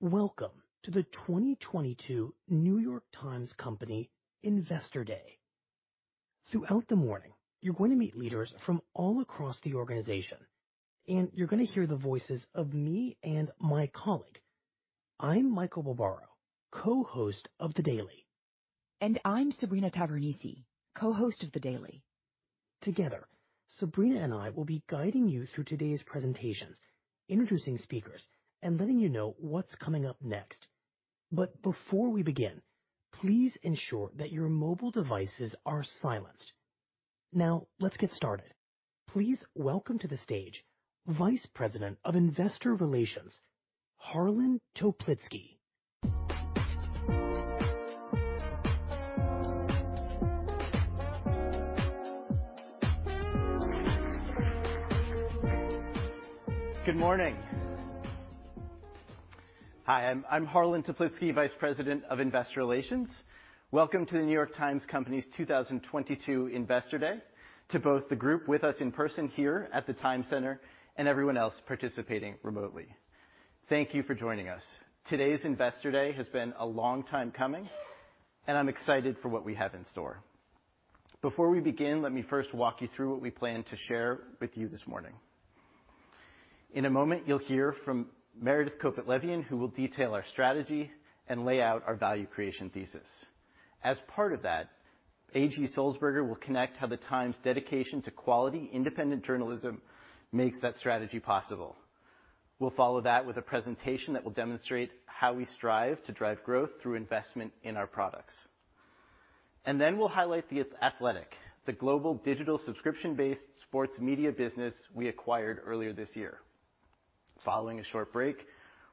Welcome to the 2022 The New York Times Company Investor Day. Throughout the morning, you're going to meet leaders from all across the organization, and you're gonna hear the voices of me and my colleague. I'm Michael Barbaro, co-host of The Daily. I'm Sabrina Tavernise, Co-host of The Daily. Together, Sabrina and I will be guiding you through today's presentations, introducing speakers, and letting you know what's coming up next. Before we begin, please ensure that your mobile devices are silenced. Now, let's get started. Please welcome to the stage Vice President of Investor Relations, Harlan Toplitzky. Good morning. Hi, I'm Harlan Toplitzky, Vice President of Investor Relations. Welcome to The New York Times Company's 2022 Investor Day. To both the group with us in person here at The Times Center and everyone else participating remotely, thank you for joining us. Today's Investor Day has been a long time coming, and I'm excited for what we have in store. Before we begin, let me first walk you through what we plan to share with you this morning. In a moment, you'll hear from Meredith Kopit Levien, who will detail our strategy and lay out our value creation thesis. As part of that, A.G. Sulzberger will connect how The Times' dedication to quality independent journalism makes that strategy possible. We'll follow that with a presentation that will demonstrate how we strive to drive growth through investment in our products. We'll highlight The Athletic, the global digital subscription-based sports media business we acquired earlier this year. Following a short break,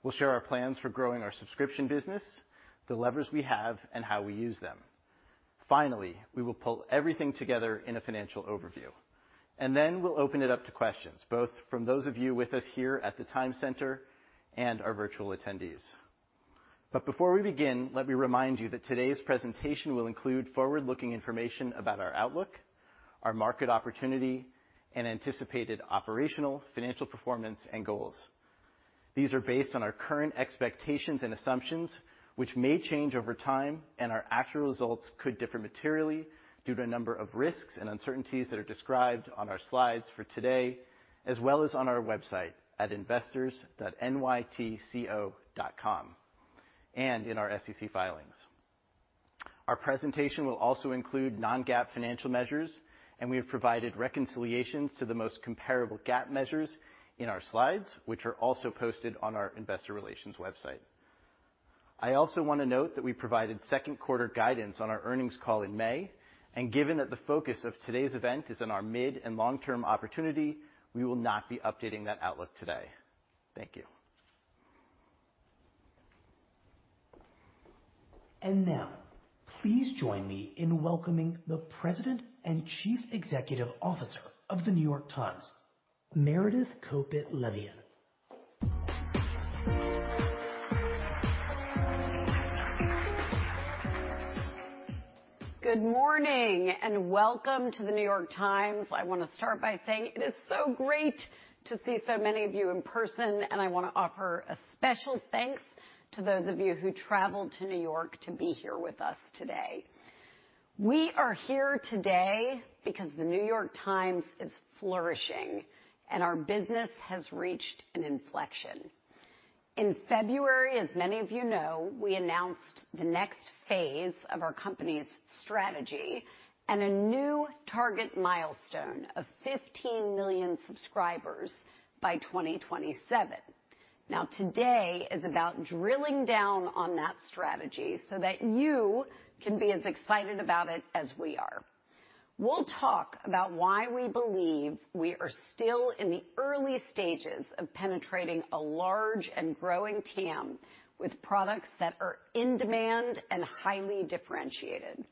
we'll share our plans for growing our subscription business, the levers we have, and how we use them. Finally, we will pull everything together in a financial overview, and then we'll open it up to questions, both from those of you with us here at The Times Center and our virtual attendees. Before we begin, let me remind you that today's presentation will include forward-looking information about our outlook, our market opportunity, and anticipated operational financial performance and goals. These are based on our current expectations and assumptions, which may change over time, and our actual results could differ materially due to a number of risks and uncertainties that are described on our slides for today, as well as on our website at investors.nytco.com and in our SEC filings. Our presentation will also include non-GAAP financial measures, and we have provided reconciliations to the most comparable GAAP measures in our slides, which are also posted on our investor relations website. I also wanna note that we provided second quarter guidance on our earnings call in May, and given that the focus of today's event is on our mid and long-term opportunity, we will not be updating that outlook today. Thank you. Now please join me in welcoming the President and Chief Executive Officer of The New York Times, Meredith Kopit Levien. Good morning, and welcome to The New York Times. I wanna start by saying it is so great to see so many of you in person, and I wanna offer a special thanks to those of you who traveled to New York to be here with us today. We are here today because The New York Times is flourishing, and our business has reached an inflection. In February, as many of you know, we announced the next phase of our company's strategy and a new target milestone of 15 million subscribers by 2027. Now, today is about drilling down on that strategy so that you can be as excited about it as we are. We'll talk about why we believe we are still in the early stages of penetrating a large and growing TAM with products that are in demand and highly differentiated.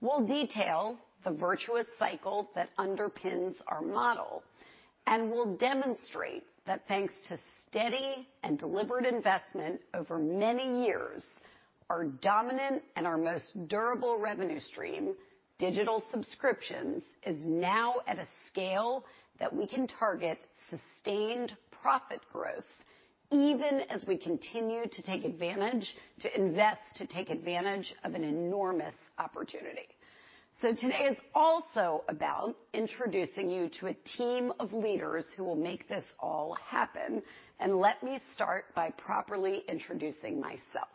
We'll detail the virtuous cycle that underpins our model, and we'll demonstrate that thanks to steady and deliberate investment over many years, our dominant and our most durable revenue stream, digital subscriptions, is now at a scale that we can target sustained profit growth, even as we continue to invest to take advantage of an enormous opportunity. Today is also about introducing you to a team of leaders who will make this all happen, and let me start by properly introducing myself.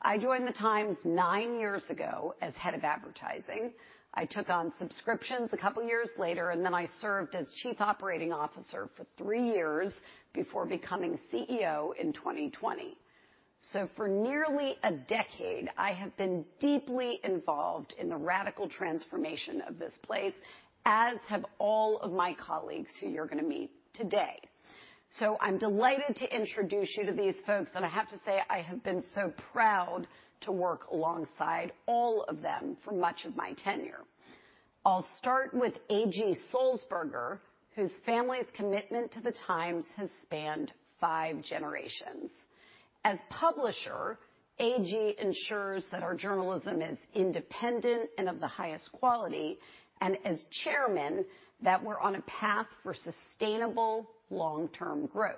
I joined The Times nine years ago as Head of Advertising. I took on subscriptions a couple years later, and then I served as Chief Operating Officer for three years before becoming CEO in 2020. For nearly a decade, I have been deeply involved in the radical transformation of this place, as have all of my colleagues who you're gonna meet today. I'm delighted to introduce you to these folks, and I have to say, I have been so proud to work alongside all of them for much of my tenure. I'll start with A.G. Sulzberger, whose family's commitment to The Times has spanned five generations. As Publisher, A.G. ensures that our journalism is independent and of the highest quality and, as Chairman, that we're on a path for sustainable long-term growth.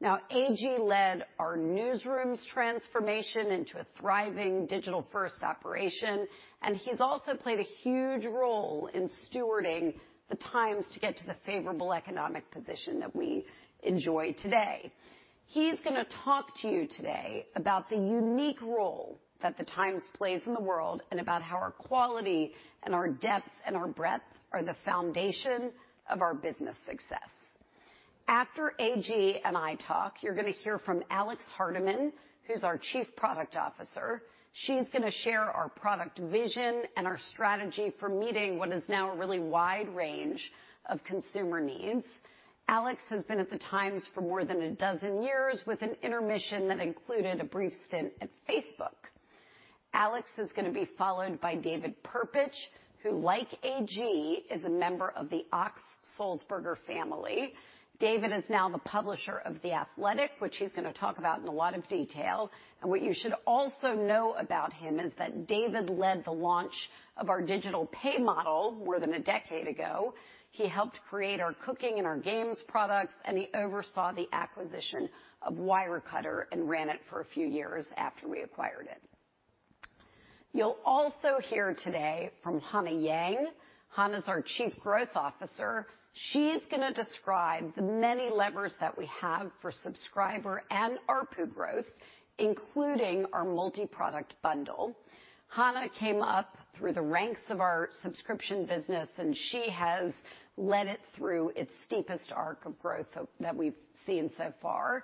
Now A.G. led our newsroom's transformation into a thriving digital-first operation, and he's also played a huge role in stewarding The Times to get to the favorable economic position that we enjoy today. He's gonna talk to you today about the unique role that The Times plays in the world and about how our quality and our depth and our breadth are the foundation of our business success. After A.G. I'll talk, you're gonna hear from Alex Hardiman, who's our Chief Product Officer. She's gonna share our product vision and our strategy for meeting what is now a really wide range of consumer needs. Alex has been at The Times for more than a dozen years with an intermission that included a brief stint at Facebook. Alex is gonna be followed by David Perpich, who, like A.G., is a member of the Ochs-Sulzberger family. David is now the publisher of The Athletic, which he's gonna talk about in a lot of detail. What you should also know about him is that David led the launch of our digital pay model more than a decade ago. He helped create our cooking and our games products, and he oversaw the acquisition of Wirecutter and ran it for a few years after we acquired it. You'll also hear today from Hannah Yang. Hannah's our Chief Growth Officer. She's gonna describe the many levers that we have for subscriber and ARPU growth, including our multi-product bundle. Hannah came up through the ranks of our subscription business, and she has led it through its steepest arc of growth that we've seen so far.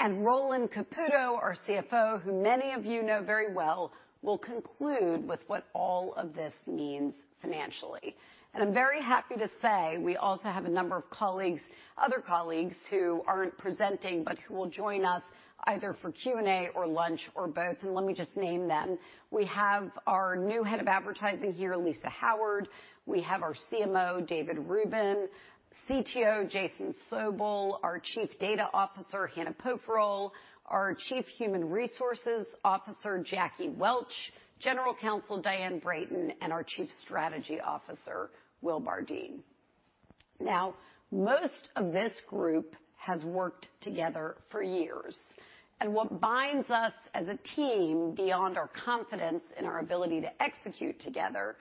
Roland Caputo, our CFO, who many of you know very well, will conclude with what all of this means financially. I'm very happy to say we also have a number of colleagues, other colleagues, who aren't presenting, but who will join us either for Q&A or lunch or both, and let me just name them. We have our new Head of Advertising here, Lisa Howard. We have our CMO, David Rubin, CTO, Jason Sobel, our Chief Data Officer, Hannah Poferl, our Chief Human Resources Officer, Jackie Welch, General Counsel, Diane Brayton, and our Chief Strategy Officer, Will Bardeen. Now, most of this group has worked together for years, and what binds us as a team beyond our confidence in our ability to execute together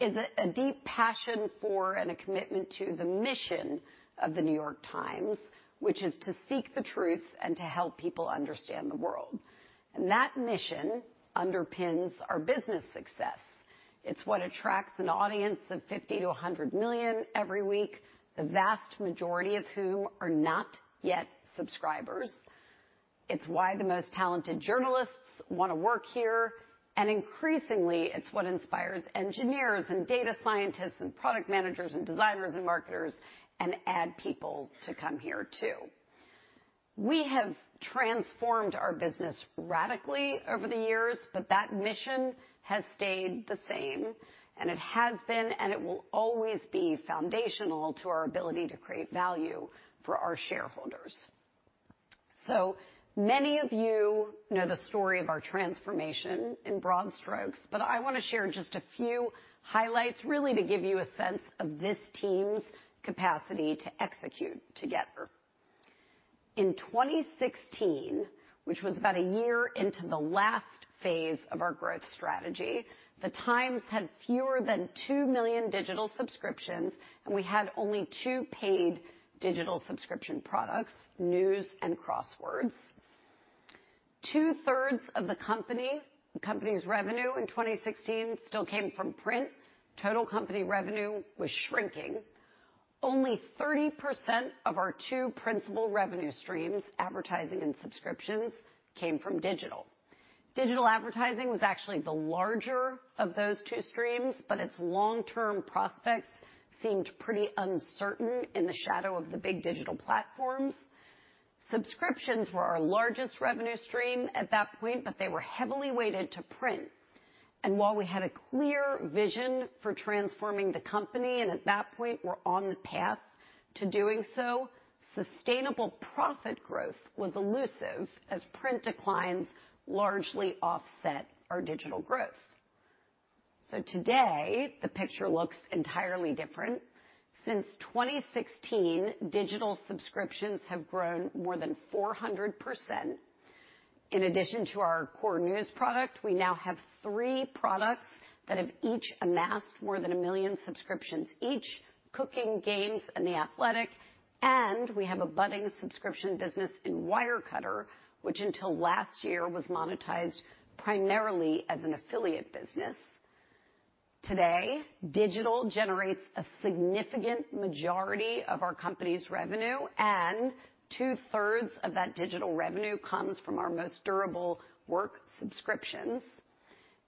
is a deep passion for and a commitment to the mission of The New York Times, which is to seek the truth and to help people understand the world. That mission underpins our business success. It's what attracts an audience of 50 million-100 million every week, the vast majority of whom are not yet subscribers. It's why the most talented journalists wanna work here, and increasingly, it's what inspires engineers and data scientists and product managers and designers and marketers and ad people to come here too. We have transformed our business radically over the years, but that mission has stayed the same, and it has been, and it will always be foundational to our ability to create value for our shareholders. Many of you know the story of our transformation in broad strokes, but I wanna share just a few highlights, really to give you a sense of this team's capacity to execute together. In 2016, which was about a year into the last phase of our growth strategy, The Times had fewer than 2 million digital subscriptions, and we had only two paid digital subscription products, News and Crosswords. Two-thirds of the company's revenue in 2016 still came from print. Total company revenue was shrinking. Only 30% of our two principal revenue streams, advertising and subscriptions, came from digital. Digital advertising was actually the larger of those two streams, but its long-term prospects seemed pretty uncertain in the shadow of the big digital platforms. Subscriptions were our largest revenue stream at that point, but they were heavily weighted to print. While we had a clear vision for transforming the company, and at that point were on the path to doing so, sustainable profit growth was elusive as print declines largely offset our digital growth. Today, the picture looks entirely different. Since 2016, digital subscriptions have grown more than 400%. In addition to our core News product, we now have three products that have each amassed more than 1 million subscriptions each: Cooking, Games, and The Athletic. We have a budding subscription business in Wirecutter, which until last year was monetized primarily as an affiliate business. Today, digital generates a significant majority of our company's revenue, and two-thirds of that digital revenue comes from our most durable work subscriptions.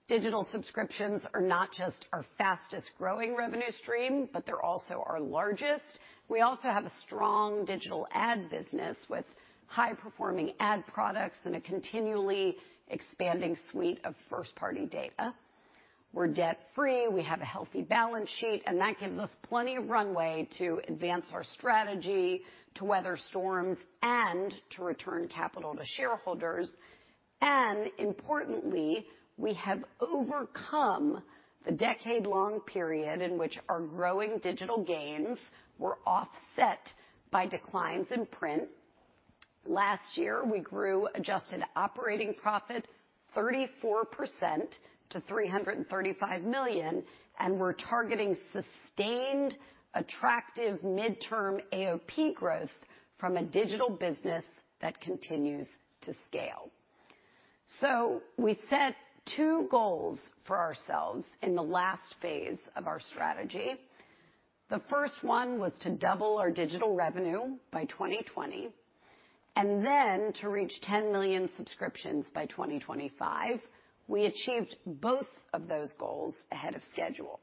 Digital subscriptions are not just our fastest-growing revenue stream, but they're also our largest. We also have a strong digital ad business with high-performing ad products and a continually expanding suite of first-party data. We're debt-free, we have a healthy balance sheet, and that gives us plenty of runway to advance our strategy, to weather storms, and to return capital to shareholders. Importantly, we have overcome the decade-long period in which our growing digital gains were offset by declines in print. Last year, we grew adjusted operating profit 34% to $335 million, and we're targeting sustained, attractive midterm AOP growth from a digital business that continues to scale. We set two goals for ourselves in the last phase of our strategy. The first one was to double our digital revenue by 2020, and then to reach 10 million subscriptions by 2025. We achieved both of those goals ahead of schedule.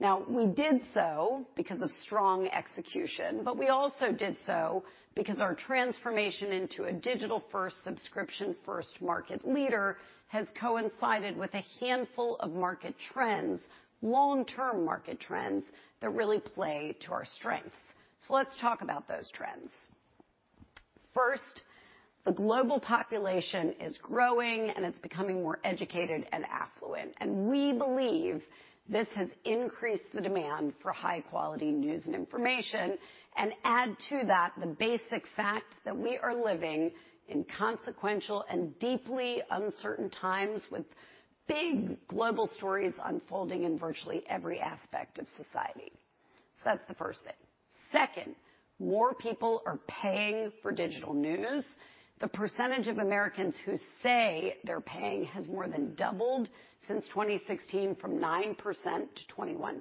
Now we did so because of strong execution, but we also did so because our transformation into a digital-first, subscription-first market leader has coincided with a handful of market trends, long-term market trends that really play to our strengths. Let's talk about those trends. First, the global population is growing, and it's becoming more educated and affluent, and we believe this has increased the demand for high-quality news and information, and add to that the basic fact that we are living in consequential and deeply uncertain times with big global stories unfolding in virtually every aspect of society. That's the first thing. Second, more people are paying for digital news. The percentage of Americans who say they're paying has more than doubled since 2016 from 9% to 21%.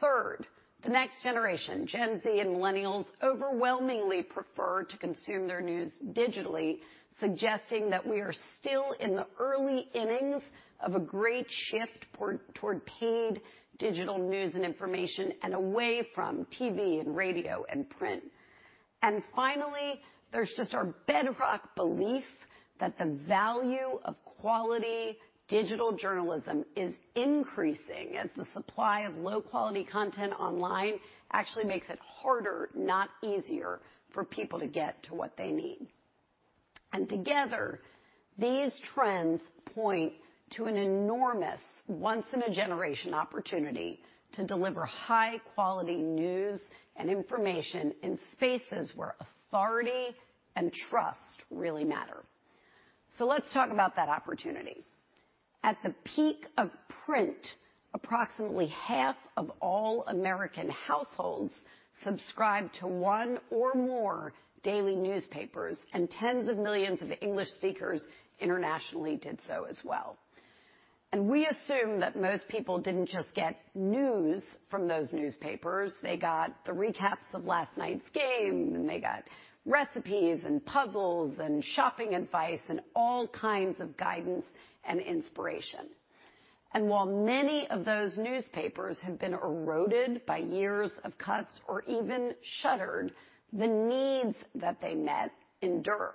Third, the next generation, Gen Z and millennials overwhelmingly prefer to consume their news digitally, suggesting that we are still in the early innings of a great shift toward paid digital news and information and away from TV and radio and print. Finally, there's just our bedrock belief that the value of quality digital journalism is increasing as the supply of low-quality content online actually makes it harder, not easier for people to get to what they need. Together, these trends point to an enormous once-in-a-generation opportunity to deliver high-quality news and information in spaces where authority and trust really matter. Let's talk about that opportunity. At the peak of print, approximately half of all American households subscribed to one or more daily newspapers, and tens of millions of English speakers internationally did so as well. We assume that most people didn't just get news from those newspapers. They got the recaps of last night's game, and they got recipes and puzzles and shopping advice and all kinds of guidance and inspiration. While many of those newspapers have been eroded by years of cuts or even shuttered, the needs that they met endure.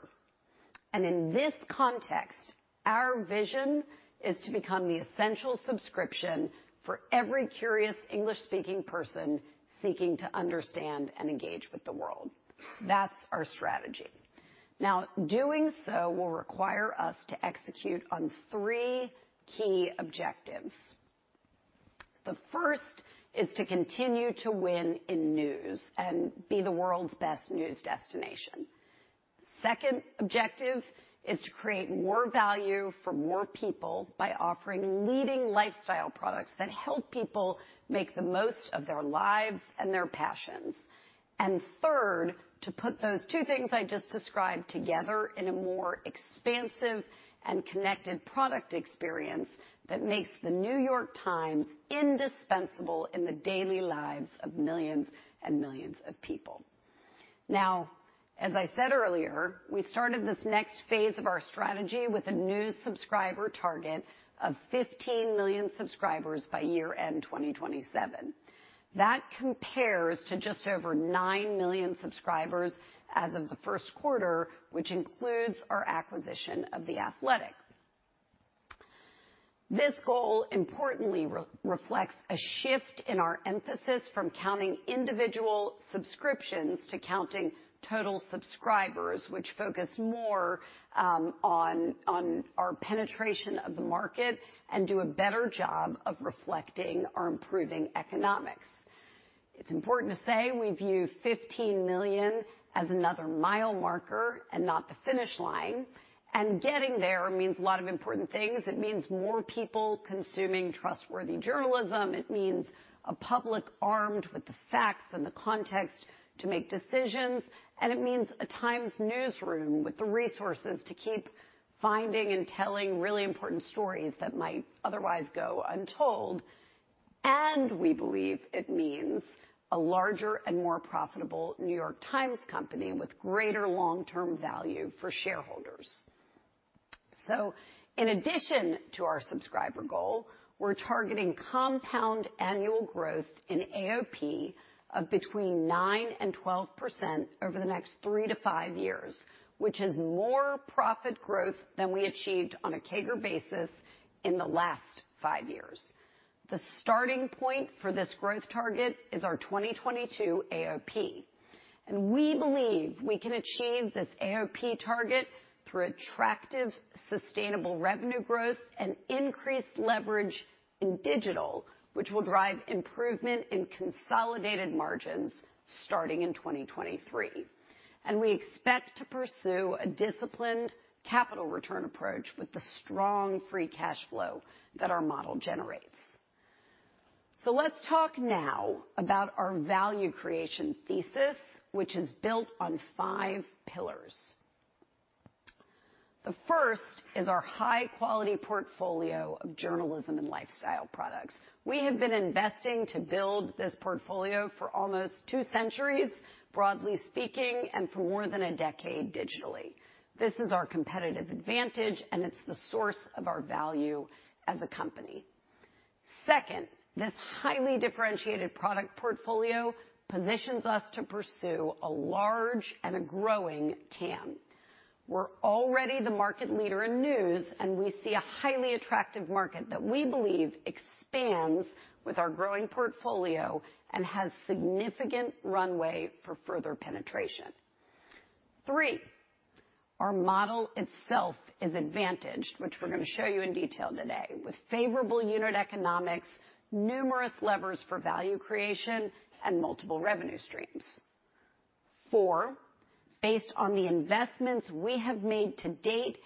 In this context, our vision is to become the essential subscription for every curious English-speaking person seeking to understand and engage with the world. That's our strategy. Now, doing so will require us to execute on three key objectives. The first is to continue to win in news and be the world's best news destination. Second objective is to create more value for more people by offering leading lifestyle products that help people make the most of their lives and their passions. Third, to put those two things I just described together in a more expansive and connected product experience that makes The New York Times indispensable in the daily lives of millions and millions of people. Now, as I said earlier, we started this next phase of our strategy with a new subscriber target of 15 million subscribers by year-end 2027. That compares to just over 9 million subscribers as of the first quarter, which includes our acquisition of The Athletic. This goal importantly reflects a shift in our emphasis from counting individual subscriptions to counting total subscribers, which focus more on our penetration of the market and do a better job of reflecting our improving economics. It's important to say we view 15 million as another mile marker and not the finish line. Getting there means a lot of important things. It means more people consuming trustworthy journalism. It means a public armed with the facts and the context to make decisions. It means a Times newsroom with the resources to keep finding and telling really important stories that might otherwise go untold. We believe it means a larger and more profitable New York Times Company with greater long-term value for shareholders. In addition to our subscriber goal, we're targeting compound annual growth in AOP of between 9%-12% over the next three to five years, which is more profit growth than we achieved on a CAGR basis in the last five years. The starting point for this growth target is our 2022 AOP, and we believe we can achieve this AOP target through attractive, sustainable revenue growth and increased leverage in digital, which will drive improvement in consolidated margins starting in 2023. We expect to pursue a disciplined capital return approach with the strong free cash flow that our model generates. Let's talk now about our value creation thesis, which is built on five pillars. The first is our high-quality portfolio of journalism and lifestyle products. We have been investing to build this portfolio for almost two centuries, broadly speaking, and for more than a decade digitally. This is our competitive advantage, and it's the source of our value as a company. Second, this highly differentiated product portfolio positions us to pursue a large and a growing TAM. We're already the market leader in news, and we see a highly attractive market that we believe expands with our growing portfolio and has significant runway for further penetration. Three, our model itself is advantaged, which we're going to show you in detail today with favorable unit economics, numerous levers for value creation and multiple revenue streams. Four, based on the investments we have made to date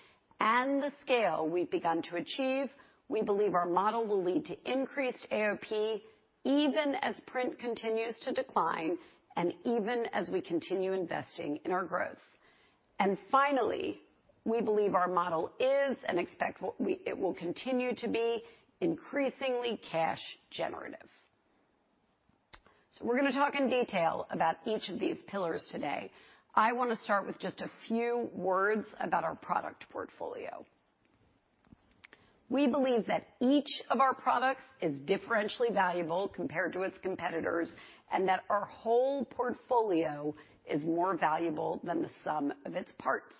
and the scale we've begun to achieve, we believe our model will lead to increased AOP even as print continues to decline and even as we continue investing in our growth. Finally, we believe our model is and expect it will continue to be increasingly cash generative. We're going to talk in detail about each of these pillars today. I want to start with just a few words about our product portfolio. We believe that each of our products is differentially valuable compared to its competitors, and that our whole portfolio is more valuable than the sum of its parts.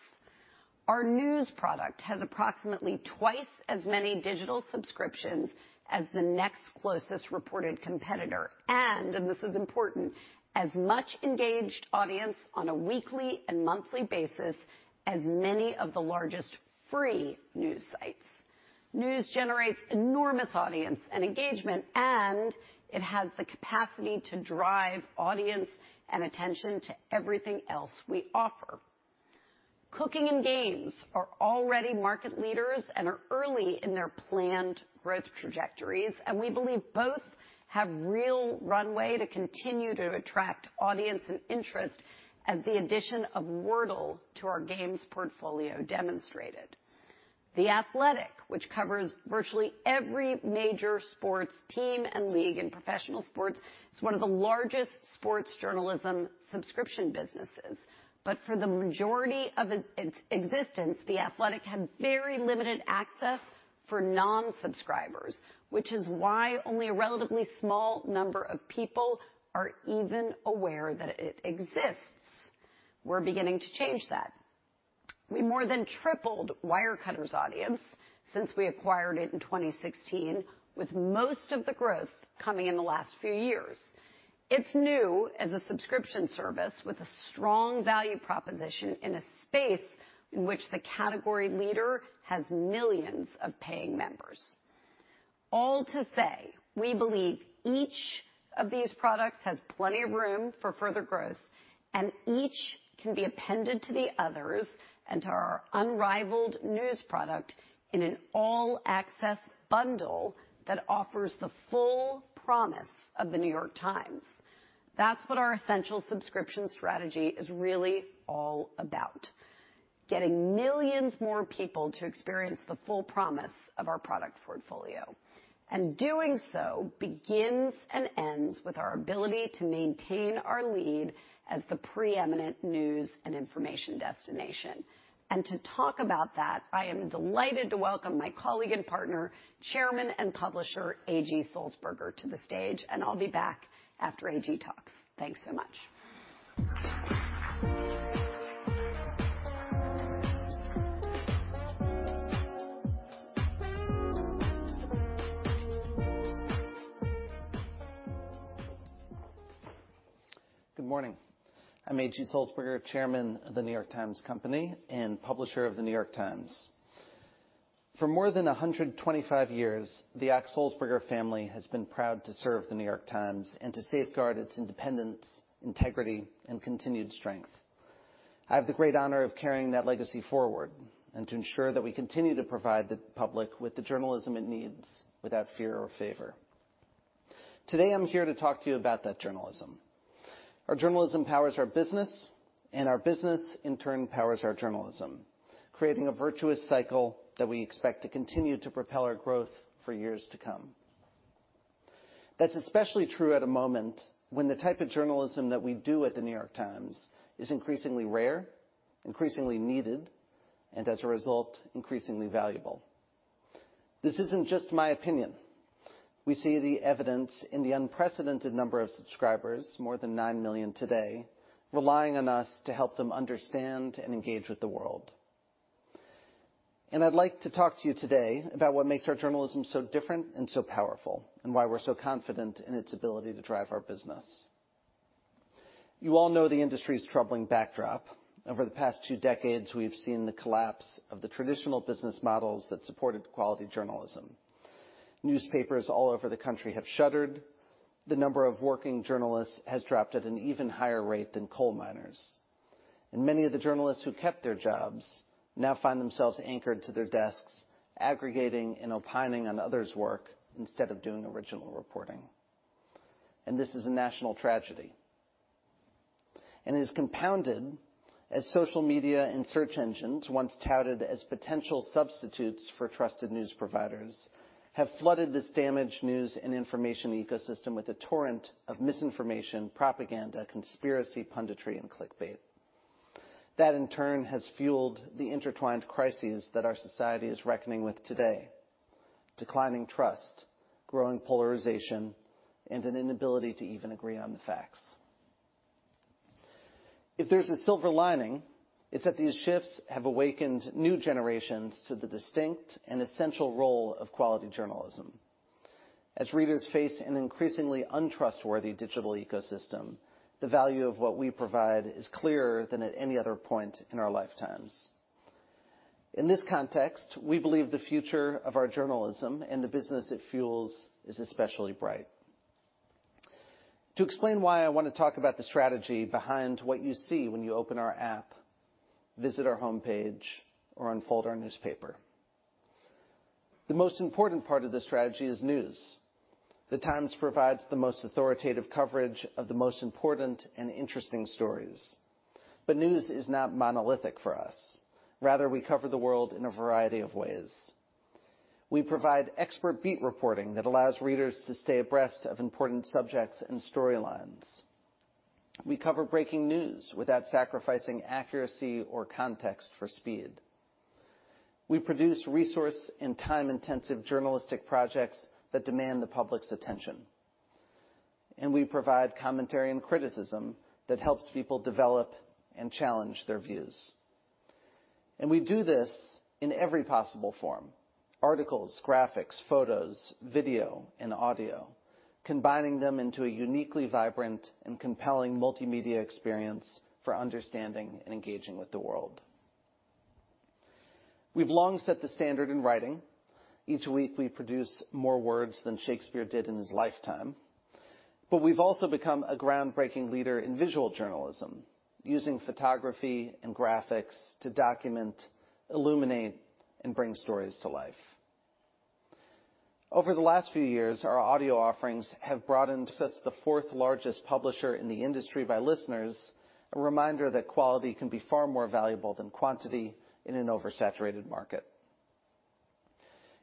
Our news product has approximately twice as many digital subscriptions as the next closest reported competitor, and this is important, as much engaged audience on a weekly and monthly basis as many of the largest free news sites. News generates enormous audience and engagement, and it has the capacity to drive audience and attention to everything else we offer. Cooking and Games are already market leaders and are early in their planned growth trajectories, and we believe both have real runway to continue to attract audience and interest as the addition of Wordle to our Games portfolio demonstrated. The Athletic, which covers virtually every major sports team and league in professional sports, is one of the largest sports journalism subscription businesses. For the majority of its existence, The Athletic had very limited access for non-subscribers, which is why only a relatively small number of people are even aware that it exists. We're beginning to change that. We more than tripled Wirecutter's audience since we acquired it in 2016, with most of the growth coming in the last few years. It's new as a subscription service with a strong value proposition in a space in which the category leader has millions of paying members. All to say, we believe each of these products has plenty of room for further growth, and each can be appended to the others and to our unrivaled news product in an all-access bundle that offers the full promise of The New York Times. That's what our essential subscription strategy is really all about, getting millions more people to experience the full promise of our product portfolio. Doing so begins and ends with our ability to maintain our lead as the preeminent news and information destination. To talk about that, I am delighted to welcome my colleague and partner, Chairman and Publisher, A.G. Sulzberger, to the stage, and I'll be back after A.G. talks. Thanks so much. Good morning. I'm A.G. Sulzberger, Chairman of The New York Times Company and Publisher of The New York Times. For more than 125 years, the Ochs-Sulzberger family has been proud to serve The New York Times and to safeguard its independence, integrity, and continued strength. I have the great honor of carrying that legacy forward and to ensure that we continue to provide the public with the journalism it needs without fear or favor. Today, I'm here to talk to you about that journalism. Our journalism powers our business, and our business, in turn, powers our journalism, creating a virtuous cycle that we expect to continue to propel our growth for years to come. That's especially true at a moment when the type of journalism that we do at The New York Times is increasingly rare, increasingly needed, and as a result, increasingly valuable. This isn't just my opinion. We see the evidence in the unprecedented number of subscribers, more than 9 million today, relying on us to help them understand and engage with the world. I'd like to talk to you today about what makes our journalism so different and so powerful, and why we're so confident in its ability to drive our business. You all know the industry's troubling backdrop. Over the past two decades, we've seen the collapse of the traditional business models that supported quality journalism. Newspapers all over the country have shuttered. The number of working journalists has dropped at an even higher rate than coal miners. Many of the journalists who kept their jobs now find themselves anchored to their desks, aggregating and opining on others' work instead of doing original reporting. This is a national tragedy, and is compounded as social media and search engines once touted as potential substitutes for trusted news providers, have flooded this damaged news and information ecosystem with a torrent of misinformation, propaganda, conspiracy, punditry, and clickbait. That, in turn, has fueled the intertwined crises that our society is reckoning with today. Declining trust, growing polarization, and an inability to even agree on the facts. If there's a silver lining, it's that these shifts have awakened new generations to the distinct and essential role of quality journalism. As readers face an increasingly untrustworthy digital ecosystem, the value of what we provide is clearer than at any other point in our lifetimes. In this context, we believe the future of our journalism and the business it fuels is especially bright. To explain why, I want to talk about the strategy behind what you see when you open our app, visit our homepage, or unfold our newspaper. The most important part of this strategy is news. The Times provides the most authoritative coverage of the most important and interesting stories. News is not monolithic for us. Rather, we cover the world in a variety of ways. We provide expert beat reporting that allows readers to stay abreast of important subjects and storylines. We cover breaking news without sacrificing accuracy or context for speed. We produce resource and time-intensive journalistic projects that demand the public's attention. We provide commentary and criticism that helps people develop and challenge their views. We do this in every possible form, articles, graphics, photos, video, and audio, combining them into a uniquely vibrant and compelling multimedia experience for understanding and engaging with the world. We've long set the standard in writing. Each week, we produce more words than Shakespeare did in his lifetime, but we've also become a groundbreaking leader in visual journalism, using photography and graphics to document, illuminate, and bring stories to life. Over the last few years, our audio offerings have broadened us as the fourth-largest publisher in the industry by listeners, a reminder that quality can be far more valuable than quantity in an oversaturated market.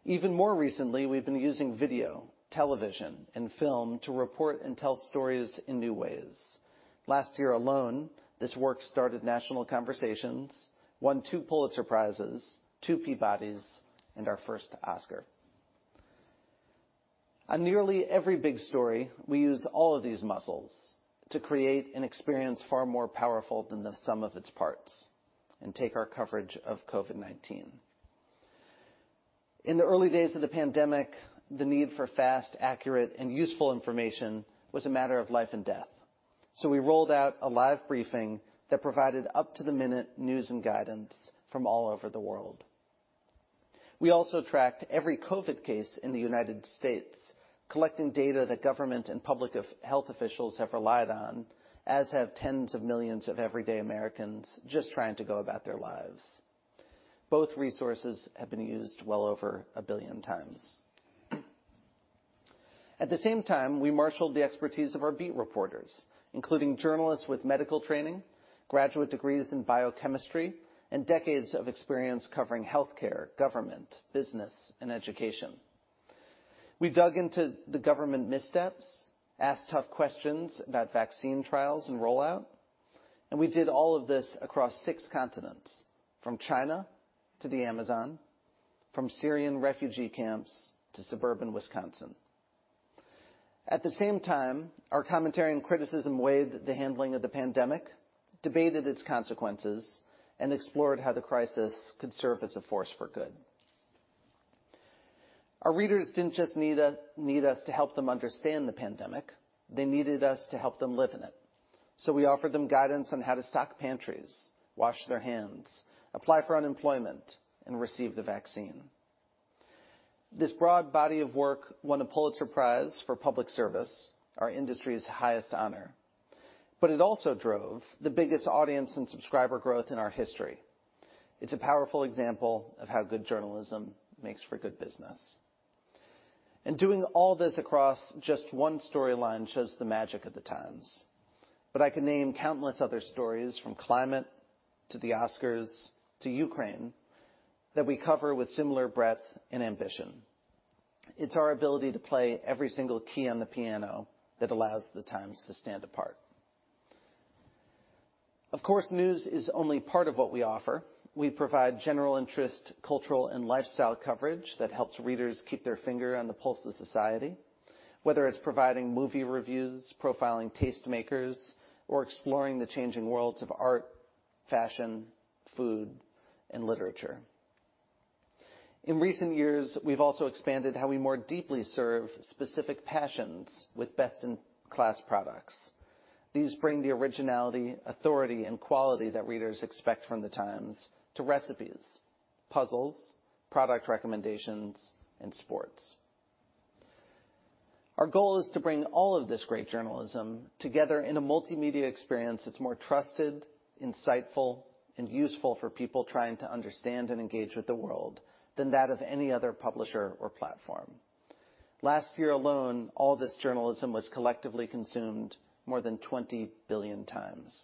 Even more recently, we've been using video, television, and film to report and tell stories in new ways. Last year alone, this work started national conversations, won two Pulitzer Prizes, two Peabodys, and our first Oscar. On nearly every big story, we use all of these muscles to create an experience far more powerful than the sum of its parts, and take our coverage of COVID-19. In the early days of the pandemic, the need for fast, accurate, and useful information was a matter of life and death, so we rolled out a live briefing that provided up-to-the-minute news and guidance from all over the world. We also tracked every COVID case in the United States, collecting data that government and public health officials have relied on, as have tens of millions of everyday Americans just trying to go about their lives. Both resources have been used well over a billion times. At the same time, we marshaled the expertise of our beat reporters, including journalists with medical training, graduate degrees in biochemistry, and decades of experience covering healthcare, government, business, and education. We dug into the government missteps, asked tough questions about vaccine trials and rollout, and we did all of this across six continents, from China to the Amazon, from Syrian refugee camps to suburban Wisconsin. At the same time, our commentary and criticism weighed the handling of the pandemic, debated its consequences, and explored how the crisis could serve as a force for good. Our readers didn't just need us to help them understand the pandemic. They needed us to help them live in it. We offered them guidance on how to stock pantries, wash their hands, apply for unemployment, and receive the vaccine. This broad body of work won a Pulitzer Prize for public service, our industry's highest honor, but it also drove the biggest audience in subscriber growth in our history. It's a powerful example of how good journalism makes for good business. Doing all this across just one storyline shows the magic of The Times. I can name countless other stories, from climate to the Oscars to Ukraine, that we cover with similar breadth and ambition. It's our ability to play every single key on the piano that allows The Times to stand apart. Of course, news is only part of what we offer. We provide general interest, cultural, and lifestyle coverage that helps readers keep their finger on the pulse of society. Whether it's providing movie reviews, profiling tastemakers, or exploring the changing worlds of art, fashion, food, and literature. In recent years, we've also expanded how we more deeply serve specific passions with best-in-class products. These bring the originality, authority, and quality that readers expect from The Times to recipes, puzzles, product recommendations, and sports. Our goal is to bring all of this great journalism together in a multimedia experience that's more trusted, insightful, and useful for people trying to understand and engage with the world than that of any other publisher or platform. Last year alone, all this journalism was collectively consumed more than 20 billion times.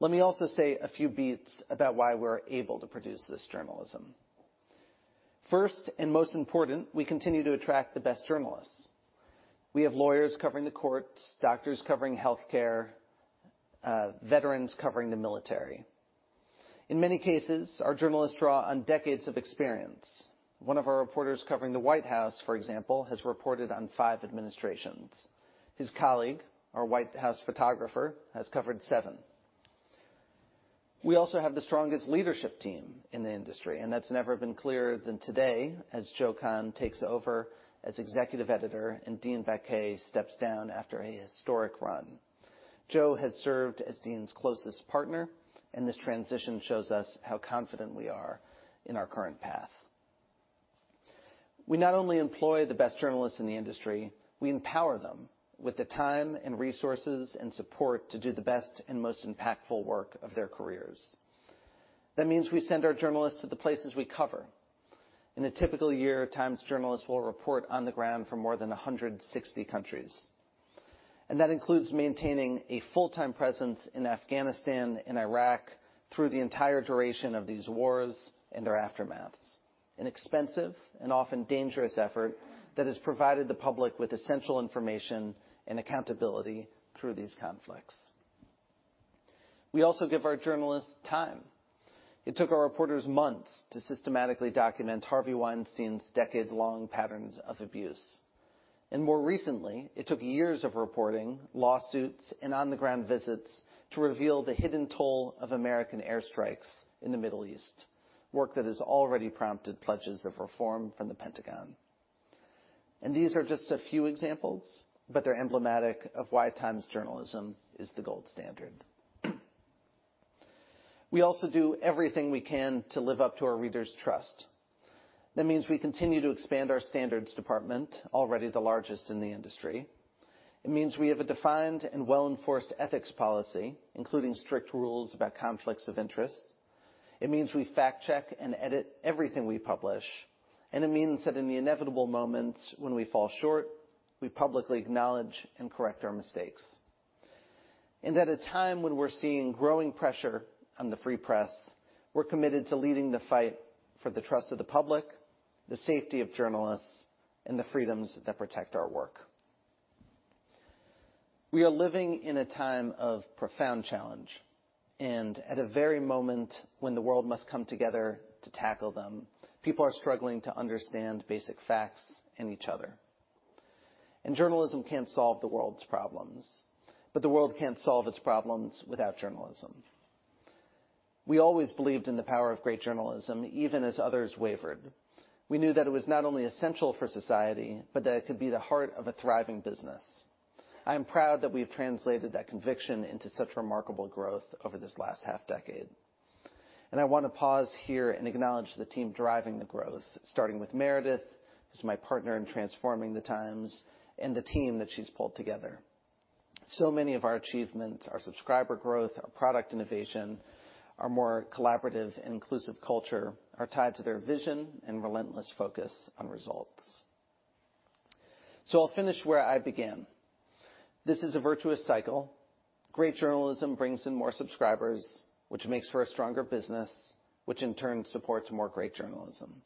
Let me also say a few beats about why we're able to produce this journalism. First, most important, we continue to attract the best journalists. We have lawyers covering the courts, doctors covering healthcare, veterans covering the military. In many cases, our journalists draw on decades of experience. One of our reporters covering the White House, for example, has reported on five administrations. His colleague, our White House photographer, has covered seven. We also have the strongest leadership team in the industry, and that's never been clearer than today as Joe Kahn takes over as Executive Editor and Dean Baquet steps down after a historic run. Joe has served as Dean's closest partner, and this transition shows us how confident we are in our current path. We not only employ the best journalists in the industry, we empower them with the time and resources and support to do the best and most impactful work of their careers. That means we send our journalists to the places we cover. In a typical year, Times journalists will report on the ground for more than 160 countries. That includes maintaining a full-time presence in Afghanistan and Iraq through the entire duration of these wars and their aftermaths. An expensive and often dangerous effort that has provided the public with essential information and accountability through these conflicts. We also give our journalists time. It took our reporters months to systematically document Harvey Weinstein's decades-long patterns of abuse. More recently, it took years of reporting, lawsuits, and on-the-ground visits to reveal the hidden toll of American airstrikes in the Middle East. Work that has already prompted pledges of reform from the Pentagon. These are just a few examples, but they're emblematic of why Times journalism is the gold standard. We also do everything we can to live up to our readers' trust. That means we continue to expand our standards department, already the largest in the industry. It means we have a defined and well-enforced ethics policy, including strict rules about conflicts of interest. It means we fact-check and edit everything we publish. It means that in the inevitable moments when we fall short, we publicly acknowledge and correct our mistakes. At a time when we're seeing growing pressure on the free press, we're committed to leading the fight for the trust of the public, the safety of journalists, and the freedoms that protect our work. We are living in a time of profound challenge, and at a very moment when the world must come together to tackle them, people are struggling to understand basic facts and each other. Journalism can't solve the world's problems, but the world can't solve its problems without journalism. We always believed in the power of great journalism, even as others wavered. We knew that it was not only essential for society, but that it could be the heart of a thriving business. I am proud that we have translated that conviction into such remarkable growth over this last half-decade. I want to pause here and acknowledge the team driving the growth, starting with Meredith, who's my partner in transforming The Times, and the team that she's pulled together. Many of our achievements, our subscriber growth, our product innovation, our more collaborative and inclusive culture, are tied to their vision and relentless focus on results. I'll finish where I began. This is a virtuous cycle. Great journalism brings in more subscribers, which makes for a stronger business, which in turn supports more great journalism.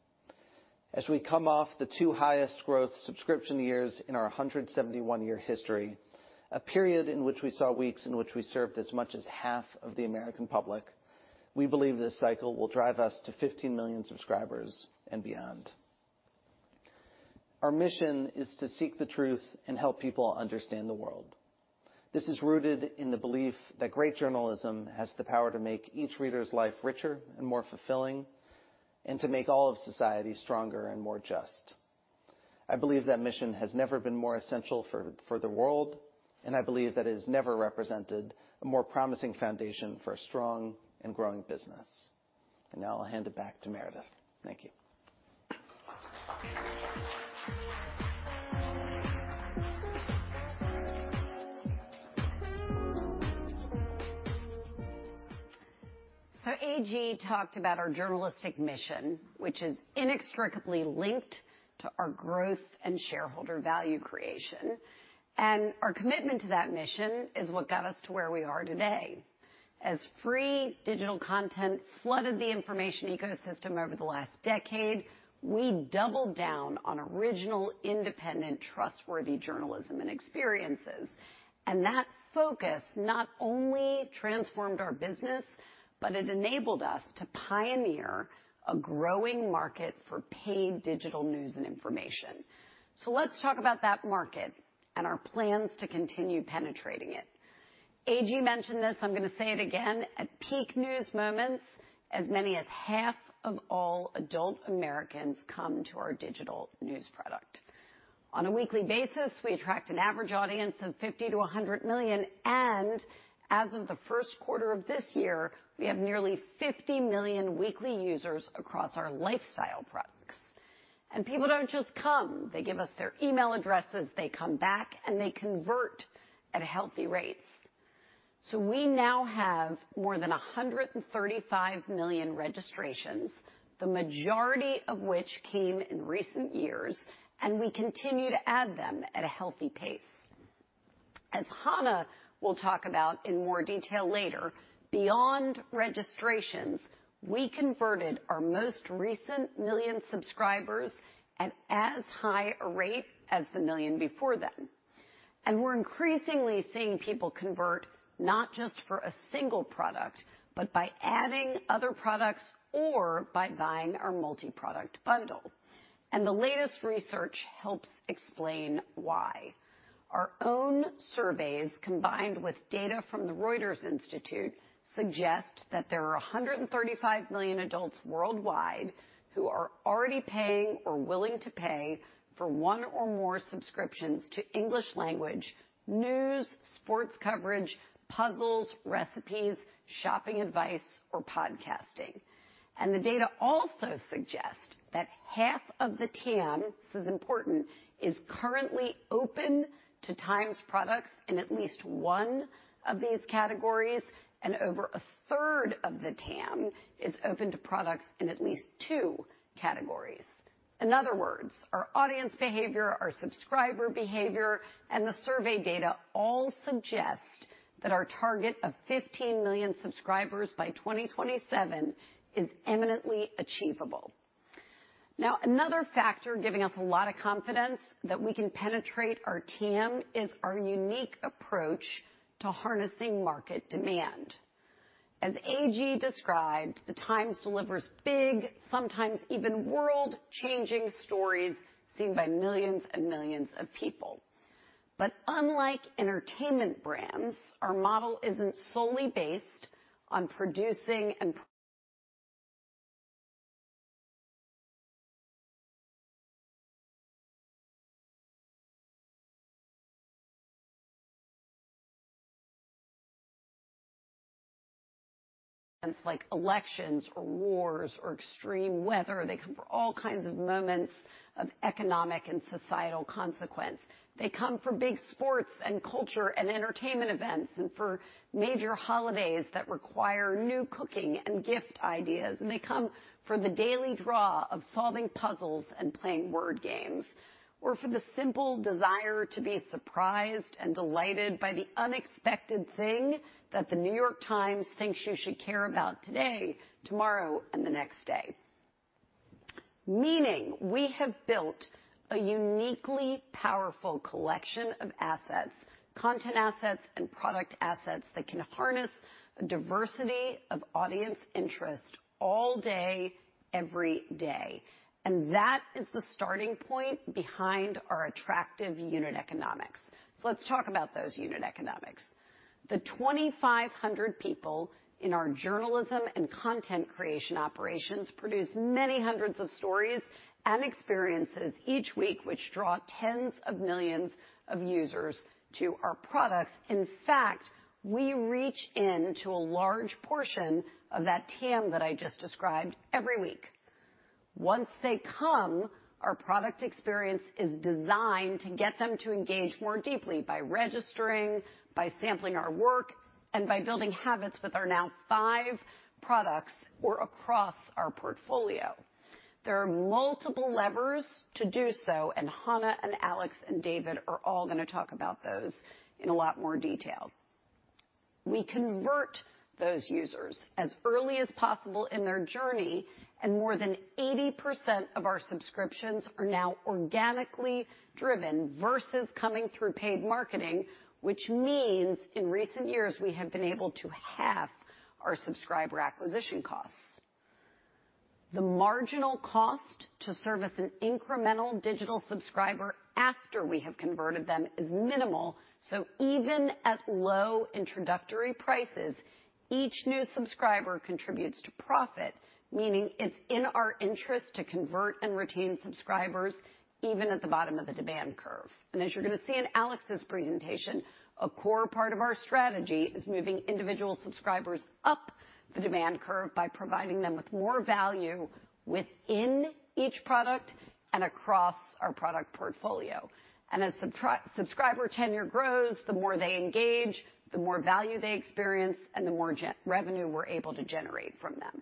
As we come off the two highest growth subscription years in our 171-year history, a period in which we saw weeks in which we served as much as half of the American public, we believe this cycle will drive us to 15 million subscribers and beyond. Our mission is to seek the truth and help people understand the world. This is rooted in the belief that great journalism has the power to make each reader's life richer and more fulfilling, and to make all of society stronger and more just. I believe that mission has never been more essential for the world, and I believe that it has never represented a more promising foundation for a strong and growing business. Now I'll hand it back to Meredith. Thank you. A.G. Talked about our journalistic mission, which is inextricably linked to our growth and shareholder value creation. Our commitment to that mission is what got us to where we are today. As free digital content flooded the information ecosystem over the last decade, we doubled down on original, independent, trustworthy journalism and experiences. That focus not only transformed our business, but it enabled us to pioneer a growing market for paid digital news and information. Let's talk about that market and our plans to continue penetrating it. A.G. mentioned this, I'm gonna say it again. At peak news moments, as many as half of all adult Americans come to our digital news product. On a weekly basis, we attract an average audience of 50 million-100 million, and as of the first quarter of this year, we have nearly 50 million weekly users across our lifestyle products. People don't just come, they give us their email addresses, they come back, and they convert at healthy rates. We now have more than 135 million registrations, the majority of which came in recent years, and we continue to add them at a healthy pace. As Hannah will talk about in more detail later, beyond registrations, we converted our most recent million subscribers at as high a rate as the million before them. We're increasingly seeing people convert not just for a single product, but by adding other products or by buying our multiproduct bundle. The latest research helps explain why. Our own surveys, combined with data from the Reuters Institute, suggest that there are 135 million adults worldwide who are already paying or willing to pay for one or more subscriptions to English language, news, sports coverage, puzzles, recipes, shopping advice, or podcasting. The data also suggest that half of the TAM, this is important, is currently open to Times products in at least one of these categories, and over a third of the TAM is open to products in at least two categories. In other words, our audience behavior, our subscriber behavior, and the survey data all suggest that our target of 15 million subscribers by 2027 is eminently achievable. Now, another factor giving us a lot of confidence that we can penetrate our TAM is our unique approach to harnessing market demand. As A.G. described, The Times delivers big, sometimes even world-changing stories seen by millions and millions of people. Unlike entertainment brands, our model isn't solely based on events like elections or wars or extreme weather. They come for all kinds of moments of economic and societal consequence. They come for big sports and culture and entertainment events, and for major holidays that require new cooking and gift ideas. They come for the daily draw of solving puzzles and playing word games, or for the simple desire to be surprised and delighted by the unexpected thing that The New York Times thinks you should care about today, tomorrow, and the next day. Meaning we have built a uniquely powerful collection of assets, content assets and product assets that can harness a diversity of audience interest all day, every day, and that is the starting point behind our attractive unit economics. Let's talk about those unit economics. The 2,500 people in our journalism and content creation operations produce many hundreds of stories and experiences each week, which draw tens of millions of users to our products. In fact, we reach into a large portion of that TAM that I just described every week. Once they come, our product experience is designed to get them to engage more deeply by registering, by sampling our work, and by building habits with our now five products or across our portfolio. There are multiple levers to do so, and Hannah and Alex and David are all gonna talk about those in a lot more detail. We convert those users as early as possible in their journey, and more than 80% of our subscriptions are now organically driven versus coming through paid marketing, which means in recent years, we have been able to halve our subscriber acquisition costs. The marginal cost to serve as an incremental digital subscriber after we have converted them is minimal, so even at low introductory prices, each new subscriber contributes to profit, meaning it's in our interest to convert and retain subscribers, even at the bottom of the demand curve. As you're gonna see in Alex's presentation, a core part of our strategy is moving individual subscribers up the demand curve by providing them with more value within each product and across our product portfolio. As subscriber tenure grows, the more they engage, the more value they experience, and the more revenue we're able to generate from them.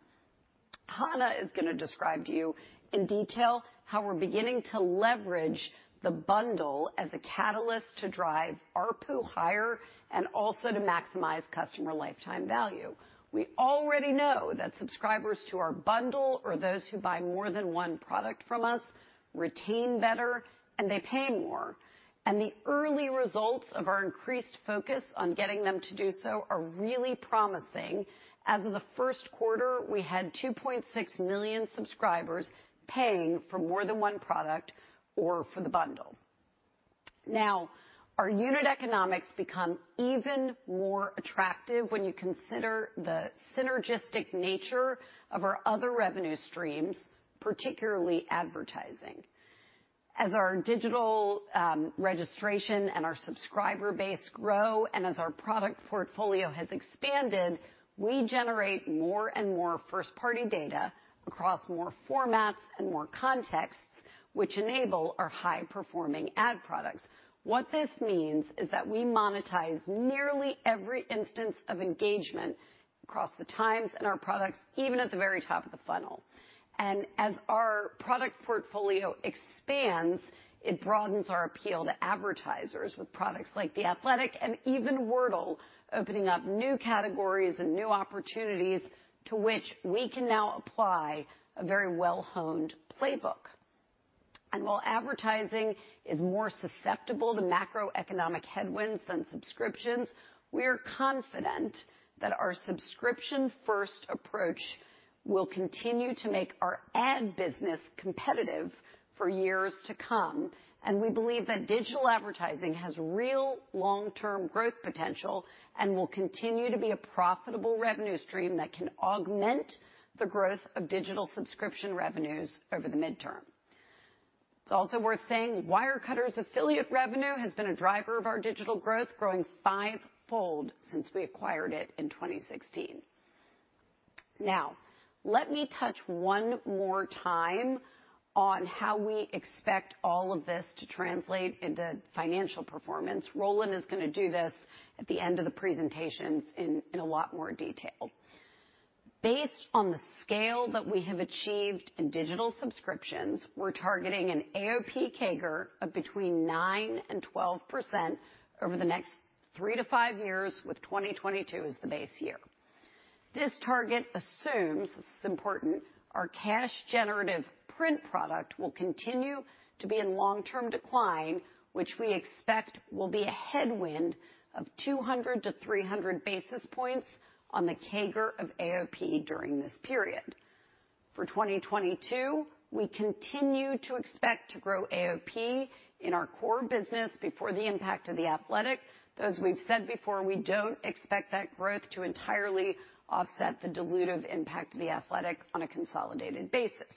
Hannah is gonna describe to you in detail how we're beginning to leverage the bundle as a catalyst to drive ARPU higher and also to maximize customer lifetime value. We already know that subscribers to our bundle, or those who buy more than one product from us, retain better and they pay more, and the early results of our increased focus on getting them to do so are really promising. As of the first quarter, we had 2.6 million subscribers paying for more than one product or for the bundle. Now, our unit economics become even more attractive when you consider the synergistic nature of our other revenue streams, particularly advertising. As our digital registration and our subscriber base grow, and as our product portfolio has expanded, we generate more and more first-party data across more formats and more contexts, which enable our high-performing ad products. What this means is that we monetize nearly every instance of engagement across The Times and our products, even at the very top of the funnel. As our product portfolio expands, it broadens our appeal to advertisers with products like The Athletic and even Wordle, opening up new categories and new opportunities to which we can now apply a very well-honed playbook. While advertising is more susceptible to macroeconomic headwinds than subscriptions, we're confident that our subscription-first approach will continue to make our ad business competitive for years to come, and we believe that digital advertising has real long-term growth potential and will continue to be a profitable revenue stream that can augment the growth of digital subscription revenues over the midterm. It's also worth saying Wirecutter's affiliate revenue has been a driver of our digital growth, growing five-fold since we acquired it in 2016. Now let me touch one more time on how we expect all of this to translate into financial performance. Roland is gonna do this at the end of the presentations in a lot more detail. Based on the scale that we have achieved in digital subscriptions, we're targeting an AOP CAGR of between 9% and 12% over the next three to five years, with 2022 as the base year. This target assumes, this is important, our cash generative print product will continue to be in long-term decline, which we expect will be a headwind of 200 basis points-300 basis points on the CAGR of AOP during this period. For 2022, we continue to expect to grow AOP in our core business before the impact of The Athletic, though as we've said before, we don't expect that growth to entirely offset the dilutive impact of The Athletic on a consolidated basis.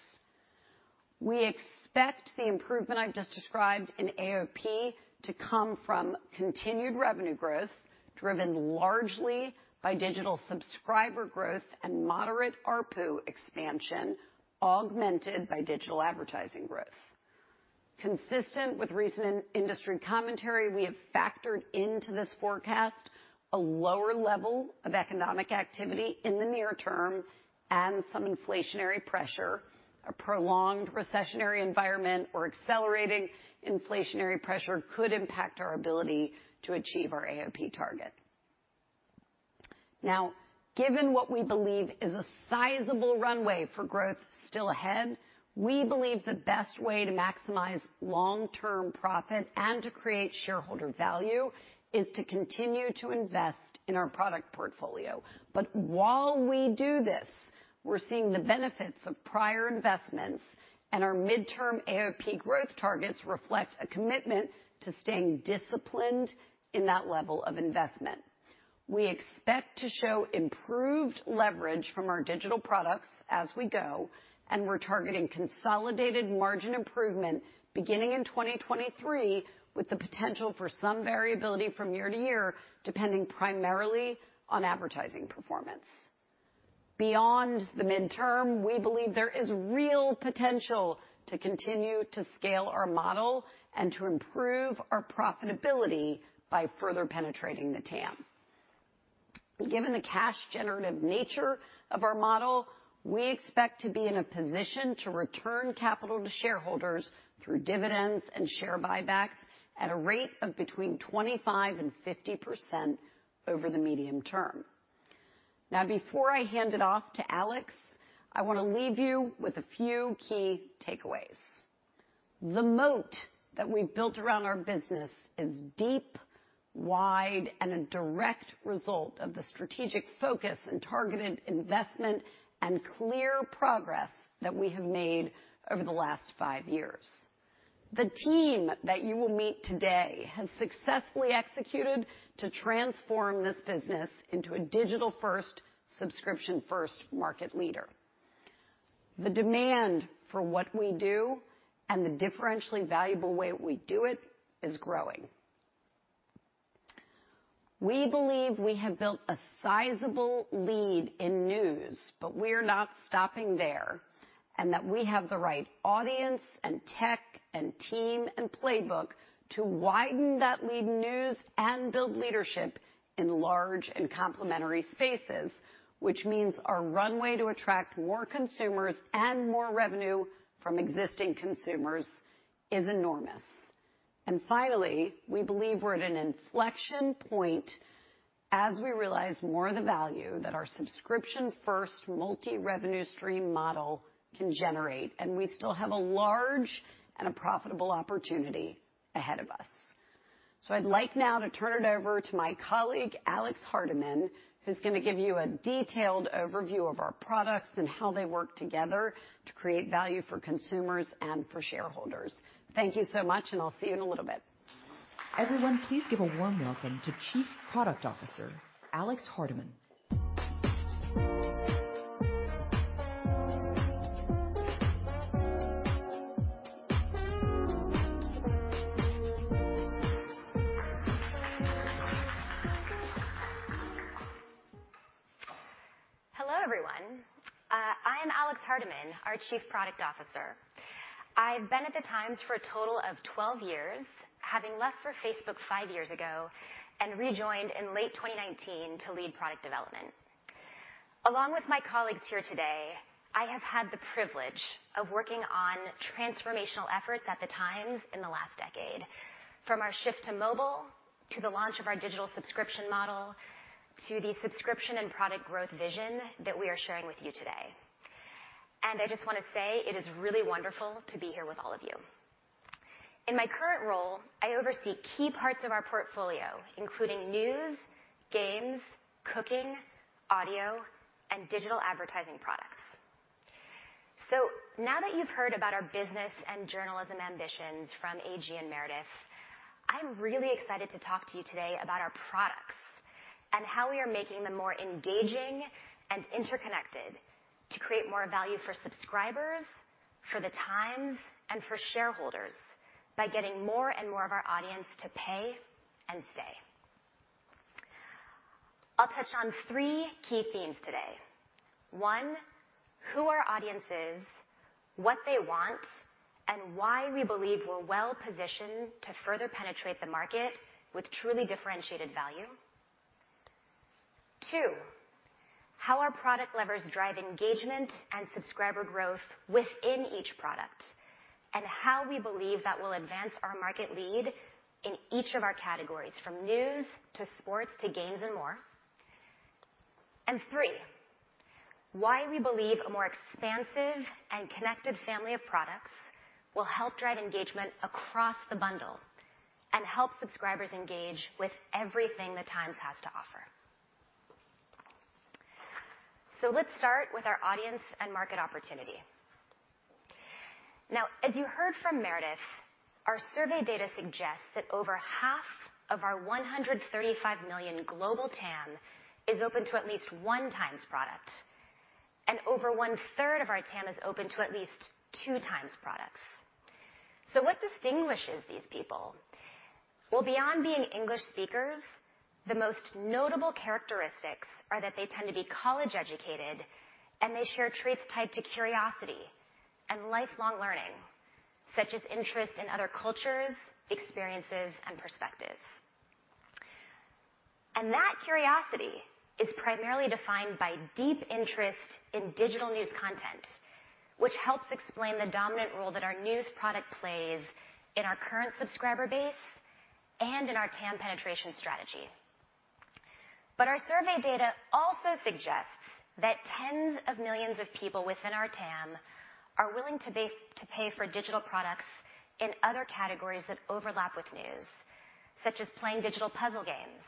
We expect the improvement I've just described in AOP to come from continued revenue growth, driven largely by digital subscriber growth and moderate ARPU expansion, augmented by digital advertising growth. Consistent with recent industry commentary, we have factored into this forecast a lower level of economic activity in the near term and some inflationary pressure. A prolonged recessionary environment or accelerating inflationary pressure could impact our ability to achieve our AOP target. Now, given what we believe is a sizable runway for growth still ahead, we believe the best way to maximize long-term profit and to create shareholder value is to continue to invest in our product portfolio. While we do this, we're seeing the benefits of prior investments, and our midterm AOP growth targets reflect a commitment to staying disciplined in that level of investment. We expect to show improved leverage from our digital products as we go, and we're targeting consolidated margin improvement beginning in 2023, with the potential for some variability from year to year, depending primarily on advertising performance. Beyond the midterm, we believe there is real potential to continue to scale our model and to improve our profitability by further penetrating the TAM. Given the cash generative nature of our model, we expect to be in a position to return capital to shareholders through dividends and share buybacks at a rate of between 25% and 50% over the medium term. Now, before I hand it off to Alex, I wanna leave you with a few key takeaways. The moat that we've built around our business is deep, wide, and a direct result of the strategic focus and targeted investment and clear progress that we have made over the last five years. The team that you will meet today has successfully executed to transform this business into a digital-first, subscription-first market leader. The demand for what we do and the differentially valuable way we do it is growing. We believe we have built a sizable lead in news, but we're not stopping there, and that we have the right audience and tech and team and playbook to widen that lead in news and build leadership in large and complementary spaces, which means our runway to attract more consumers and more revenue from existing consumers is enormous. And finally, we believe we're at an inflection point as we realize more of the value that our subscription-first multi-revenue stream model can generate, and we still have a large and a profitable opportunity ahead of us. I'd like now to turn it over to my colleague, Alex Hardiman, who's gonna give you a detailed overview of our products and how they work together to create value for consumers and for shareholders. Thank you so much, and I'll see you in a little bit. Everyone, please give a warm welcome to Chief Product Officer Alex Hardiman. Hello, everyone. I am Alex Hardiman, our Chief Product Officer. I've been at The Times for a total of 12 years, having left for Facebook five years ago and rejoined in late 2019 to lead product development. Along with my colleagues here today, I have had the privilege of working on transformational efforts at The Times in the last decade, from our shift to mobile, to the launch of our digital subscription model, to the subscription and product growth vision that we are sharing with you today. I just wanna say it is really wonderful to be here with all of you. In my current role, I oversee key parts of our portfolio, including News, Games, Cooking, Audio, and Digital Advertising products. Now that you've heard about our business and journalism ambitions from A.G. and Meredith, I'm really excited to talk to you today about our products and how we are making them more engaging and interconnected to create more value for subscribers, for The Times, and for shareholders by getting more and more of our audience to pay and stay. I'll touch on three key themes today. One, who our audience is, what they want, and why we believe we're well-positioned to further penetrate the market with truly differentiated value. Two, how our product levers drive engagement and subscriber growth within each product, and how we believe that will advance our market lead in each of our categories, from news to sports to games and more. Three, why we believe a more expansive and connected family of products will help drive engagement across the bundle and help subscribers engage with everything The Times has to offer. Let's start with our audience and market opportunity. Now, as you heard from Meredith, our survey data suggests that over half of our 135 million global TAM is open to at least one Times product, and over one-third of our TAM is open to at least two Times products. What distinguishes these people? Well, beyond being English speakers, the most notable characteristics are that they tend to be college-educated, and they share traits tied to curiosity and lifelong learning, such as interest in other cultures, experiences, and perspectives. That curiosity is primarily defined by deep interest in digital news content, which helps explain the dominant role that our news product plays in our current subscriber base and in our TAM penetration strategy. Our survey data also suggests that tens of millions of people within our TAM are willing to pay for digital products in other categories that overlap with news, such as playing digital puzzle games,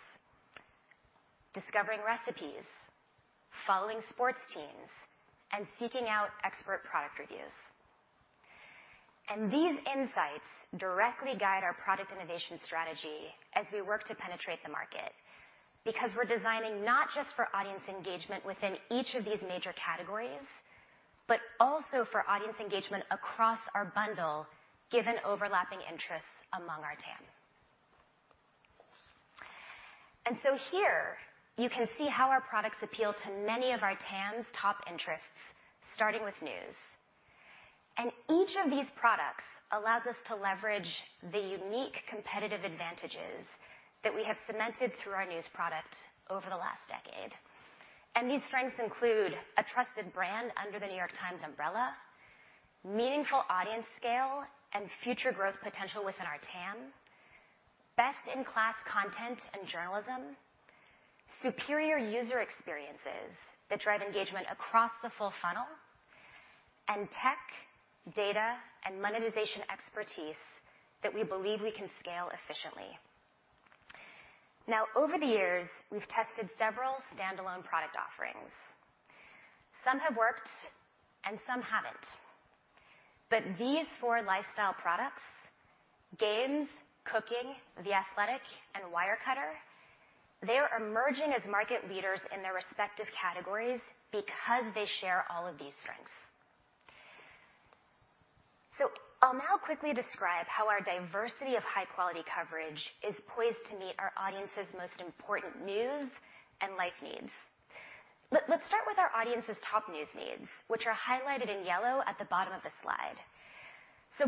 discovering recipes, following sports teams, and seeking out expert product reviews. These insights directly guide our product innovation strategy as we work to penetrate the market because we're designing not just for audience engagement within each of these major categories, but also for audience engagement across our bundle given overlapping interests among our TAM. Here you can see how our products appeal to many of our TAM's top interests starting with news. Each of these products allows us to leverage the unique competitive advantages that we have cemented through our news product over the last decade. These strengths include a trusted brand under The New York Times umbrella, meaningful audience scale and future growth potential within our TAM, best-in-class content and journalism, superior user experiences that drive engagement across the full funnel, and tech, data, and monetization expertise that we believe we can scale efficiently. Now over the years, we've tested several standalone product offerings. Some have worked, and some haven't. These four lifestyle products, Games, Cooking, The Athletic, and Wirecutter, they are emerging as market leaders in their respective categories because they share all of these strengths. I'll now quickly describe how our diversity of high quality coverage is poised to meet our audience's most important news and life needs. Let's start with our audience's top news needs which are highlighted in yellow at the bottom of the slide.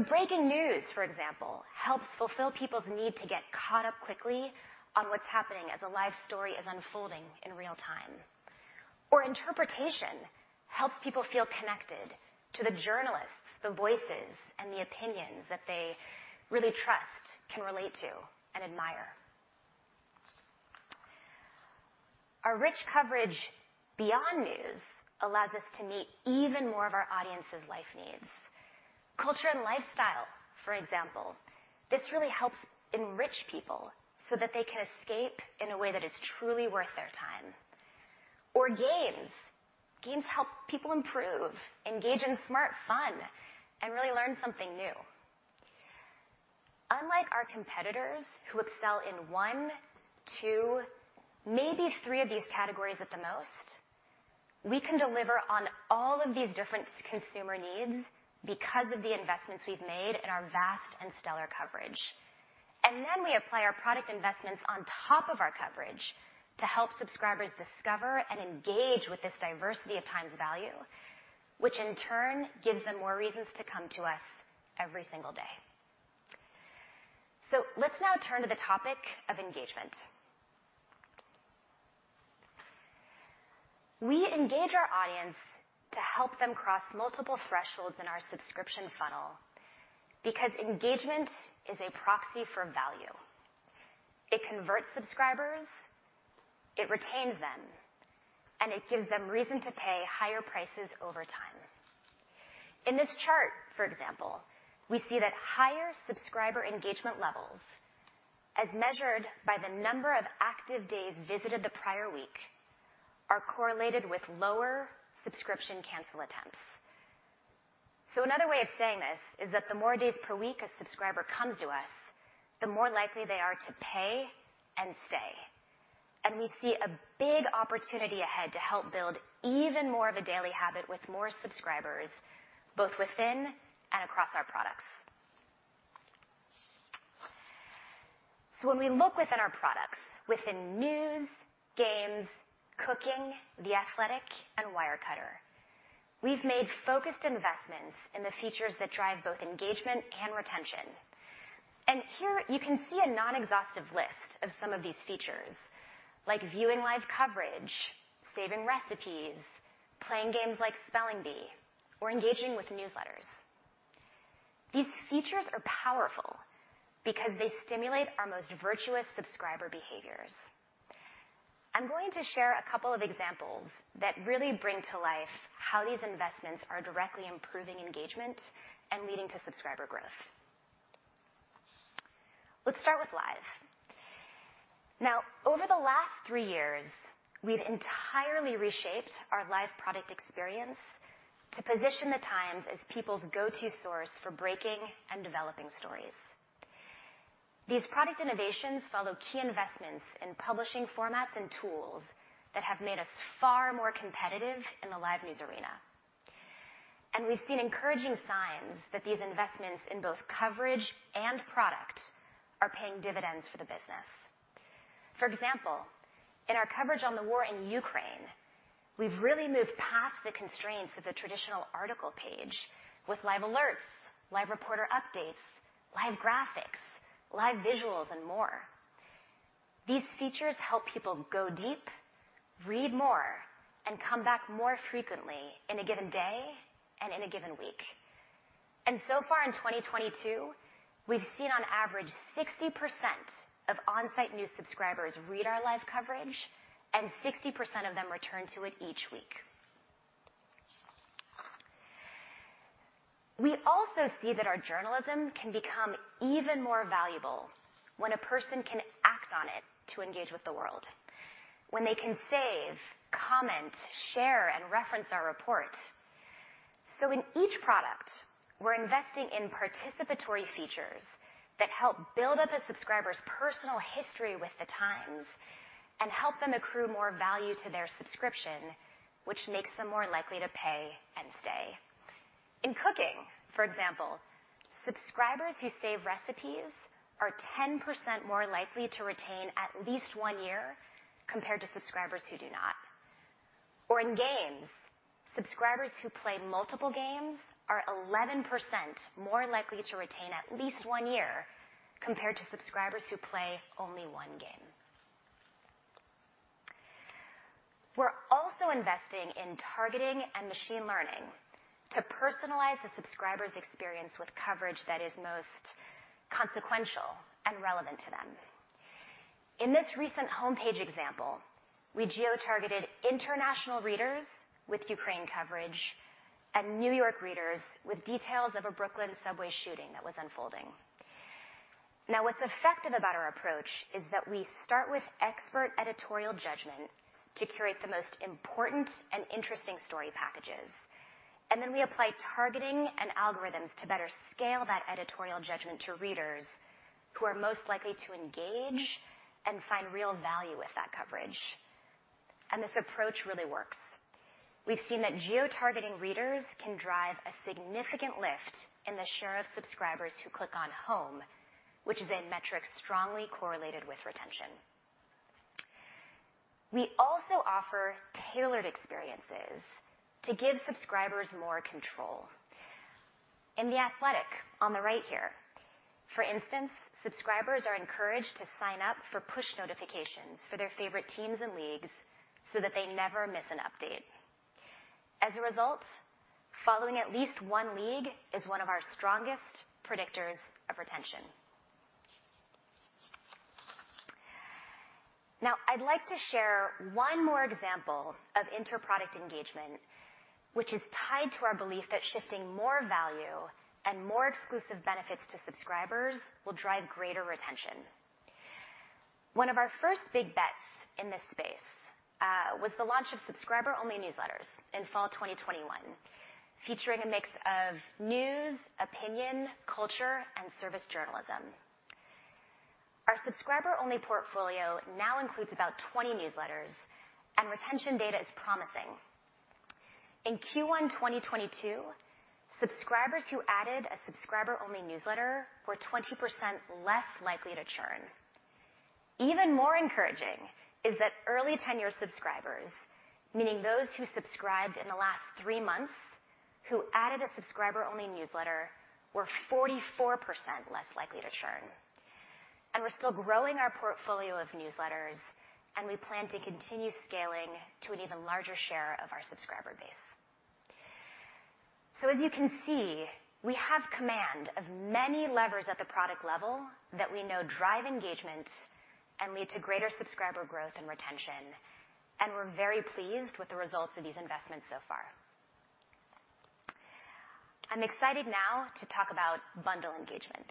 Breaking news, for example, helps fulfill people's need to get caught up quickly on what's happening as a live story is unfolding in real time. Interpretation helps people feel connected to the journalists, the voices, and the opinions that they really trust, can relate to, and admire. Our rich coverage beyond news allows us to meet even more of our audience's life needs. Culture and lifestyle, for example, this really helps enrich people so that they can escape in a way that is truly worth their time. Games help people improve, engage in smart fun, and really learn something new. Unlike our competitors who excel in one, two, maybe three of these categories at the most, we can deliver on all of these different consumer needs because of the investments we've made in our vast and stellar coverage. We apply our product investments on top of our coverage to help subscribers discover and engage with this diversity of Times value, which in turn gives them more reasons to come to us every single day. Let's now turn to the topic of engagement. We engage our audience to help them cross multiple thresholds in our subscription funnel because engagement is a proxy for value. It converts subscribers, it retains them, and it gives them reason to pay higher prices over time. In this chart, for example, we see that higher subscriber engagement levels, as measured by the number of active days visited the prior week, are correlated with lower subscription cancel attempts. Another way of saying this is that the more days per week a subscriber comes to us, the more likely they are to pay and stay. We see a big opportunity ahead to help build even more of a daily habit with more subscribers, both within and across our products. When we look within our products, within News, Games, Cooking, The Athletic, and Wirecutter, we've made focused investments in the features that drive both engagement and retention. Here you can see a non-exhaustive list of some of these features, like viewing live coverage, saving recipes, playing games like Spelling Bee or engaging with newsletters. These features are powerful because they stimulate our most virtuous subscriber behaviors. I'm going to share a couple of examples that really bring to life how these investments are directly improving engagement and leading to subscriber growth. Let's start with Live. Now, over the last three years, we've entirely reshaped our Live product experience to position The Times as people's go-to source for breaking and developing stories. These product innovations follow key investments in publishing formats and tools that have made us far more competitive in the live news arena. We've seen encouraging signs that these investments in both coverage and product are paying dividends for the business. For example, in our coverage on the war in Ukraine, we've really moved past the constraints of the traditional article page with live alerts, live reporter updates, live graphics, live visuals, and more. These features help people go deep, read more, and come back more frequently in a given day and in a given week. So far in 2022, we've seen on average 60% of on-site new subscribers read our live coverage, and 60% of them return to it each week. We also see that our journalism can become even more valuable when a person can act on it to engage with the world, when they can save, comment, share, and reference our reports. In each product, we're investing in participatory features that help build up a subscriber's personal history with The Times and help them accrue more value to their subscription, which makes them more likely to pay and stay. In Cooking, for example, subscribers who save recipes are 10% more likely to retain at least one year compared to subscribers who do not. In Games, subscribers who play multiple games are 11% more likely to retain at least one year compared to subscribers who play only one game. We're also investing in targeting and machine learning to personalize a subscriber's experience with coverage that is most consequential and relevant to them. In this recent homepage example, we geotargeted international readers with Ukraine coverage and New York readers with details of a Brooklyn subway shooting that was unfolding. Now, what's effective about our approach is that we start with expert editorial judgment to curate the most important and interesting story packages. We apply targeting and algorithms to better scale that editorial judgment to readers who are most likely to engage and find real value with that coverage. This approach really works. We've seen that geotargeting readers can drive a significant lift in the share of subscribers who click on Home, which is a metric strongly correlated with retention. We also offer tailored experiences to give subscribers more control. In The Athletic on the right here, for instance, subscribers are encouraged to sign up for push notifications for their favorite teams and leagues so that they never miss an update. As a result, following at least one league is one of our strongest predictors of retention. Now I'd like to share one more example of inter-product engagement, which is tied to our belief that shifting more value and more exclusive benefits to subscribers will drive greater retention. One of our first big bets in this space was the launch of subscriber-only newsletters in fall 2021, featuring a mix of news, opinion, culture, and service journalism. Our subscriber-only portfolio now includes about 20 newsletters and retention data is promising. In Q1 2022, subscribers who added a subscriber-only newsletter were 20% less likely to churn. Even more encouraging is that early tenure subscribers, meaning those who subscribed in the last three months who added a subscriber-only newsletter, were 44% less likely to churn. We're still growing our portfolio of newsletters, and we plan to continue scaling to an even larger share of our subscriber base. As you can see, we have command of many levers at the product level that we know drive engagement and lead to greater subscriber growth and retention, and we're very pleased with the results of these investments so far. I'm excited now to talk about bundle engagement.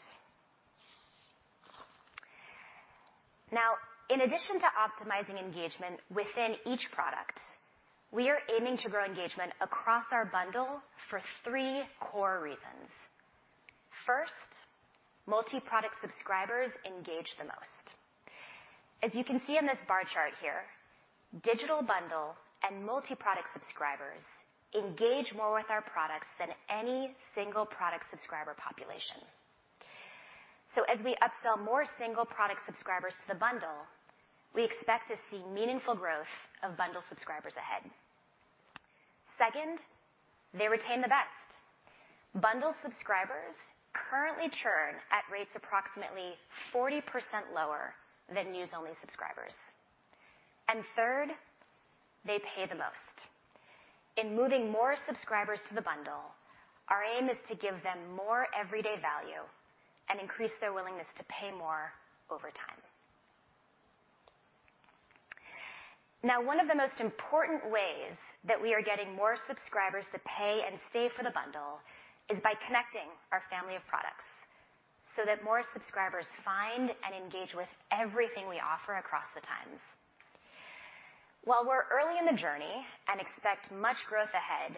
Now, in addition to optimizing engagement within each product, we are aiming to grow engagement across our bundle for three core reasons. First, multi-product subscribers engage the most. As you can see in this bar chart here, digital bundle and multi-product subscribers engage more with our products than any single product subscriber population. As we upsell more single product subscribers to the bundle, we expect to see meaningful growth of bundle subscribers ahead. Second, they retain the best. Bundle subscribers currently churn at rates approximately 40% lower than news-only subscribers. Third, they pay the most. In moving more subscribers to the bundle, our aim is to give them more everyday value and increase their willingness to pay more over time. Now, one of the most important ways that we are getting more subscribers to pay and stay for the bundle is by connecting our family of products so that more subscribers find and engage with everything we offer across The Times. While we're early in the journey and expect much growth ahead,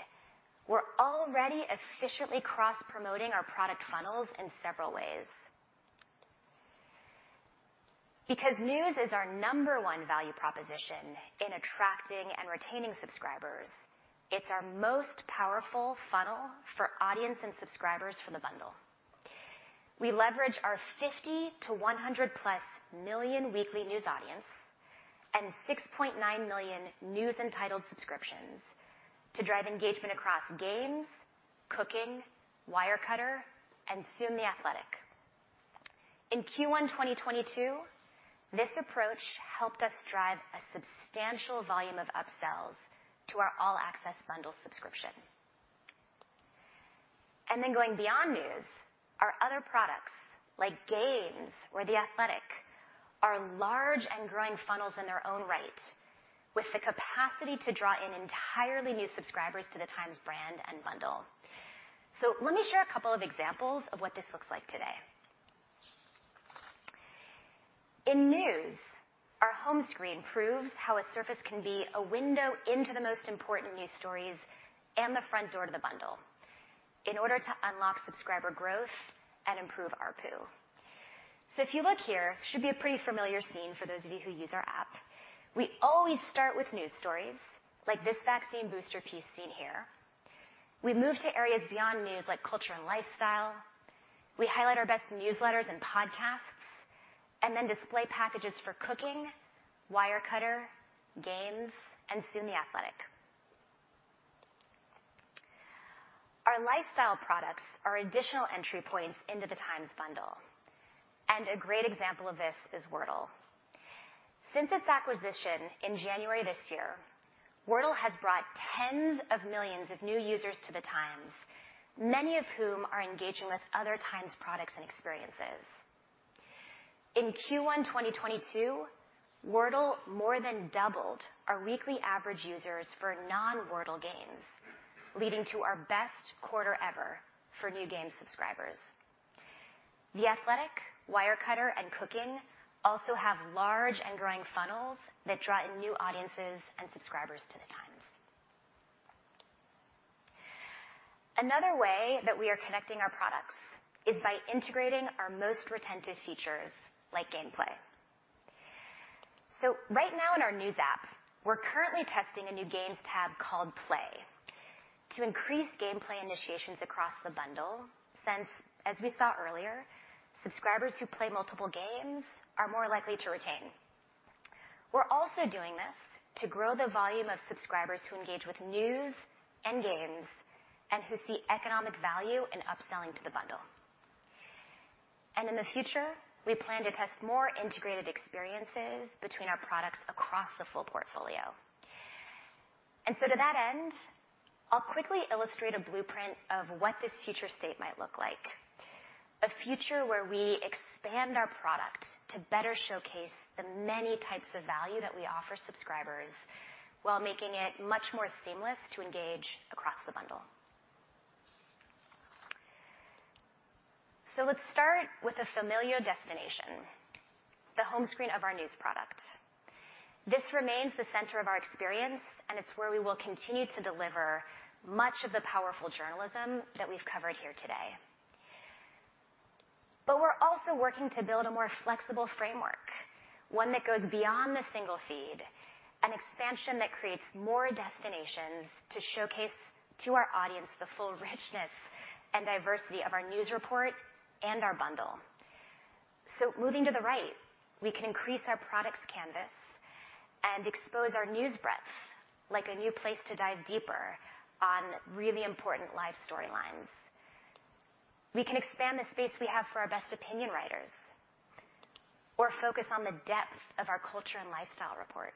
we're already efficiently cross-promoting our product funnels in several ways. Because news is our number one value proposition in attracting and retaining subscribers, it's our most powerful funnel for audience and subscribers for the bundle. We leverage our 50-100+ million weekly news audience and 6.9 million news-entitled subscriptions to drive engagement across Games, Cooking, Wirecutter, and soon The Athletic. In Q1 2022, this approach helped us drive a substantial volume of upsells to our all-access bundle subscription. Going beyond News, our other products, like Games or The Athletic, are large and growing funnels in their own right, with the capacity to draw in entirely new subscribers to The Times brand and bundle. Let me share a couple of examples of what this looks like today. In News, our home screen proves how a surface can be a window into the most important news stories and the front door to the bundle in order to unlock subscriber growth and improve ARPU. If you look here, should be a pretty familiar scene for those of you who use our app. We always start with news stories like this vaccine booster piece seen here. We move to areas beyond News, like culture and lifestyle. We highlight our best newsletters and podcasts, and then display packages for Cooking, Wirecutter, Games, and soon The Athletic. Our lifestyle products are additional entry points into The Times bundle, and a great example of this is Wordle. Since its acquisition in January this year, Wordle has brought tens of millions of new users to The Times, many of whom are engaging with other Times products and experiences. In Q1 2022, Wordle more than doubled our weekly average users for non-Wordle games, leading to our best quarter ever for new game subscribers. The Athletic, Wirecutter, and Cooking also have large and growing funnels that draw in new audiences and subscribers to The Times. Another way that we are connecting our products is by integrating our most retentive features, like gameplay. Right now in our News app, we're currently testing a new Games tab called Play to increase gameplay initiations across the bundle since, as we saw earlier, subscribers who play multiple games are more likely to retain. We're also doing this to grow the volume of subscribers who engage with news and games and who see economic value in upselling to the bundle. In the future, we plan to test more integrated experiences between our products across the full portfolio. To that end, I'll quickly illustrate a blueprint of what this future state might look like, a future where we expand our product to better showcase the many types of value that we offer subscribers while making it much more seamless to engage across the bundle. Let's start with a familiar destination, the home screen of our news product. This remains the center of our experience, and it's where we will continue to deliver much of the powerful journalism that we've covered here today. We're also working to build a more flexible framework, one that goes beyond the single feed, an expansion that creates more destinations to showcase to our audience the full richness and diversity of our news report and our bundle. Moving to the right, we can increase our products canvas and expose our news breadth like a new place to dive deeper on really important live storylines. We can expand the space we have for our best opinion writers or focus on the depth of our culture and lifestyle reports.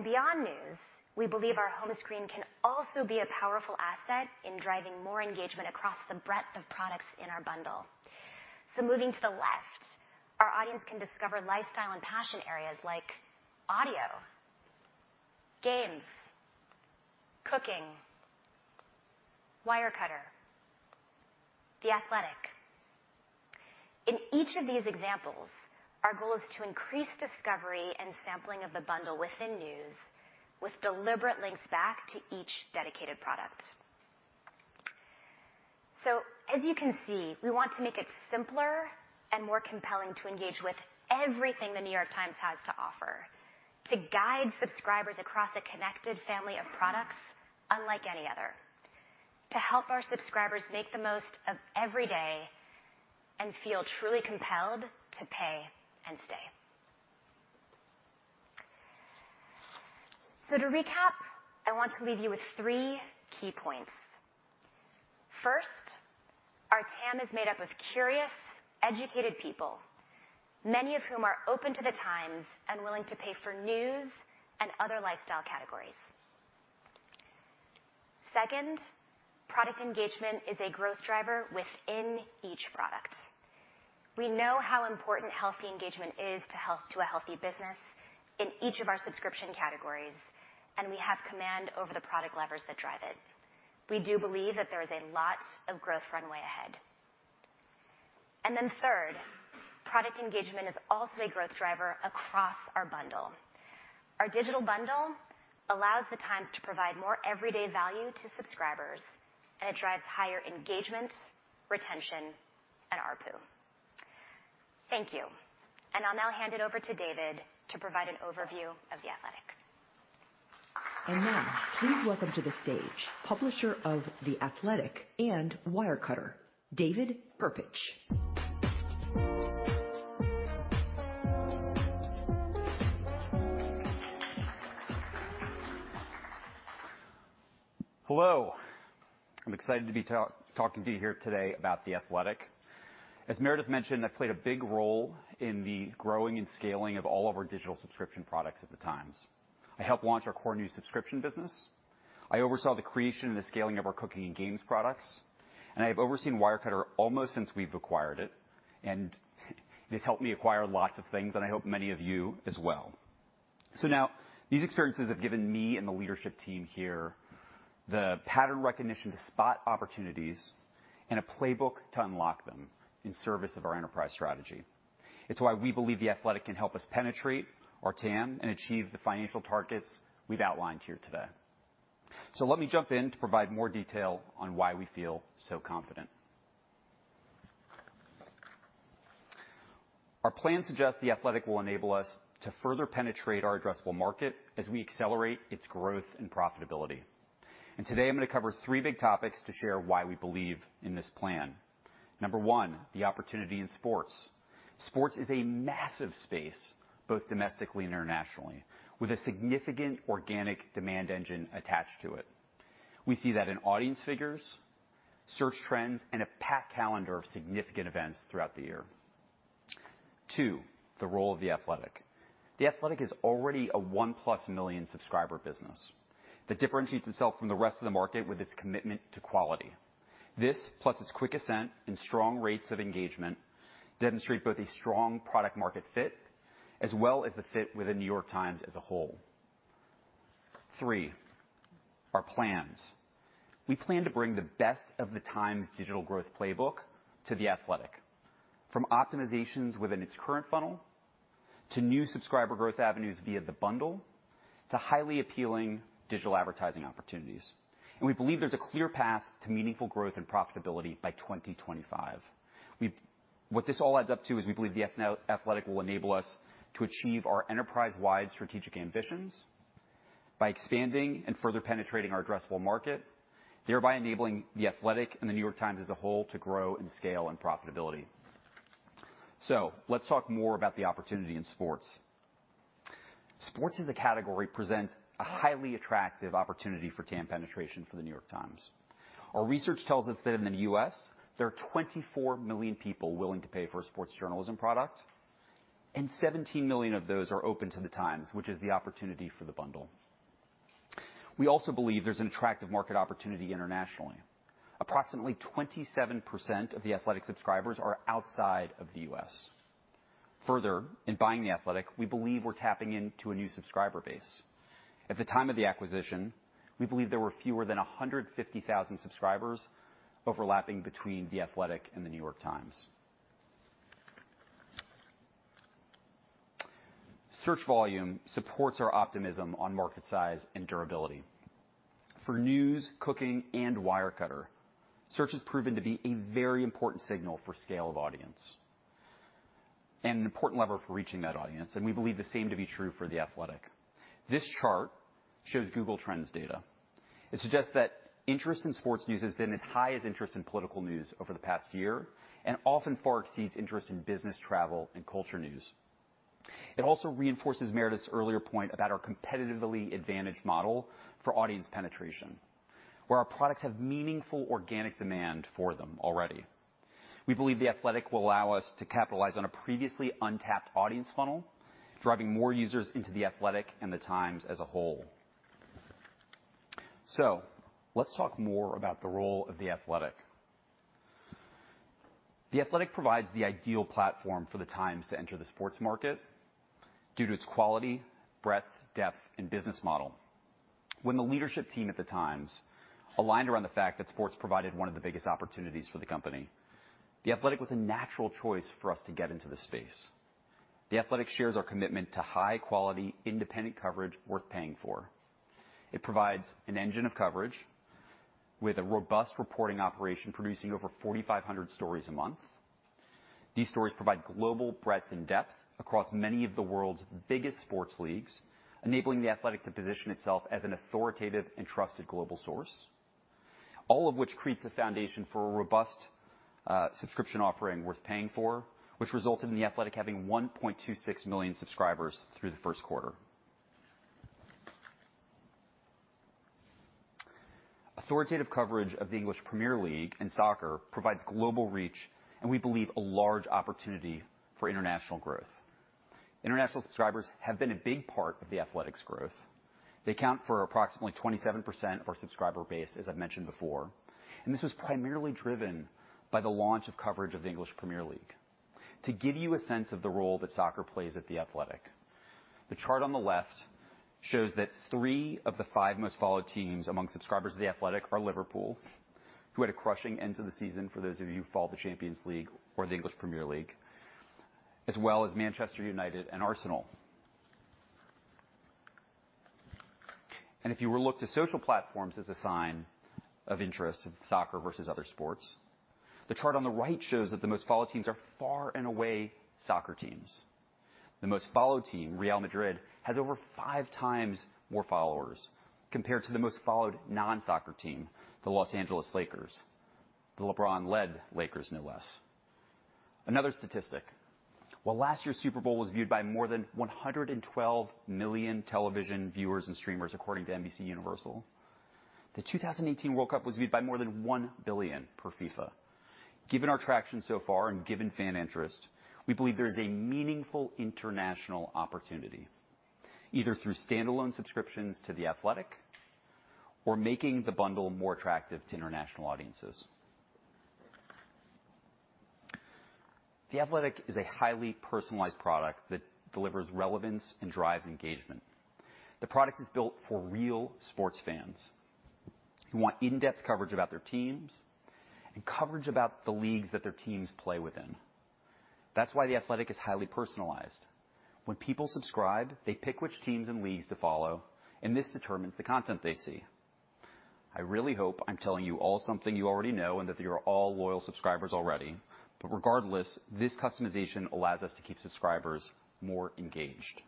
Beyond news, we believe our home screen can also be a powerful asset in driving more engagement across the breadth of products in our bundle. Moving to the left, our audience can discover lifestyle and passion areas like Audio, Games, Cooking, Wirecutter, The Athletic. In each of these examples, our goal is to increase discovery and sampling of the bundle within news with deliberate links back to each dedicated product. As you can see, we want to make it simpler and more compelling to engage with everything The New York Times has to offer, to guide subscribers across a connected family of products unlike any other, to help our subscribers make the most of every day and feel truly compelled to pay and stay. To recap, I want to leave you with three key points. First, our TAM is made up of curious, educated people, many of whom are open to The Times and willing to pay for news and other lifestyle categories. Second, product engagement is a growth driver within each product. We know how important healthy engagement is to a healthy business in each of our subscription categories, and we have command over the product levers that drive it. We do believe that there is a lot of growth runway ahead. Then third, product engagement is also a growth driver across our bundle. Our digital bundle allows The Times to provide more everyday value to subscribers, and it drives higher engagement, retention, and ARPU. Thank you. I'll now hand it over to David to provide an overview of The Athletic. Now please welcome to the stage Publisher of The Athletic and Wirecutter, David Perpich. Hello. I'm excited to be talking to you here today about The Athletic. As Meredith mentioned, I've played a big role in the growing and scaling of all of our digital subscription products at The Times. I helped launch our core new subscription business. I oversaw the creation and the scaling of our Cooking and Games products. I have overseen Wirecutter almost since we've acquired it. It has helped me acquire lots of things, and I hope many of you as well. Now these experiences have given me and the leadership team here the pattern recognition to spot opportunities and a playbook to unlock them in service of our enterprise strategy. It's why we believe The Athletic can help us penetrate our TAM and achieve the financial targets we've outlined here today. Let me jump in to provide more detail on why we feel so confident. Our plan suggests The Athletic will enable us to further penetrate our addressable market as we accelerate its growth and profitability. Today, I'm gonna cover three big topics to share why we believe in this plan. Number one, the opportunity in sports. Sports is a massive space, both domestically and internationally, with a significant organic demand engine attached to it. We see that in audience figures, search trends, and a packed calendar of significant events throughout the year. Two, the role of The Athletic. The Athletic is already a 1+ million subscriber business that differentiates itself from the rest of the market with its commitment to quality. This, plus its quick ascent and strong rates of engagement, demonstrate both a strong product market fit as well as the fit with The New York Times as a whole. Three, our plans. We plan to bring the best of The Times' digital growth playbook to The Athletic, from optimizations within its current funnel to new subscriber growth avenues via the bundle to highly appealing digital advertising opportunities. We believe there's a clear path to meaningful growth and profitability by 2025. What this all adds up to is we believe The Athletic will enable us to achieve our enterprise-wide strategic ambitions by expanding and further penetrating our addressable market, thereby enabling The Athletic and The New York Times as a whole to grow and scale in profitability. Let's talk more about the opportunity in sports. Sports as a category presents a highly attractive opportunity for TAM penetration for The New York Times. Our research tells us that in the U.S. there are 24 million people willing to pay for a sports journalism product, and 17 million of those are open to The Times, which is the opportunity for the bundle. We also believe there's an attractive market opportunity internationally. Approximately 27% of The Athletic subscribers are outside of the U.S. Further, in buying The Athletic, we believe we're tapping into a new subscriber base. At the time of the acquisition, we believe there were fewer than 150,000 subscribers overlapping between The Athletic and The New York Times. Search volume supports our optimism on market size and durability. For News, Cooking, and Wirecutter, search has proven to be a very important signal for scale of audience and an important lever for reaching that audience, and we believe the same to be true for The Athletic. This chart shows Google Trends data. It suggests that interest in sports news has been as high as interest in political news over the past year, and often far exceeds interest in business, travel, and culture news. It also reinforces Meredith's earlier point about our competitively advantaged model for audience penetration, where our products have meaningful organic demand for them already. We believe The Athletic will allow us to capitalize on a previously untapped audience funnel, driving more users into The Athletic and The Times as a whole. Let's talk more about the role of The Athletic. The Athletic provides the ideal platform for The Times to enter the sports market due to its quality, breadth, depth, and business model. When the leadership team at The Times aligned around the fact that sports provided one of the biggest opportunities for the company, The Athletic was a natural choice for us to get into the space. The Athletic shares our commitment to high-quality, independent coverage worth paying for. It provides an engine of coverage with a robust reporting operation, producing over 4,500 stories a month. These stories provide global breadth and depth across many of the world's biggest sports leagues, enabling The Athletic to position itself as an authoritative and trusted global source, all of which creates a foundation for a robust subscription offering worth paying for, which resulted in The Athletic having 1.26 million subscribers through the first quarter. Authoritative coverage of the English Premier League and soccer provides global reach and we believe, a large opportunity for international growth. International subscribers have been a big part of The Athletic's growth. They account for approximately 27% of our subscriber base, as I've mentioned before, and this was primarily driven by the launch of coverage of the English Premier League. To give you a sense of the role that soccer plays at The Athletic, the chart on the left shows that three of the five most followed teams among subscribers of The Athletic are Liverpool, who had a crushing end to the season, for those of you who follow the Champions League or the English Premier League, as well as Manchester United and Arsenal. If you were to look to social platforms as a sign of interest of soccer versus other sports, the chart on the right shows that the most followed teams are far and away soccer teams. The most followed team, Real Madrid, has over five times more followers compared to the most followed non-soccer team, the Los Angeles Lakers, the LeBron-led Lakers, no less. Another statistic. While last year's Super Bowl was viewed by more than 112 million television viewers and streamers according to NBCUniversal, the 2018 World Cup was viewed by more than 1 billion per FIFA. Given our traction so far and given fan interest, we believe there is a meaningful international opportunity, either through standalone subscriptions to The Athletic or making the bundle more attractive to international audiences. The Athletic is a highly personalized product that delivers relevance and drives engagement. The product is built for real sports fans who want in-depth coverage about their teams and coverage about the leagues that their teams play within. That's why The Athletic is highly personalized. When people subscribe, they pick which teams and leagues to follow, and this determines the content they see. I really hope I'm telling you all something you already know, and that you're all loyal subscribers already. Regardless, this customization allows us to keep subscribers more engaged.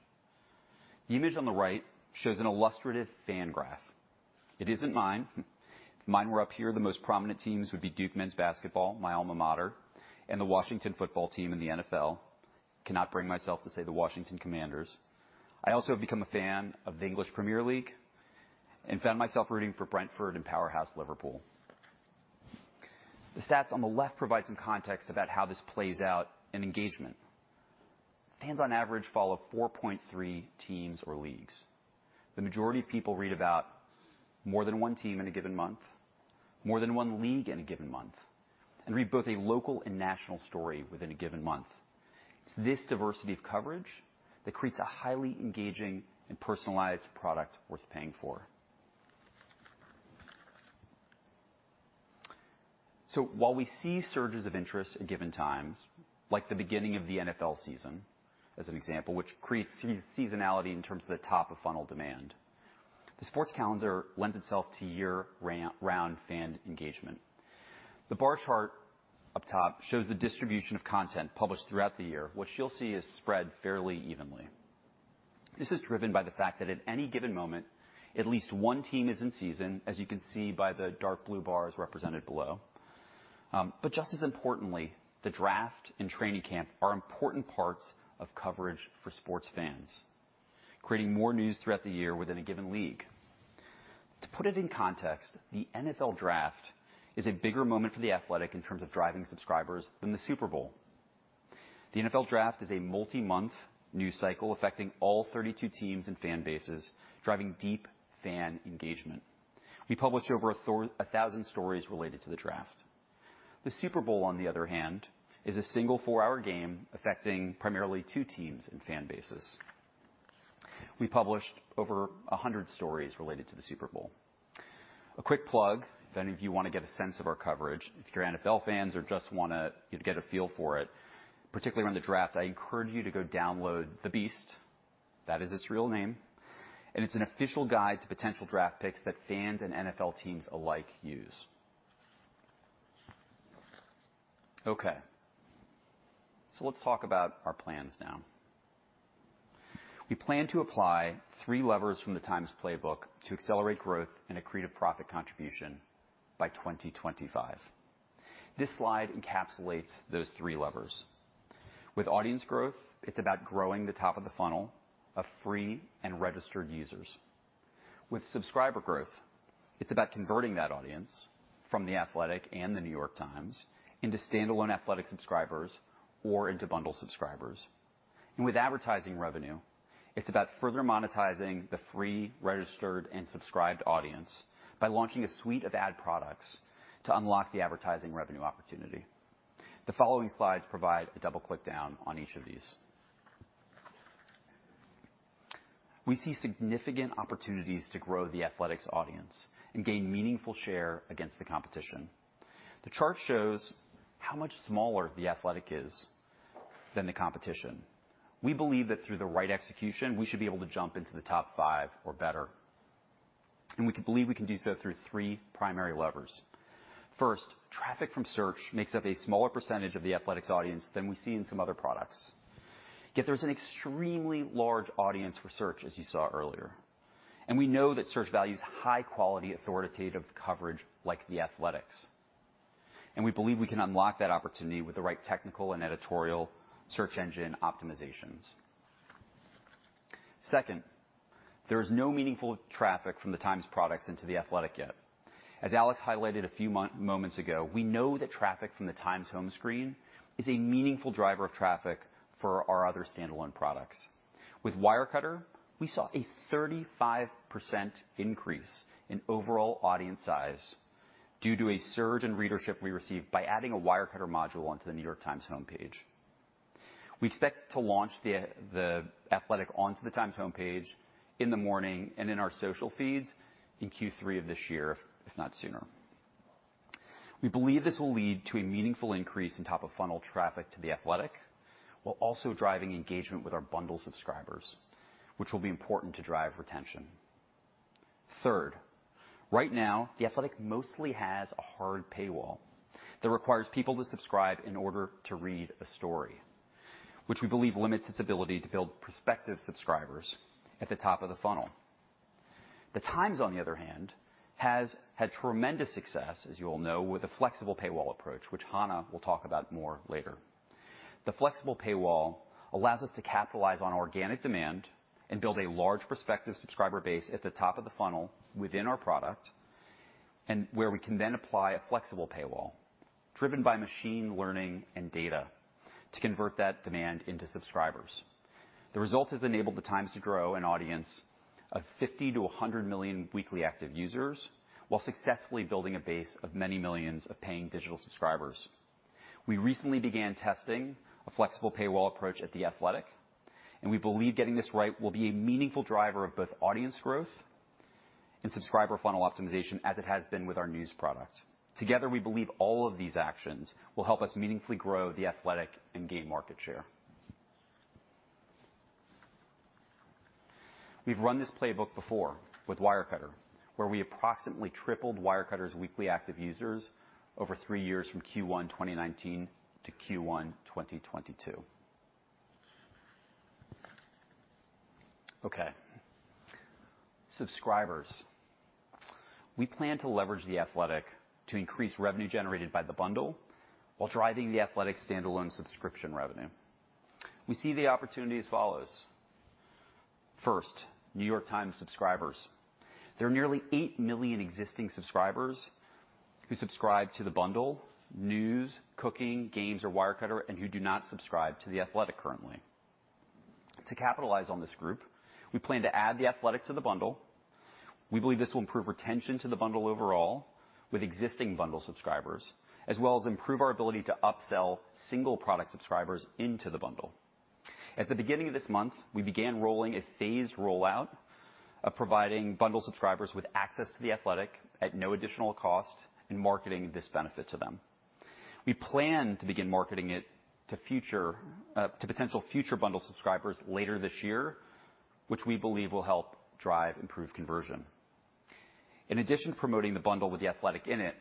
The image on the right shows an illustrative fan graph. It isn't mine. If mine were up here, the most prominent teams would be Duke men's basketball, my alma mater, and the Washington football team in the NFL. Cannot bring myself to say the Washington Commanders. I also have become a fan of the English Premier League and found myself rooting for Brentford and powerhouse Liverpool. The stats on the left provide some context about how this plays out in engagement. Fans on average follow 4.3 teams or leagues. The majority of people read about more than one team in a given month, more than one league in a given month, and read both a local and national story within a given month. It's this diversity of coverage that creates a highly engaging and personalized product worth paying for. While we see surges of interest at given times, like the beginning of the NFL season, as an example, which creates seasonality in terms of the top-of-funnel demand, the sports calendar lends itself to year-round fan engagement. The bar chart up top shows the distribution of content published throughout the year. What you'll see is spread fairly evenly. This is driven by the fact that at any given moment, at least one team is in season, as you can see by the dark blue bars represented below. Just as importantly, the draft and training camp are important parts of coverage for sports fans, creating more news throughout the year within a given league. To put it in context, the NFL Draft is a bigger moment for The Athletic in terms of driving subscribers than the Super Bowl. The NFL Draft is a multi-month news cycle affecting all 32 teams and fan bases, driving deep fan engagement. We published over 1,000 stories related to the draft. The Super Bowl, on the other hand, is a single four-hour game affecting primarily two teams and fan bases. We published over 100 stories related to the Super Bowl. A quick plug, if any of you wanna get a sense of our coverage, if you're NFL fans or just wanna get a feel for it, particularly around the draft, I encourage you to go download The Beast, that is its real name, and it's an official guide to potential draft picks that fans and NFL teams alike use. Okay, let's talk about our plans now. We plan to apply three levers from The Times playbook to accelerate growth and accretive profit contribution by 2025. This slide encapsulates those three levers. With audience growth, it's about growing the top of the funnel of free and registered users. With subscriber growth, it's about converting that audience from The Athletic and The New York Times into standalone Athletic subscribers or into Bundle subscribers. With advertising revenue, it's about further monetizing the free registered and subscribed audience by launching a suite of ad products to unlock the advertising revenue opportunity. The following slides provide a double click down on each of these. We see significant opportunities to grow The Athletic's audience and gain meaningful share against the competition. The chart shows how much smaller The Athletic is than the competition. We believe that through the right execution, we should be able to jump into the top five or better, and we believe we can do so through three primary levers. First, traffic from search makes up a smaller percentage of The Athletic's audience than we see in some other products. Yet there's an extremely large audience for search, as you saw earlier. We know that search values high-quality, authoritative coverage like The Athletic. We believe we can unlock that opportunity with the right technical and editorial search engine optimizations. Second, there is no meaningful traffic from The Times products into The Athletic yet. As Alex highlighted a few moments ago, we know that traffic from The Times home screen is a meaningful driver of traffic for our other standalone products. With Wirecutter, we saw a 35% increase in overall audience size due to a surge in readership we received by adding a Wirecutter module onto The New York Times homepage. We expect to launch The Athletic onto The Times homepage in the morning and in our social feeds in Q3 of this year, if not sooner. We believe this will lead to a meaningful increase in top-of-funnel traffic to The Athletic, while also driving engagement with our Bundle subscribers, which will be important to drive retention. Third, right now, The Athletic mostly has a hard paywall that requires people to subscribe in order to read a story, which we believe limits its ability to build prospective subscribers at the top of the funnel. The Times, on the other hand, has had tremendous success, as you all know, with a flexible paywall approach, which Hannah will talk about more later. The flexible paywall allows us to capitalize on organic demand and build a large prospective subscriber base at the top of the funnel within our product, and where we can then apply a flexible paywall driven by machine learning and data to convert that demand into subscribers. The result has enabled The Times to grow an audience of 50 million-100 million weekly active users while successfully building a base of many millions of paying digital subscribers. We recently began testing a flexible paywall approach at The Athletic, and we believe getting this right will be a meaningful driver of both audience growth and subscriber funnel optimization as it has been with our news product. Together, we believe all of these actions will help us meaningfully grow The Athletic and gain market share. We've run this playbook before with Wirecutter, where we approximately tripled Wirecutter's weekly active users over three years from Q1 2019 to Q1 2022. Okay. Subscribers. We plan to leverage The Athletic to increase revenue generated by the Bundle while driving The Athletic standalone subscription revenue. We see the opportunity as follows. First, New York Times subscribers. There are nearly 8 million existing subscribers who subscribe to the Bundle, News, Cooking, Games, or Wirecutter and who do not subscribe to The Athletic currently. To capitalize on this group, we plan to add The Athletic to the Bundle. We believe this will improve retention to the Bundle overall with existing Bundle subscribers, as well as improve our ability to upsell single product subscribers into the Bundle. At the beginning of this month, we began rolling a phased rollout of providing Bundle subscribers with access to The Athletic at no additional cost and marketing this benefit to them. We plan to begin marketing it to potential future Bundle subscribers later this year, which we believe will help drive improved conversion. In addition to promoting the Bundle with The Athletic in it,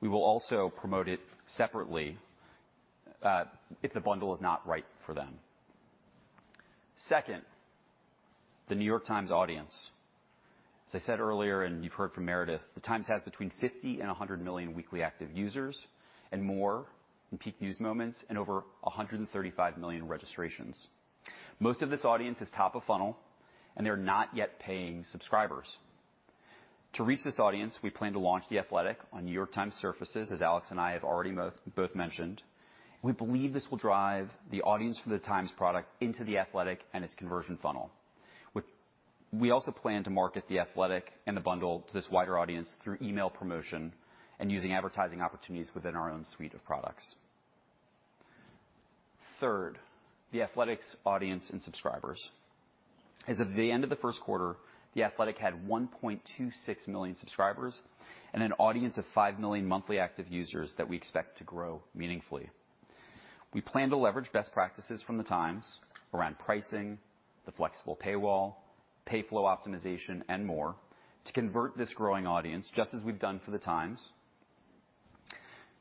we will also promote it separately, if the Bundle is not right for them. Second, the New York Times audience. As I said earlier, and you've heard from Meredith, The Times has between 50 million and 100 million weekly active users and more in peak news moments and over 135 million registrations. Most of this audience is top of funnel, and they're not yet paying subscribers. To reach this audience, we plan to launch The Athletic on New York Times surfaces, as Alex and I have already both mentioned. We also plan to market The Athletic and the bundle to this wider audience through email promotion and using advertising opportunities within our own suite of products. Third, The Athletic's audience and subscribers. As of the end of the first quarter, The Athletic had 1.26 million subscribers and an audience of 5 million monthly active users that we expect to grow meaningfully. We plan to leverage best practices from The Times around pricing, the flexible paywall, payflow optimization, and more to convert this growing audience, just as we've done for The Times.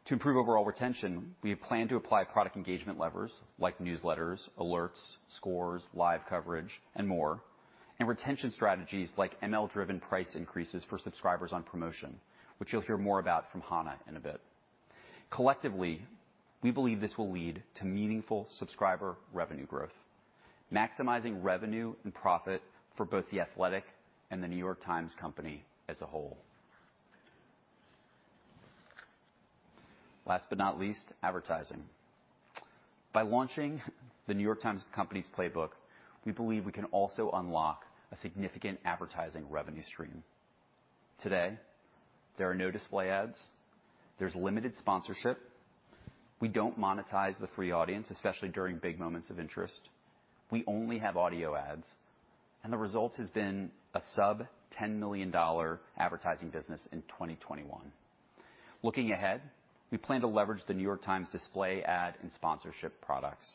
To improve overall retention, we plan to apply product engagement levers like newsletters, alerts, scores, live coverage, and more, and retention strategies like ML-driven price increases for subscribers on promotion, which you'll hear more about from Hannah in a bit. Collectively, we believe this will lead to meaningful subscriber revenue growth, maximizing revenue and profit for both The Athletic and The New York Times Company as a whole. Last but not least, advertising. By launching The New York Times Company's playbook, we believe we can also unlock a significant advertising revenue stream. Today, there are no display ads. There's limited sponsorship. We don't monetize the free audience, especially during big moments of interest. We only have audio ads, and the result has been a sub-$10 million advertising business in 2021. Looking ahead, we plan to leverage The New York Times' display ad and sponsorship products.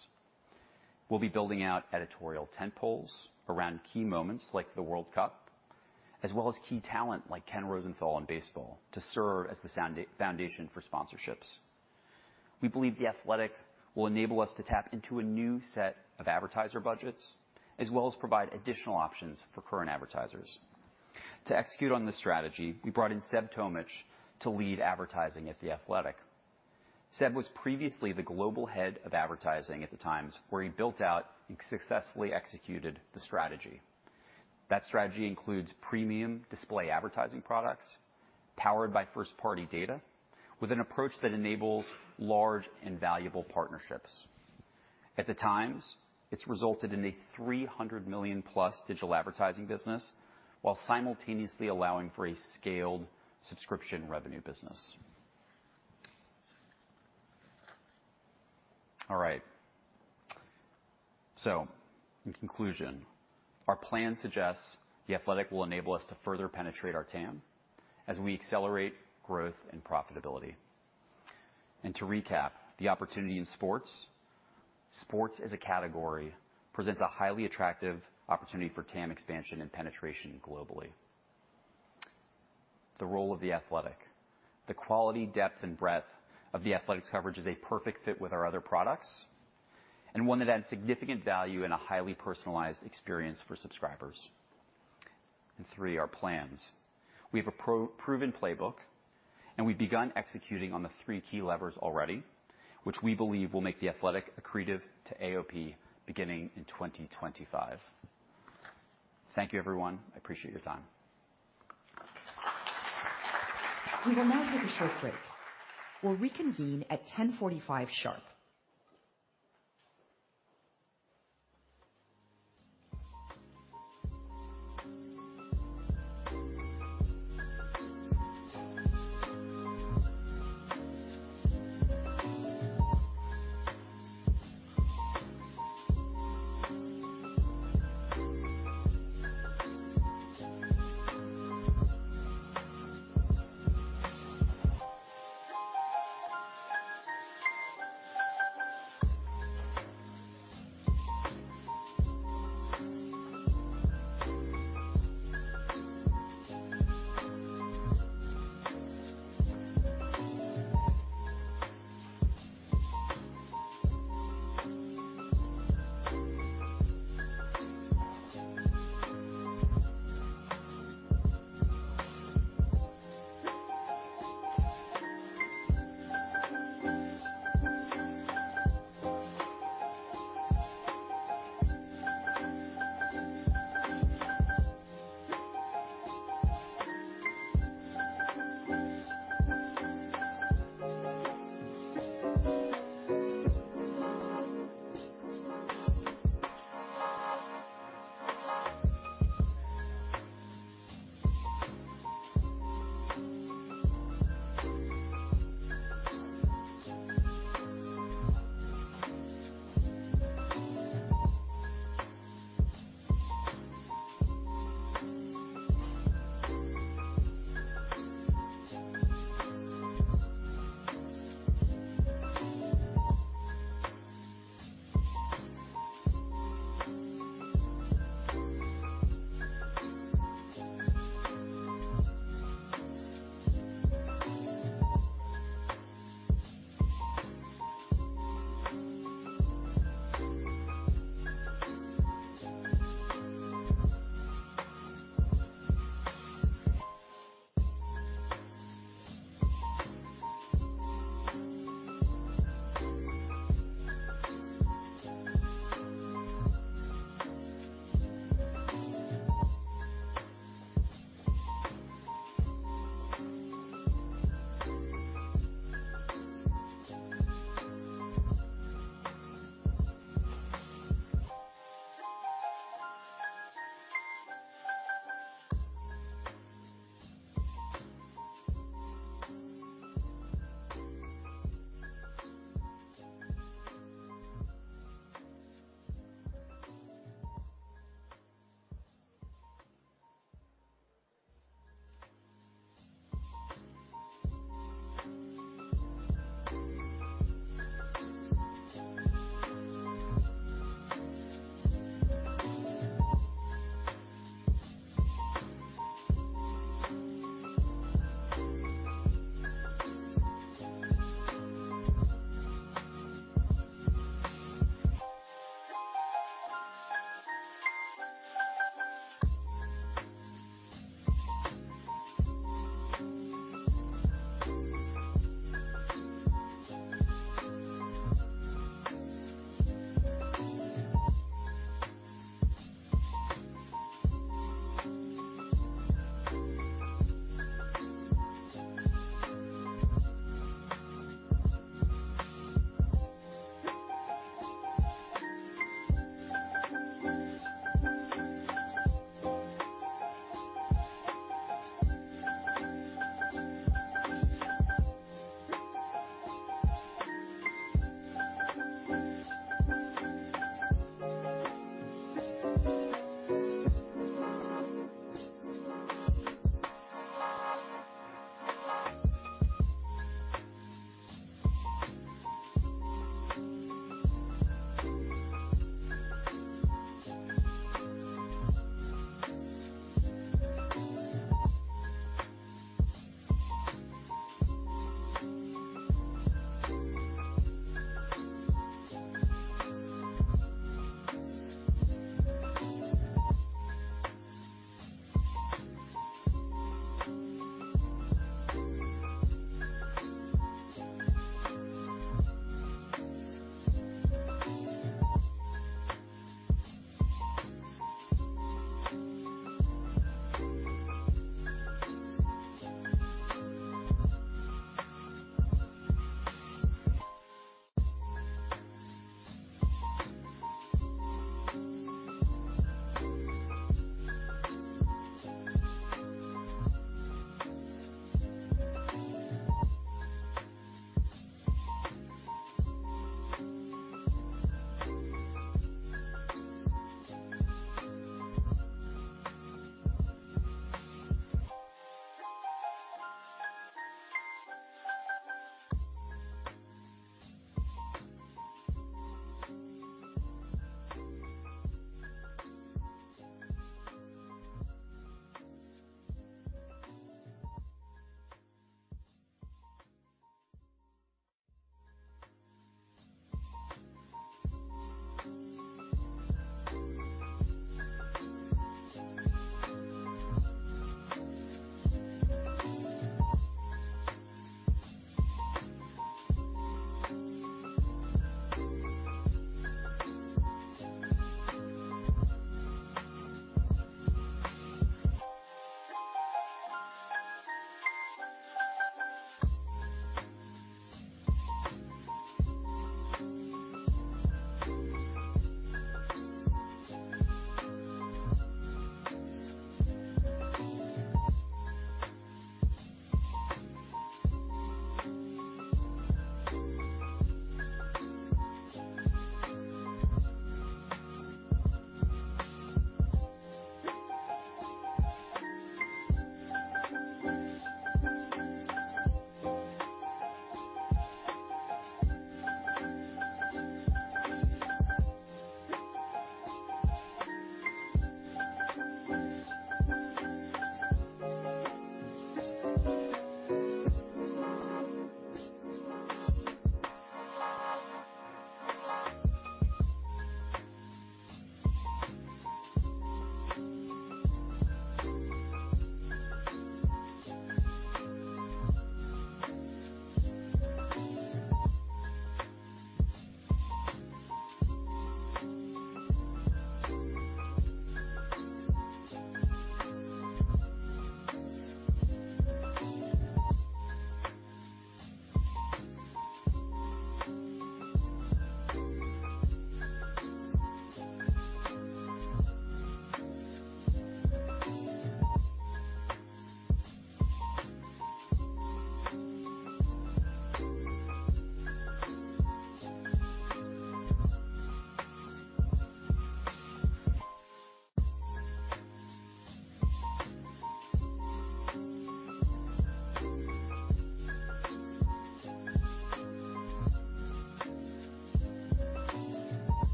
We'll be building out editorial tentpoles around key moments like the World Cup, as well as key talent like Ken Rosenthal in baseball to serve as the sound foundation for sponsorships. We believe The Athletic will enable us to tap into a new set of advertiser budgets, as well as provide additional options for current advertisers. To execute on this strategy, we brought in Seb Tomich to lead advertising at The Athletic. Seb was previously the global head of advertising at The Times, where he built out and successfully executed the strategy. That strategy includes premium display advertising products powered by first-party data with an approach that enables large and valuable partnerships. At The Times, it's resulted in a $300 million+ digital advertising business while simultaneously allowing for a scaled subscription revenue business. All right. In conclusion, our plan suggests The Athletic will enable us to further penetrate our TAM as we accelerate growth and profitability. To recap the opportunity in sports. Sports as a category presents a highly attractive opportunity for TAM expansion and penetration globally. The role of The Athletic, the quality, depth, and breadth of The Athletic's coverage is a perfect fit with our other products and one that adds significant value in a highly personalized experience for subscribers. Three, our plans. We have a proven playbook, and we've begun executing on the three key levers already, which we believe will make The Athletic accretive to AOP beginning in 2025. Thank you everyone. I appreciate your time. We will now take a short break. We'll reconvene at 10:45 sharp.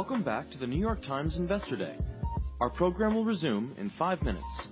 Welcome back to The New York Times Investor Day. Our program will resume in five minutes.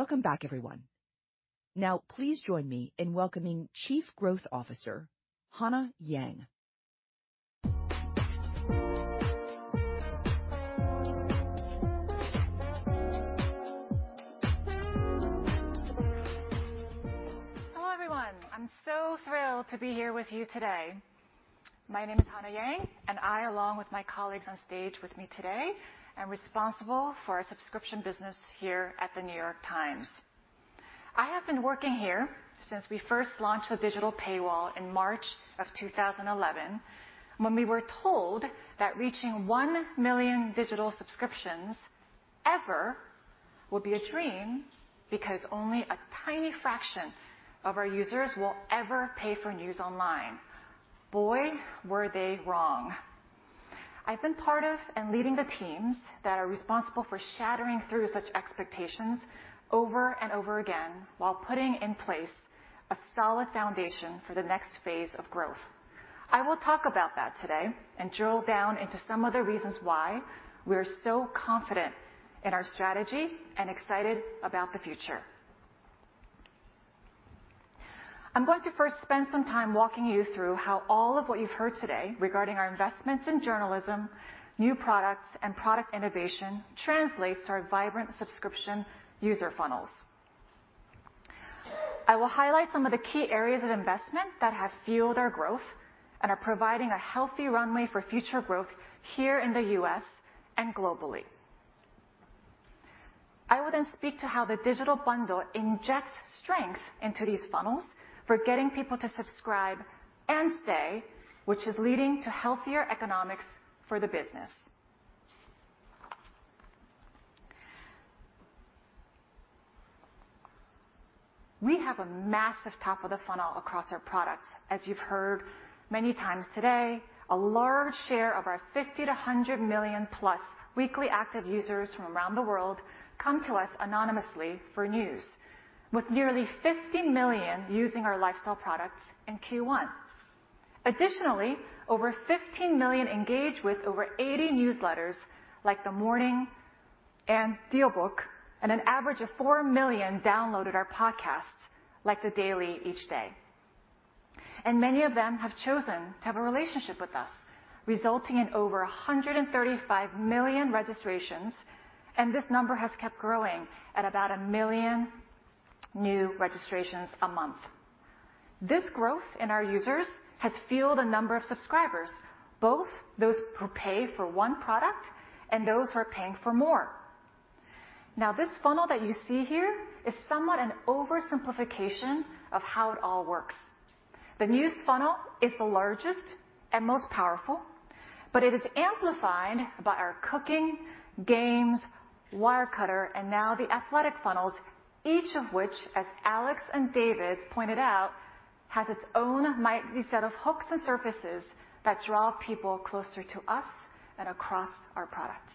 Welcome back, everyone. Now please join me in welcoming Chief Growth Officer, Hannah Yang. Hello, everyone. I'm so thrilled to be here with you today. My name is Hannah Yang, and I, along with my colleagues on stage with me today, am responsible for our subscription business here at The New York Times. I have been working here since we first launched the digital paywall in March of 2011 when we were told that reaching 1 million digital subscriptions ever will be a dream because only a tiny fraction of our users will ever pay for news online. Boy, were they wrong. I've been part of and leading the teams that are responsible for shattering through such expectations over and over again while putting in place a solid foundation for the next phase of growth. I will talk about that today and drill down into some of the reasons why we're so confident in our strategy and excited about the future. I'm going to first spend some time walking you through how all of what you've heard today regarding our investments in journalism, new products, and product innovation translates to our vibrant subscription user funnels. I will highlight some of the key areas of investment that have fueled our growth and are providing a healthy runway for future growth here in the U.S. and globally. I will then speak to how the digital bundle injects strength into these funnels for getting people to subscribe and stay, which is leading to healthier economics for the business. We have a massive top of the funnel across our products. As you've heard many times today, a large share of our 50 million-100 million+ weekly active users from around the world come to us anonymously for news. With nearly 50 million using our lifestyle products in Q1. Additionally, over 15 million engage with over 80 newsletters like The Morning and DealBook, and an average of 4 million downloaded our podcasts, like The Daily each day. Many of them have chosen to have a relationship with us, resulting in over 135 million registrations, and this number has kept growing at about 1 million new registrations a month. This growth in our users has fueled a number of subscribers, both those who pay for one product and those who are paying for more. Now, this funnel that you see here is somewhat an oversimplification of how it all works. The news funnel is the largest and most powerful, but it is amplified by our Cooking, Games, Wirecutter, and now The Athletic funnels, each of which, as Alex and David pointed out, has its own mighty set of hooks and surfaces that draw people closer to us and across our products.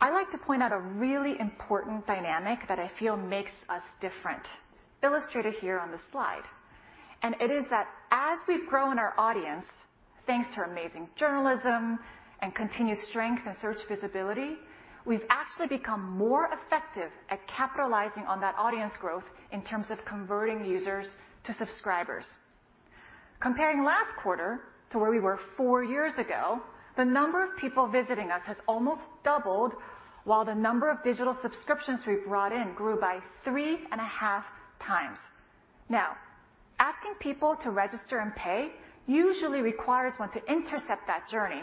I like to point out a really important dynamic that I feel makes us different, illustrated here on the slide. It is that as we've grown our audience, thanks to our amazing journalism and continued strength in search visibility, we've actually become more effective at capitalizing on that audience growth in terms of converting users to subscribers. Comparing last quarter to where we were four years ago, the number of people visiting us has almost doubled, while the number of digital subscriptions we brought in grew by 3.5 times. Now, asking people to register and pay usually requires one to intercept that journey.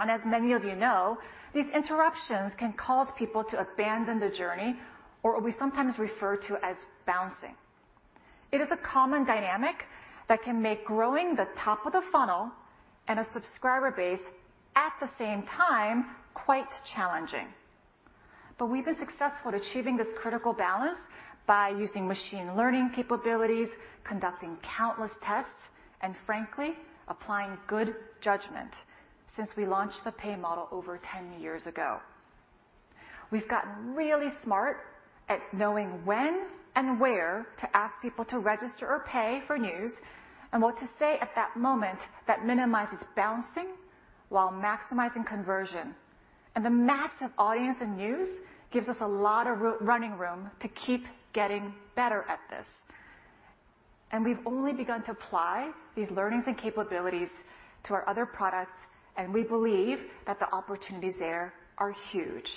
As many of you know, these interruptions can cause people to abandon the journey or what we sometimes refer to as bouncing. It is a common dynamic that can make growing the top of the funnel and a subscriber base at the same time quite challenging. We've been successful at achieving this critical balance by using machine learning capabilities, conducting countless tests, and frankly, applying good judgment since we launched the pay model over ten years ago. We've gotten really smart at knowing when and where to ask people to register or pay for news and what to say at that moment that minimizes bouncing while maximizing conversion. The massive audience in news gives us a lot of running room to keep getting better at this. We've only begun to apply these learnings and capabilities to our other products, and we believe that the opportunities there are huge.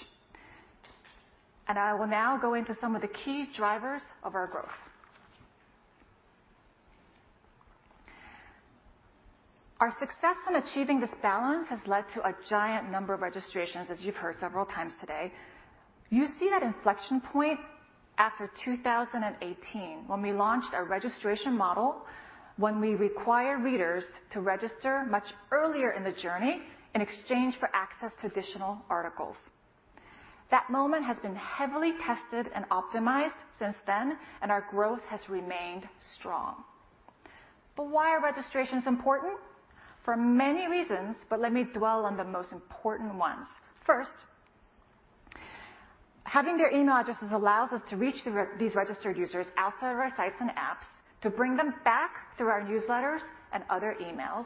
I will now go into some of the key drivers of our growth. Our success in achieving this balance has led to a giant number of registrations, as you've heard several times today. You see that inflection point after 2018 when we launched our registration model, when we require readers to register much earlier in the journey in exchange for access to additional articles. That moment has been heavily tested and optimized since then, and our growth has remained strong. Why are registrations important? For many reasons, but let me dwell on the most important ones. First, having their email addresses allows us to reach these registered users outside of our sites and apps to bring them back through our newsletters and other emails.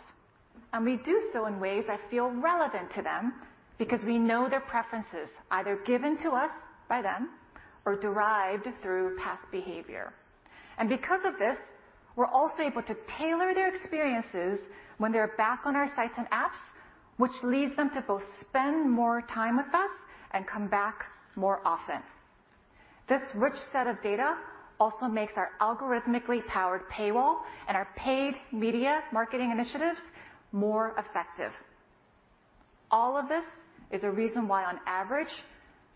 We do so in ways that feel relevant to them because we know their preferences, either given to us by them or derived through past behavior. Because of this, we're also able to tailor their experiences when they're back on our sites and apps, which leads them to both spend more time with us and come back more often. This rich set of data also makes our algorithmically powered paywall and our paid media marketing initiatives more effective. All of this is a reason why, on average,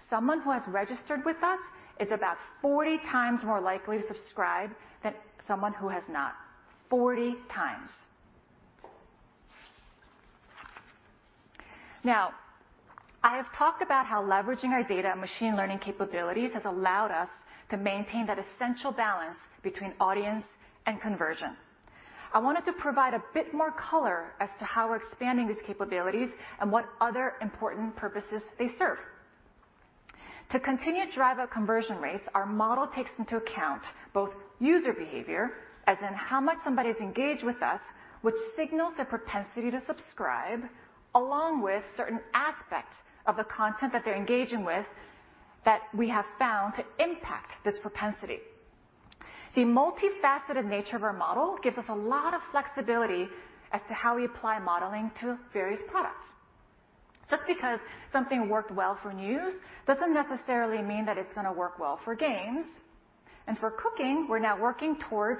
someone who has registered with us is about 40 times more likely to subscribe than someone who has not. 40 times. Now, I have talked about how leveraging our data and machine learning capabilities has allowed us to maintain that essential balance between audience and conversion. I wanted to provide a bit more color as to how we're expanding these capabilities and what other important purposes they serve. To continue to drive our conversion rates, our model takes into account both user behavior, as in how much somebody's engaged with us, which signals their propensity to subscribe, along with certain aspects of the content that they're engaging with that we have found to impact this propensity. The multifaceted nature of our model gives us a lot of flexibility as to how we apply modeling to various products. Just because something worked well for News doesn't necessarily mean that it's gonna work well for Games. For cooking, we're now working towards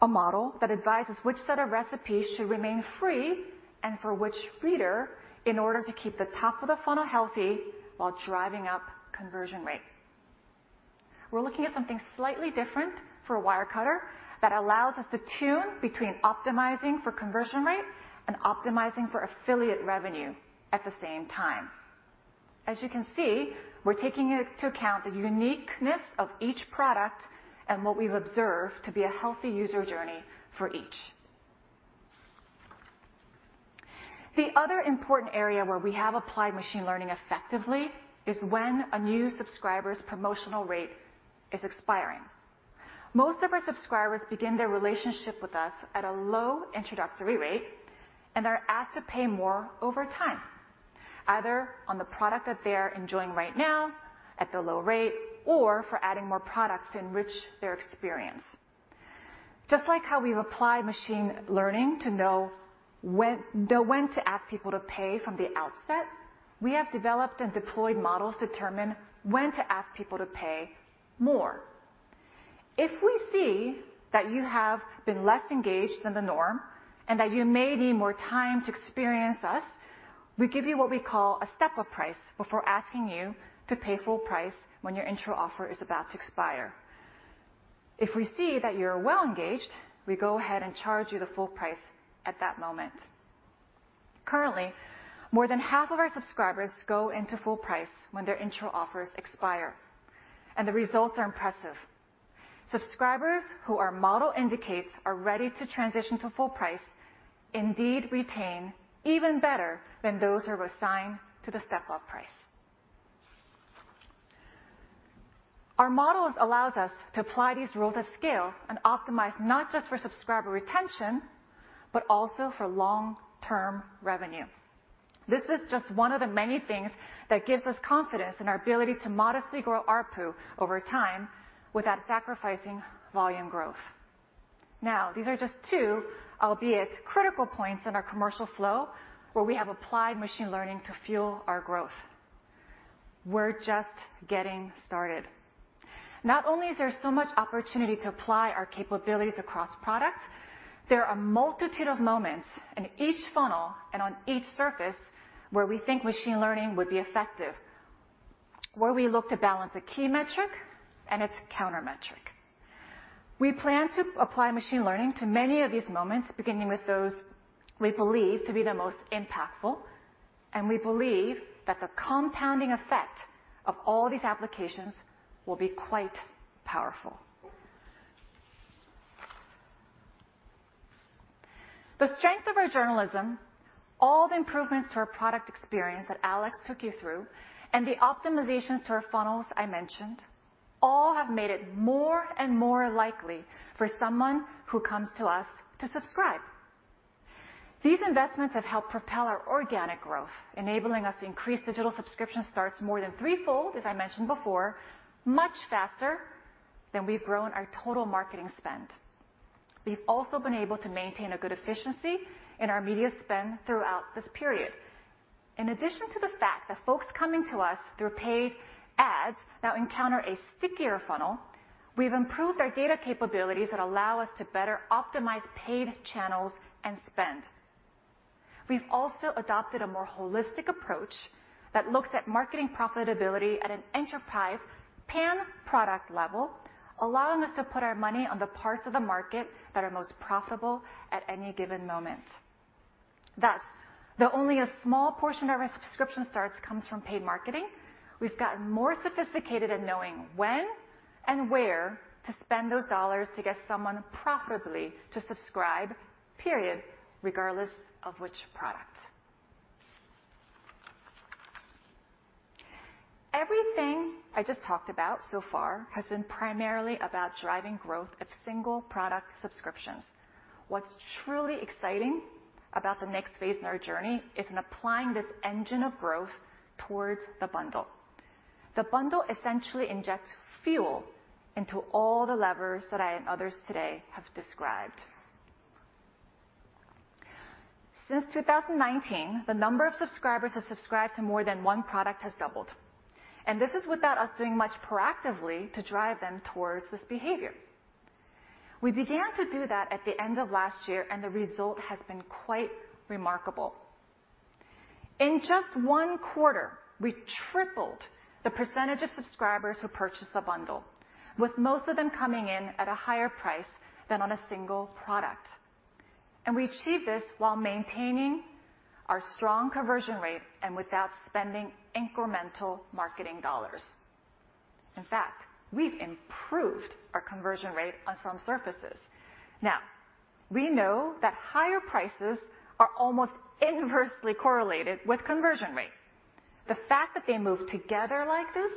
a model that advises which set of recipes should remain free and for which reader in order to keep the top of the funnel healthy while driving up conversion rate. We're looking at something slightly different for Wirecutter that allows us to tune between optimizing for conversion rate and optimizing for affiliate revenue at the same time. As you can see, we're taking into account the uniqueness of each product and what we've observed to be a healthy user journey for each. The other important area where we have applied machine learning effectively is when a new subscriber's promotional rate is expiring. Most of our subscribers begin their relationship with us at a low introductory rate and are asked to pay more over time, either on the product that they are enjoying right now at the low rate or for adding more products to enrich their experience. Just like how we've applied machine learning to know when to ask people to pay from the outset, we have developed and deployed models to determine when to ask people to pay more. If we see that you have been less engaged than the norm and that you may need more time to experience us, we give you what we call a step-up price before asking you to pay full price when your intro offer is about to expire. If we see that you're well engaged, we go ahead and charge you the full price at that moment. Currently, more than half of our subscribers go into full price when their intro offers expire, and the results are impressive. Subscribers who our model indicates are ready to transition to full price indeed retain even better than those who are assigned to the step-up price. Our model allows us to apply these rules at scale and optimize not just for subscriber retention, but also for long-term revenue. This is just one of the many things that gives us confidence in our ability to modestly grow ARPU over time without sacrificing volume growth. Now, these are just two, albeit critical points in our commercial flow where we have applied machine learning to fuel our growth. We're just getting started. Not only is there so much opportunity to apply our capabilities across products, there are a multitude of moments in each funnel and on each surface where we think machine learning would be effective, where we look to balance a key metric and its counter-metric. We plan to apply machine learning to many of these moments, beginning with those we believe to be the most impactful, and we believe that the compounding effect of all these applications will be quite powerful. The strength of our journalism, all the improvements to our product experience that Alex took you through, and the optimizations to our funnels I mentioned, all have made it more and more likely for someone who comes to us to subscribe. These investments have helped propel our organic growth, enabling us to increase digital subscription starts more than threefold, as I mentioned before, much faster than we've grown our total marketing spend. We've also been able to maintain a good efficiency in our media spend throughout this period. In addition to the fact that folks coming to us through paid ads now encounter a stickier funnel, we've improved our data capabilities that allow us to better optimize paid channels and spend. We've also adopted a more holistic approach that looks at marketing profitability at an enterprise pan-product level, allowing us to put our money on the parts of the market that are most profitable at any given moment. Thus, though only a small portion of our subscription starts comes from paid marketing, we've gotten more sophisticated in knowing when and where to spend those dollars to get someone profitably to subscribe, period, regardless of which product. Everything I just talked about so far has been primarily about driving growth of single product subscriptions. What's truly exciting about the next phase in our journey is in applying this engine of growth towards the bundle. The bundle essentially injects fuel into all the levers that I and others today have described. Since 2019, the number of subscribers who subscribe to more than one product has doubled, and this is without us doing much proactively to drive them towards this behavior. We began to do that at the end of last year, and the result has been quite remarkable. In just one quarter, we tripled the percentage of subscribers who purchased the bundle, with most of them coming in at a higher price than on a single product. We achieved this while maintaining our strong conversion rate and without spending incremental marketing dollars. In fact, we've improved our conversion rate on some surfaces. Now, we know that higher prices are almost inversely correlated with conversion rate. The fact that they move together like this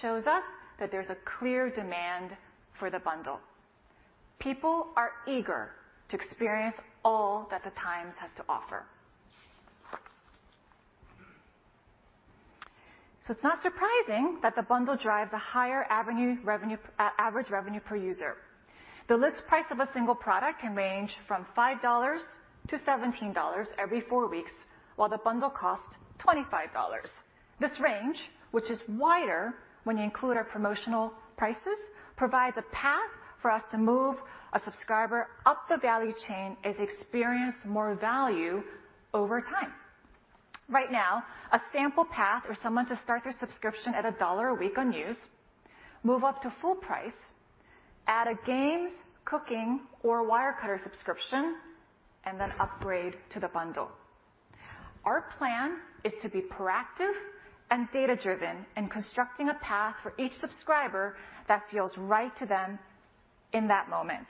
shows us that there's a clear demand for the bundle. People are eager to experience all that The Times has to offer. It's not surprising that the bundle drives a higher average revenue per user. The list price of a single product can range from $5-$17 every four weeks, while the bundle costs $25. This range, which is wider when you include our promotional prices, provides a path for us to move a subscriber up the value chain as experience more value over time. Right now, a sample path for someone to start their subscription at $1 a week on news, move up to full price, add a Games, Cooking, or Wirecutter subscription, and then upgrade to the bundle. Our plan is to be proactive and data-driven in constructing a path for each subscriber that feels right to them in that moment,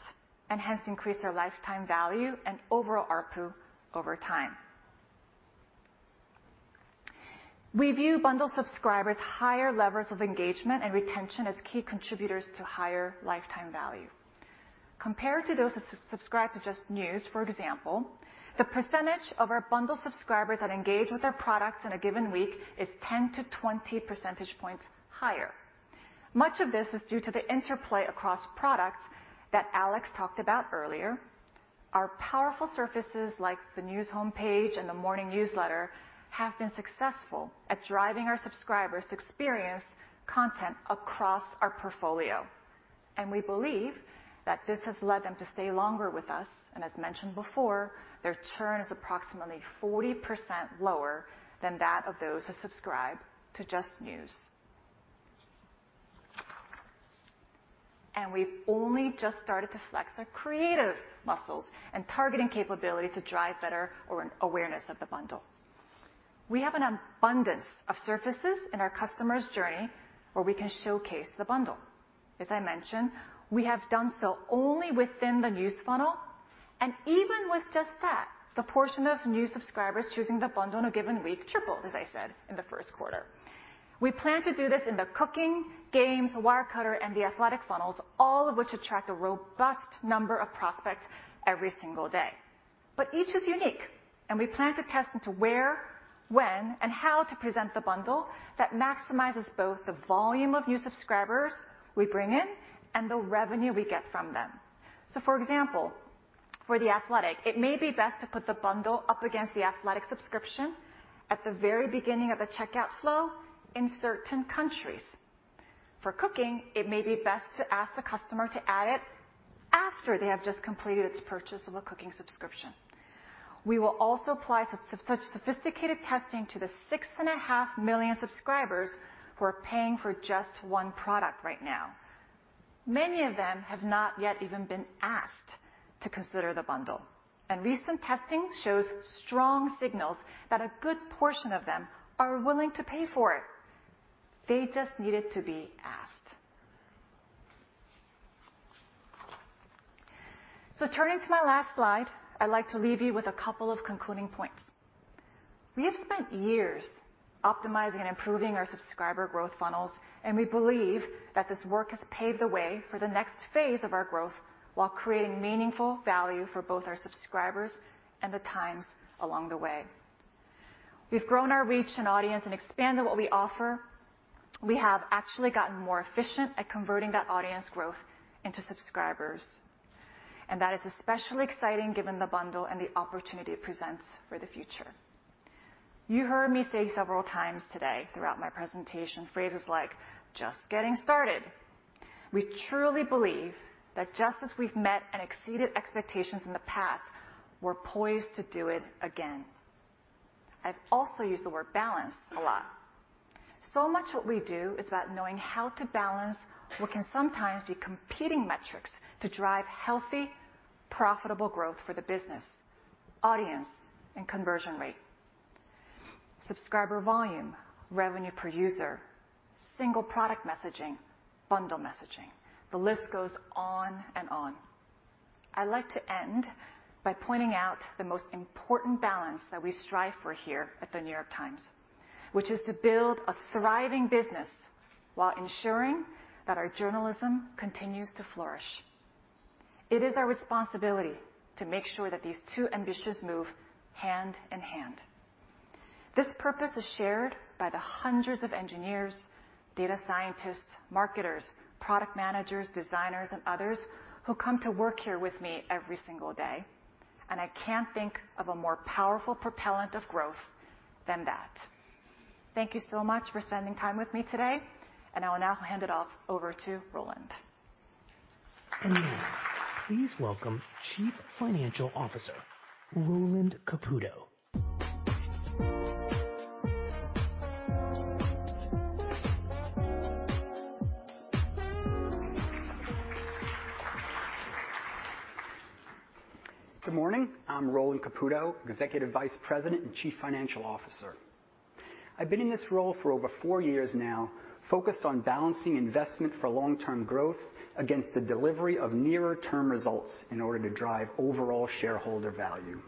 and hence increase their lifetime value and overall ARPU over time. We view bundle subscribers' higher levels of engagement and retention as key contributors to higher lifetime value. Compared to those who subscribe to just news, for example, the percentage of our bundle subscribers that engage with our products in a given week is 10%-20% points higher. Much of this is due to the interplay across products that Alex talked about earlier. Our powerful surfaces like the news homepage and the morning newsletter have been successful at driving our subscribers to experience content across our portfolio. We believe that this has led them to stay longer with us. As mentioned before, their churn is approximately 40% lower than that of those who subscribe to just news. We've only just started to flex our creative muscles and targeting capabilities to drive better or an awareness of the bundle. We have an abundance of surfaces in our customer's journey where we can showcase the bundle. As I mentioned, we have done so only within the news funnel, and even with just that, the portion of new subscribers choosing the bundle in a given week tripled, as I said, in the first quarter. We plan to do this in the Cooking, Games, Wirecutter, and The Athletic funnels, all of which attract a robust number of prospects every single day. Each is unique, and we plan to test into where, when, and how to present the bundle that maximizes both the volume of new subscribers we bring in and the revenue we get from them. For example, for The Athletic, it may be best to put the bundle up against The Athletic subscription at the very beginning of the checkout flow in certain countries. For Cooking, it may be best to ask the customer to add it after they have just completed its purchase of a Cooking subscription. We will also apply such sophisticated testing to the 6.5 million subscribers who are paying for just one product right now. Many of them have not yet even been asked to consider the bundle, and recent testing shows strong signals that a good portion of them are willing to pay for it. They just needed to be asked. Turning to my last slide, I'd like to leave you with a couple of concluding points. We have spent years optimizing and improving our subscriber growth funnels, and we believe that this work has paved the way for the next phase of our growth while creating meaningful value for both our subscribers and The Times along the way. We've grown our reach and audience and expanded what we offer. We have actually gotten more efficient at converting that audience growth into subscribers, and that is especially exciting given the bundle and the opportunity it presents for the future. You heard me say several times today throughout my presentation phrases like just getting started. We truly believe that just as we've met and exceeded expectations in the past, we're poised to do it again. I've also used the word balance a lot. Much of what we do is about knowing how to balance what can sometimes be competing metrics to drive healthy, profitable growth for the business, audience, and conversion rate. Subscriber volume, revenue per user, single product messaging, bundle messaging. The list goes on and on. I'd like to end by pointing out the most important balance that we strive for here at The New York Times, which is to build a thriving business while ensuring that our journalism continues to flourish. It is our responsibility to make sure that these two ambitions move hand in hand. This purpose is shared by the hundreds of engineers, data scientists, marketers, product managers, designers, and others who come to work here with me every single day, and I can't think of a more powerful propellant of growth than that. Thank you so much for spending time with me today, and I will now hand it off over to Roland. Good morning. Please welcome Chief Financial Officer, Roland Caputo. Good morning. I'm Roland Caputo, Executive Vice President and Chief Financial Officer. I've been in this role for over four years now, focused on balancing investment for long-term growth against the delivery of nearer term results in order to drive overall shareholder value.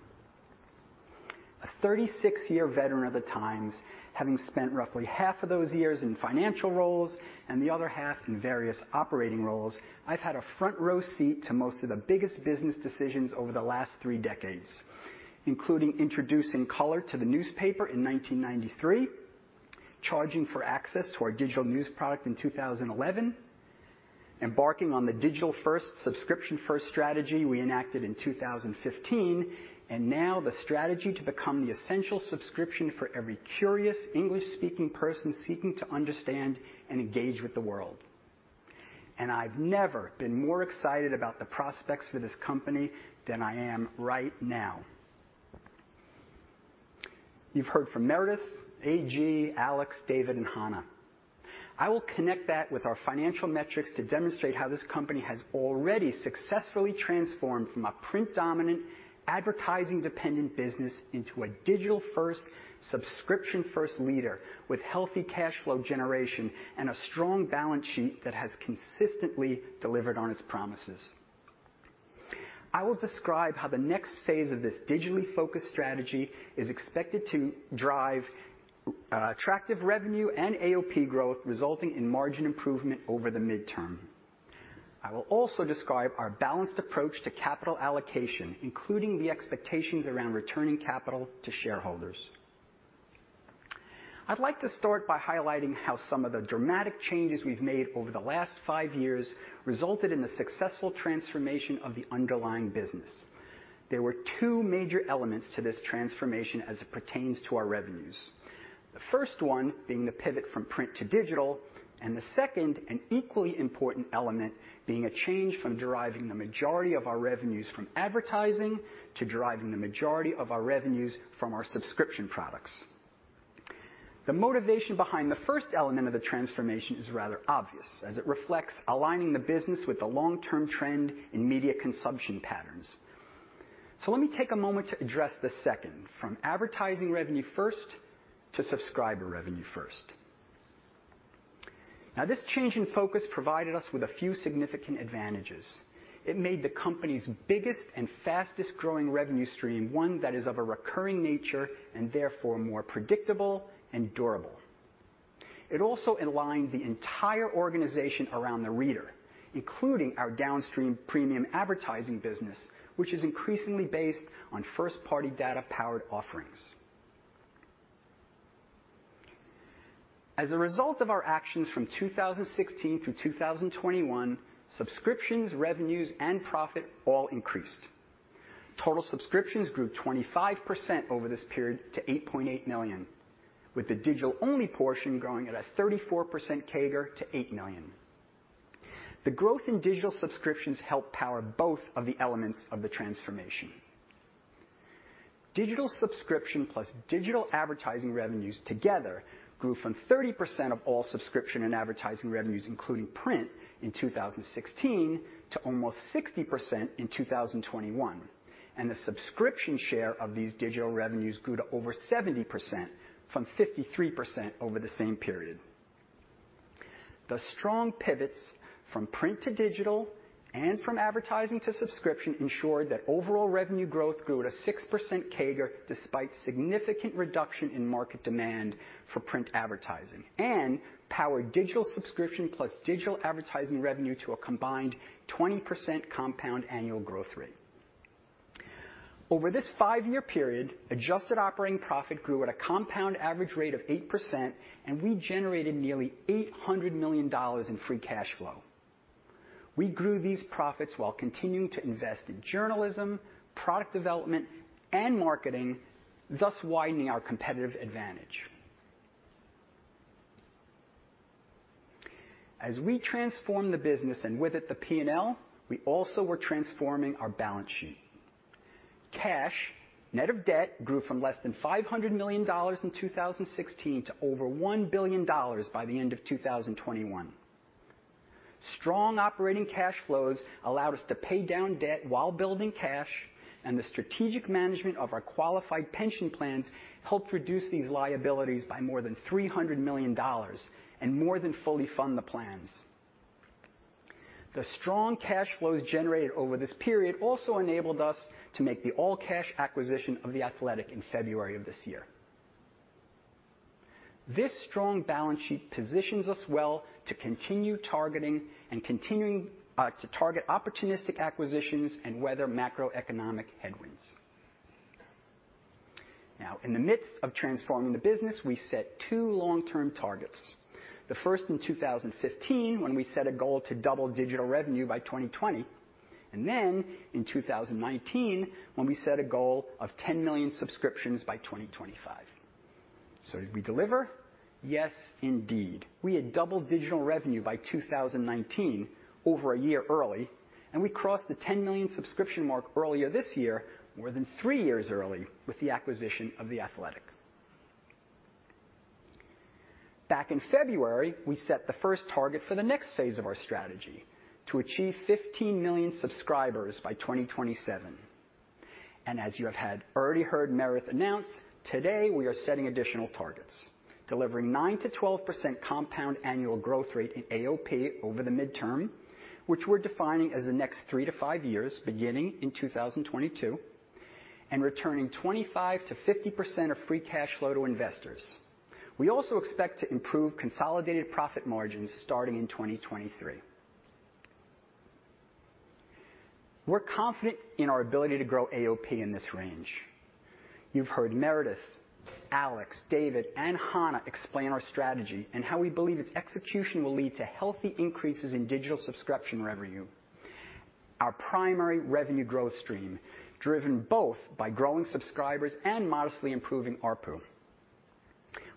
A 36-year veteran of The Times, having spent roughly half of those years in financial roles and the other half in various operating roles, I've had a front row seat to most of the biggest business decisions over the last three decades, including introducing color to the newspaper in 1993, charging for access to our digital news product in 2011, embarking on the digital-first, subscription-first strategy we enacted in 2015, and now the strategy to become the essential subscription for every curious English-speaking person seeking to understand and engage with the world. I've never been more excited about the prospects for this company than I am right now. You've heard from Meredith, A.G., Alex, David, and Hannah. I will connect that with our financial metrics to demonstrate how this company has already successfully transformed from a print-dominant, advertising-dependent business into a digital-first, subscription-first leader with healthy cash flow generation and a strong balance sheet that has consistently delivered on its promises. I will describe how the next phase of this digitally-focused strategy is expected to drive attractive revenue and AOP growth, resulting in margin improvement over the midterm. I will also describe our balanced approach to capital allocation, including the expectations around returning capital to shareholders. I'd like to start by highlighting how some of the dramatic changes we've made over the last five years resulted in the successful transformation of the underlying business. There were two major elements to this transformation as it pertains to our revenues. The first one being the pivot from print to digital, and the second and equally important element being a change from deriving the majority of our revenues from advertising to deriving the majority of our revenues from our subscription products. The motivation behind the first element of the transformation is rather obvious as it reflects aligning the business with the long-term trend in media consumption patterns. Let me take a moment to address the second, from advertising revenue first to subscriber revenue first. Now this change in focus provided us with a few significant advantages. It made the company's biggest and fastest-growing revenue stream one that is of a recurring nature and therefore more predictable and durable. It also aligned the entire organization around the reader, including our downstream premium advertising business, which is increasingly based on first-party data-powered offerings. As a result of our actions from 2016 through 2021, subscriptions, revenues, and profit all increased. Total subscriptions grew 25% over this period to 8.8 million, with the digital-only portion growing at a 34% CAGR to 8 million. The growth in digital subscriptions helped power both of the elements of the transformation. Digital subscription plus digital advertising revenues together grew from 30% of all subscription and advertising revenues, including print in 2016 to almost 60% in 2021. The subscription share of these digital revenues grew to over 70% from 53% over the same period. The strong pivots from print to digital and from advertising to subscription ensured that overall revenue growth grew at a 6% CAGR despite significant reduction in market demand for print advertising and powered digital subscription plus digital advertising revenue to a combined 20% compound annual growth rate. Over this five-year period, adjusted operating profit grew at a compound average rate of 8%, and we generated nearly $800 million in free cash flow. We grew these profits while continuing to invest in journalism, product development, and marketing, thus widening our competitive advantage. As we transform the business and with it the P&L, we also were transforming our balance sheet. Cash, net of debt, grew from less than $500 million in 2016 to over $1 billion by the end of 2021. Strong operating cash flows allowed us to pay down debt while building cash, and the strategic management of our qualified pension plans helped reduce these liabilities by more than $300 million and more than fully fund the plans. The strong cash flows generated over this period also enabled us to make the all-cash acquisition of The Athletic in February of this year. This strong balance sheet positions us well to continue targeting opportunistic acquisitions and weather macroeconomic headwinds. Now, in the midst of transforming the business, we set two long-term targets. The first in 2015 when we set a goal to double digital revenue by 2020, and then in 2019 when we set a goal of 10 million subscriptions by 2025. Did we deliver? Yes, indeed. We had doubled digital revenue by 2019 over a year early, and we crossed the 10 million subscription mark earlier this year, more than three years early, with the acquisition of The Athletic. Back in February, we set the first target for the next phase of our strategy to achieve 15 million subscribers by 2027. As you have had already heard Meredith announce, today we are setting additional targets, delivering 9%-12% compound annual growth rate in AOP over the midterm, which we're defining as the next three to five years beginning in 2022, and returning 25%-50% of free cash flow to investors. We also expect to improve consolidated profit margins starting in 2023. We're confident in our ability to grow AOP in this range. You've heard Meredith, Alex, David, and Hannah explain our strategy and how we believe its execution will lead to healthy increases in digital subscription revenue, our primary revenue growth stream, driven both by growing subscribers and modestly improving ARPU.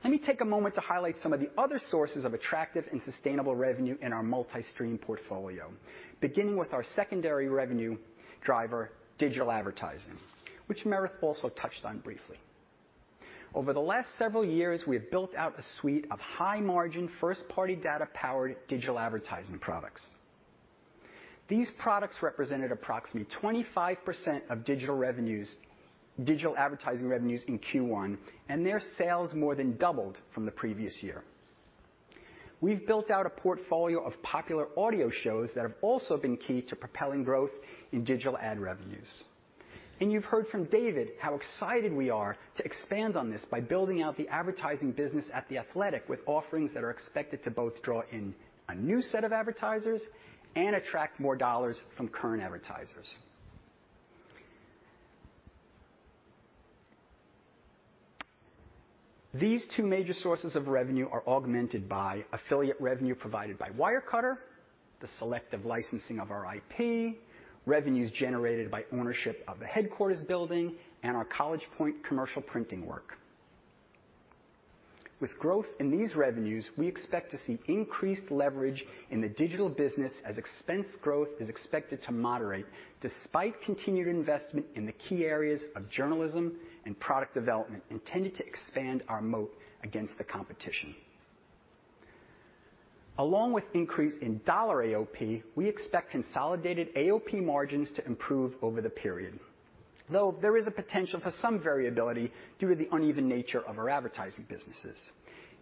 Let me take a moment to highlight some of the other sources of attractive and sustainable revenue in our multi-stream portfolio, beginning with our secondary revenue driver, digital advertising, which Meredith also touched on briefly. Over the last several years, we have built out a suite of high-margin, first-party data-powered digital advertising products. These products represented approximately 25% of digital advertising revenues in Q1, and their sales more than doubled from the previous year. We've built out a portfolio of popular audio shows that have also been key to propelling growth in digital ad revenues. You've heard from David how excited we are to expand on this by building out the advertising business at The Athletic with offerings that are expected to both draw in a new set of advertisers and attract more dollars from current advertisers. These two major sources of revenue are augmented by affiliate revenue provided by Wirecutter, the selective licensing of our IP, revenues generated by ownership of the headquarters building, and our College Point commercial printing work. With growth in these revenues, we expect to see increased leverage in the digital business as expense growth is expected to moderate despite continued investment in the key areas of journalism and product development intended to expand our moat against the competition. Along with increase in dollar AOP, we expect consolidated AOP margins to improve over the period, though there is a potential for some variability due to the uneven nature of our advertising businesses,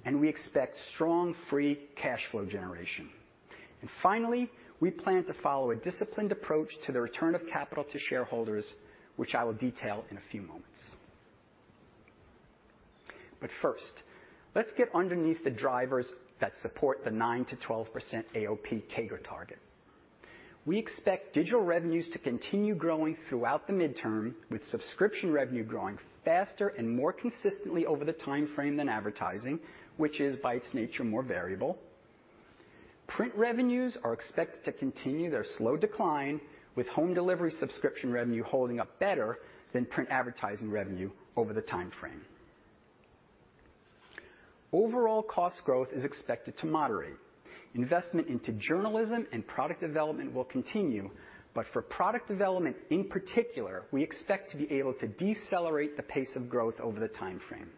and we expect strong free cash flow generation. Finally, we plan to follow a disciplined approach to the return of capital to shareholders, which I will detail in a few moments. First, let's get underneath the drivers that support the 9%-12% AOP CAGR target. We expect digital revenues to continue growing throughout the midterm, with subscription revenue growing faster and more consistently over the timeframe than advertising, which is by its nature, more variable. Print revenues are expected to continue their slow decline, with home delivery subscription revenue holding up better than print advertising revenue over the timeframe. Overall cost growth is expected to moderate. Investment into journalism and product development will continue, but for product development in particular, we expect to be able to decelerate the pace of growth over the time frame.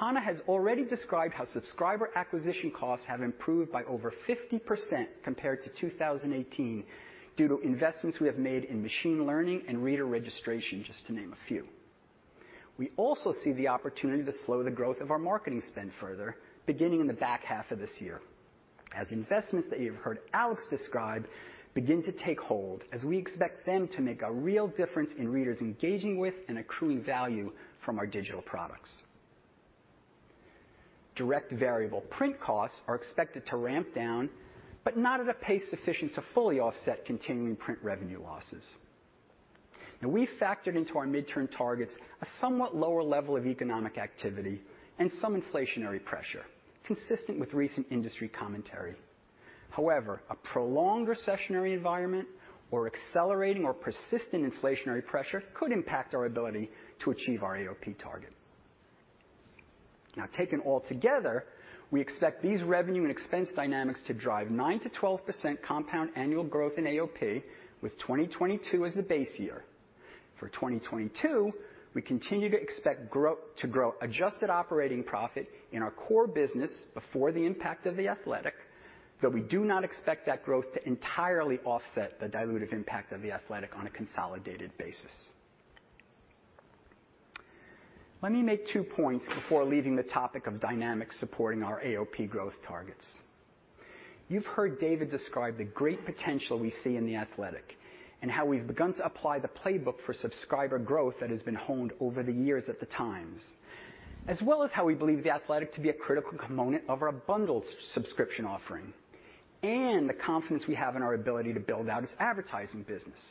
Hannah has already described how subscriber acquisition costs have improved by over 50% compared to 2018 due to investments we have made in machine learning and reader registration, just to name a few. We also see the opportunity to slow the growth of our marketing spend further beginning in the back half of this year as investments that you've heard Alex describe begin to take hold, as we expect them to make a real difference in readers engaging with and accruing value from our digital products. Direct variable print costs are expected to ramp down, but not at a pace sufficient to fully offset continuing print revenue losses. Now we factored into our mid-term targets a somewhat lower level of economic activity and some inflationary pressure consistent with recent industry commentary. However, a prolonged recessionary environment or accelerating or persistent inflationary pressure could impact our ability to achieve our AOP target. Now, taken all together, we expect these revenue and expense dynamics to drive 9%-12% compound annual growth in AOP, with 2022 as the base year. For 2022, we continue to expect to grow adjusted operating profit in our core business before the impact of The Athletic, though we do not expect that growth to entirely offset the dilutive impact of The Athletic on a consolidated basis. Let me make two points before leaving the topic of dynamics supporting our AOP growth targets. You've heard David describe the great potential we see in The Athletic and how we've begun to apply the playbook for subscriber growth that has been honed over the years at The Times, as well as how we believe The Athletic to be a critical component of our bundled subscription offering and the confidence we have in our ability to build out its advertising business.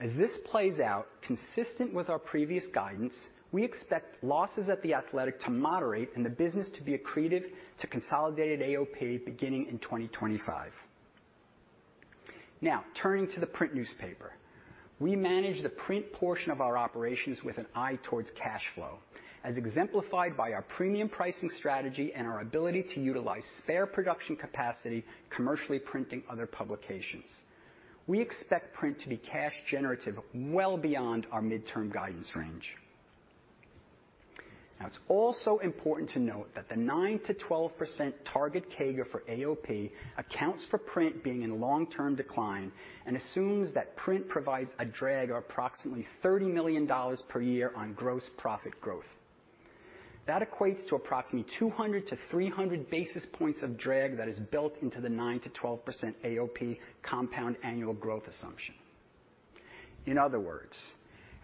As this plays out, consistent with our previous guidance, we expect losses at The Athletic to moderate and the business to be accretive to consolidated AOP beginning in 2025. Now turning to the print newspaper. We manage the print portion of our operations with an eye towards cash flow, as exemplified by our premium pricing strategy and our ability to utilize spare production capacity, commercially printing other publications. We expect print to be cash generative well beyond our midterm guidance range. Now, it's also important to note that the 9%-12% target CAGR for AOP accounts for print being in long-term decline and assumes that print provides a drag of approximately $30 million per year on gross profit growth. That equates to approximately 200 basis point-300 basis points of drag that is built into the 9%-12% AOP compound annual growth assumption. In other words,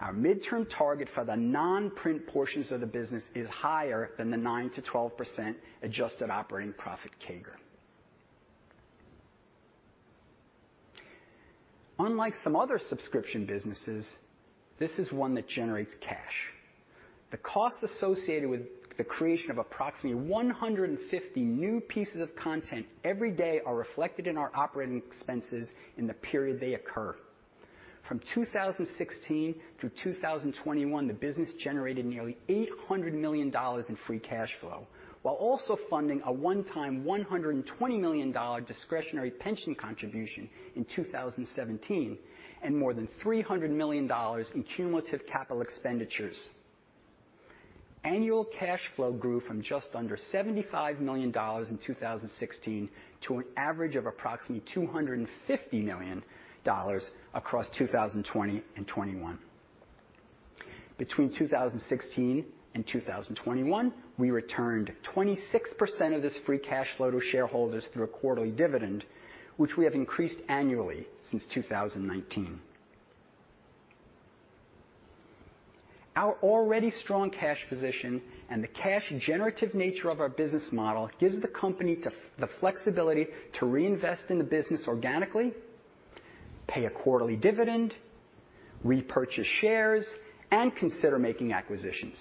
our midterm target for the non-print portions of the business is higher than the 9%-12% adjusted operating profit CAGR. Unlike some other subscription businesses, this is one that generates cash. The costs associated with the creation of approximately 150 new pieces of content every day are reflected in our operating expenses in the period they occur. From 2016 through 2021, the business generated nearly $800 million in free cash flow, while also funding a one-time $120 million discretionary pension contribution in 2017 and more than $300 million in cumulative capital expenditures. Annual cash flow grew from just under $75 million in 2016 to an average of approximately $250 million across 2020 and 2021. Between 2016 and 2021, we returned 26% of this free cash flow to shareholders through a quarterly dividend, which we have increased annually since 2019. Our already strong cash position and the cash generative nature of our business model gives the company the flexibility to reinvest in the business organically, pay a quarterly dividend, repurchase shares, and consider making acquisitions.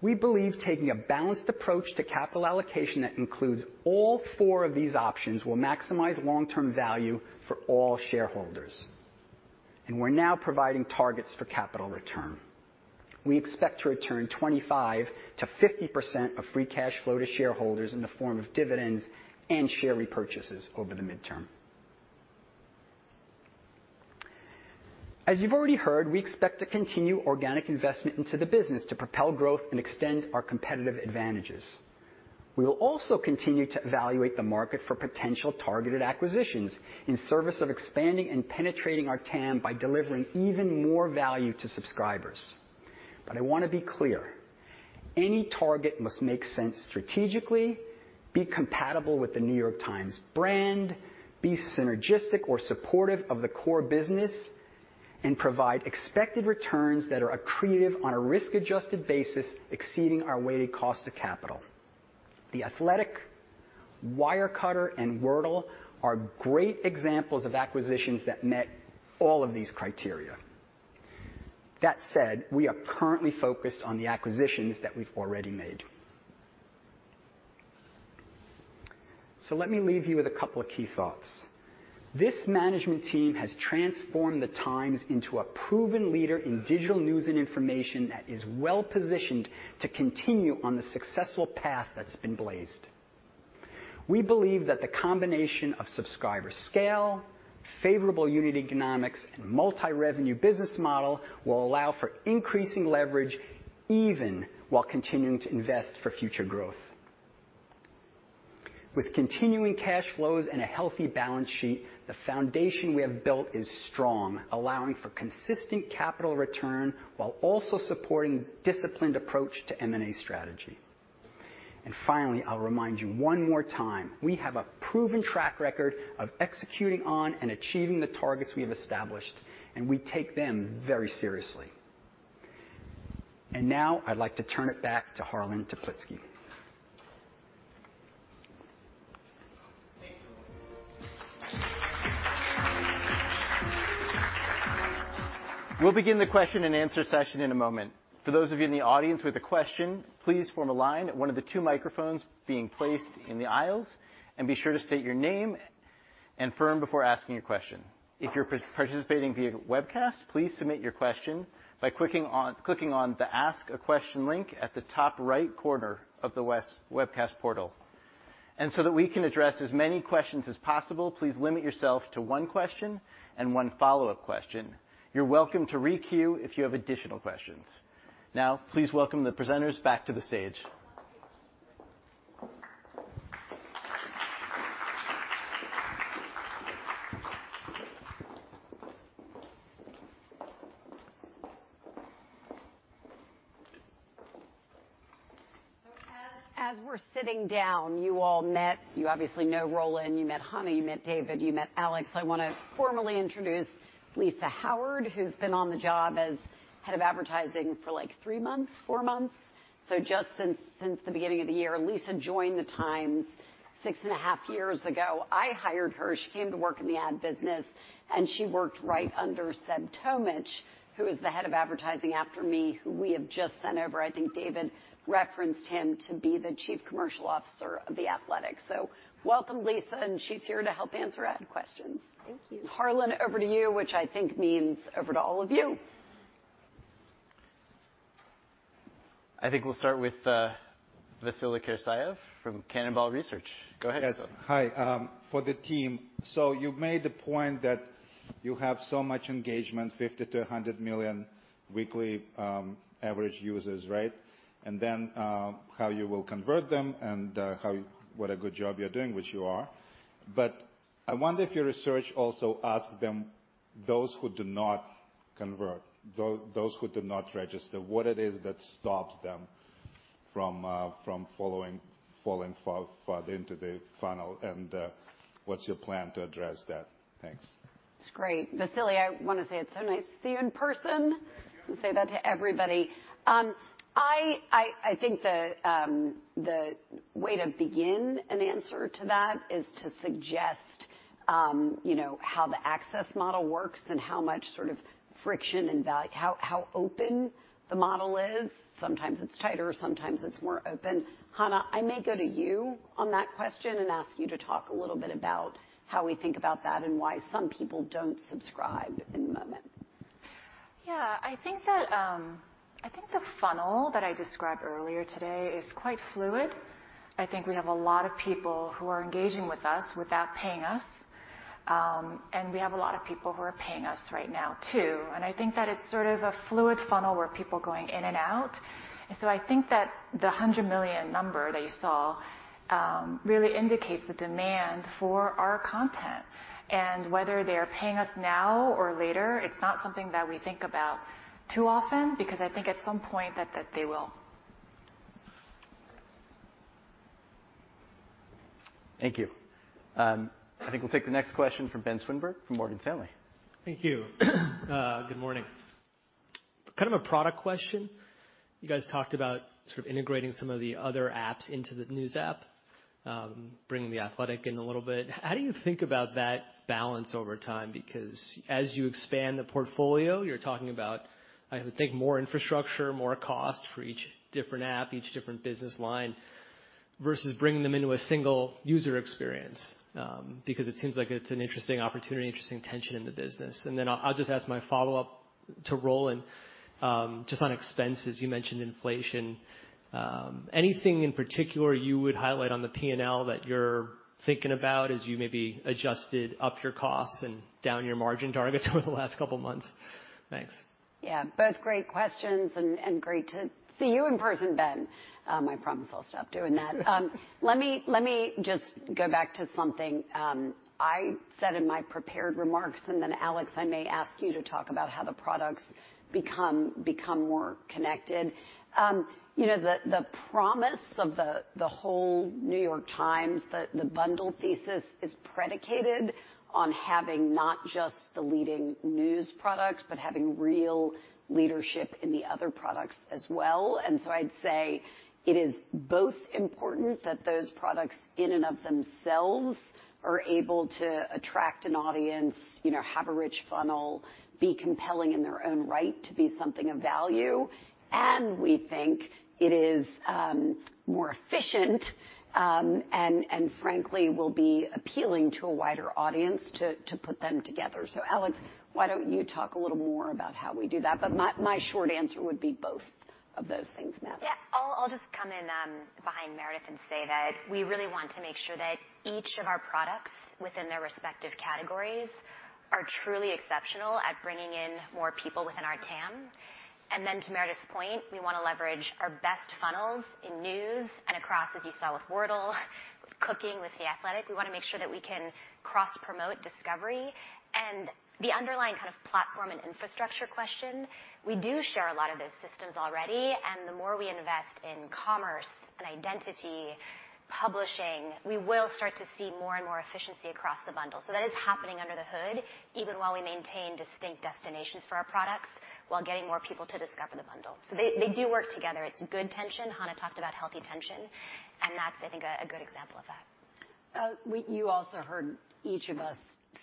We believe taking a balanced approach to capital allocation that includes all four of these options will maximize long-term value for all shareholders, and we're now providing targets for capital return. We expect to return 25%-50% of free cash flow to shareholders in the form of dividends and share repurchases over the midterm. As you've already heard, we expect to continue organic investment into the business to propel growth and extend our competitive advantages. We will also continue to evaluate the market for potential targeted acquisitions in service of expanding and penetrating our TAM by delivering even more value to subscribers. I wanna be clear: any target must make sense strategically, be compatible with The New York Times brand, be synergistic or supportive of the core business, and provide expected returns that are accretive on a risk-adjusted basis exceeding our weighted cost of capital. The Athletic, Wirecutter, and Wordle are great examples of acquisitions that met all of these criteria. That said, we are currently focused on the acquisitions that we've already made. Let me leave you with a couple of key thoughts. This management team has transformed The Times into a proven leader in digital news and information that is well-positioned to continue on the successful path that's been blazed. We believe that the combination of subscriber scale, favorable unit economics, and multi-revenue business model will allow for increasing leverage even while continuing to invest for future growth. With continuing cash flows and a healthy balance sheet, the foundation we have built is strong, allowing for consistent capital return while also supporting disciplined approach to M&A strategy. Finally, I'll remind you one more time, we have a proven track record of executing on and achieving the targets we have established, and we take them very seriously. Now I'd like to turn it back to Harlan Toplitzky. Thank you. We'll begin the question and answer session in a moment. For those of you in the audience with a question, please form a line at one of the two microphones being placed in the aisles, and be sure to state your name and firm before asking your question. If you're participating via webcast, please submit your question by clicking on the Ask a Question link at the top right corner of the webcast portal. That we can address as many questions as possible, please limit yourself to one question and one follow-up question. You're welcome to re-queue if you have additional questions. Now, please welcome the presenters back to the stage. As we're sitting down, you all met. You obviously know Roland. You met Hannah, you met David, you met Alex. I wanna formally introduce Lisa Howard, who's been on the job as head of advertising for, like, three months, four months. Just since the beginning of the year. Lisa joined The Times six and half years ago. I hired her. She came to work in the ad business, and she worked right under Seb Tomich, who is the head of advertising after me, who we have just sent over. I think David referenced him to be the chief commercial officer of The Athletic. Welcome, Lisa, and she's here to help answer ad questions. Thank you. Harlan, over to you, which I think means over to all of you. I think we'll start with Vasily Karasyov from Cannonball Research. Go ahead, Vasily. Yes. Hi. For the team, you made the point that you have so much engagement, 50 million-100 million weekly average users, right? How you will convert them and what a good job you're doing, which you are. I wonder if your research also asked them, those who do not convert, those who do not register, what it is that stops them from falling far, far into the funnel, and what's your plan to address that? Thanks. It's great. Vasily, I wanna say it's so nice to see you in person. Yeah, you too. I say that to everybody. I think the way to begin an answer to that is to suggest you know how the access model works and how much sort of friction and how open the model is. Sometimes it's tighter, sometimes it's more open. Hannah, I may go to you on that question and ask you to talk a little bit about how we think about that and why some people don't subscribe in the moment. Yeah. I think the funnel that I described earlier today is quite fluid. I think we have a lot of people who are engaging with us without paying us, and we have a lot of people who are paying us right now, too. I think that it's sort of a fluid funnel where people are going in and out. I think that the 100 million number that you saw really indicates the demand for our content. Whether they're paying us now or later, it's not something that we think about too often because I think at some point that they will. Thank you. I think we'll take the next question from Ben Swinburne from Morgan Stanley. Thank you. Good morning. Kind of a product question. You guys talked about sort of integrating some of the other apps into the News app, bringing The Athletic in a little bit. How do you think about that balance over time? Because as you expand the portfolio, you're talking about, I would think more infrastructure, more cost for each different app, each different business line versus bringing them into a single user experience. Because it seems like it's an interesting opportunity, interesting tension in the business. I'll just ask my follow-up to Roland Caputo, just on expenses. You mentioned inflation. Anything in particular you would highlight on the P&L that you're thinking about as you maybe adjusted up your costs and down your margin targets over the last couple of months? Thanks. Yeah, both great questions, and great to see you in person, Ben. I promise I'll stop doing that. Let me just go back to something I said in my prepared remarks, and then Alex, I may ask you to talk about how the products become more connected. You know, the promise of the whole New York Times, the bundle thesis is predicated on having not just the leading news products, but having real leadership in the other products as well. I'd say it is both important that those products in and of themselves are able to attract an audience, you know, have a rich funnel, be compelling in their own right to be something of value, and we think it is more efficient, and frankly, will be appealing to a wider audience to put them together. Alex, why don't you talk a little more about how we do that? My short answer would be both of those things, Matt. Yeah. I'll just come in behind Meredith and say that we really want to make sure that each of our products within their respective categories are truly exceptional at bringing in more people within our TAM. Then to Meredith's point, we wanna leverage our best funnels in news and across, as you saw with Wordle, with cooking, with The Athletic. We wanna make sure that we can cross-promote discovery. The underlying kind of platform and infrastructure question, we do share a lot of those systems already, and the more we invest in commerce and identity, publishing, we will start to see more and more efficiency across the bundle. That is happening under the hood, even while we maintain distinct destinations for our products while getting more people to discover the bundle. They do work together. It's good tension. Hannah talked about healthy tension, and that's, I think, a good example of that. You also heard each of us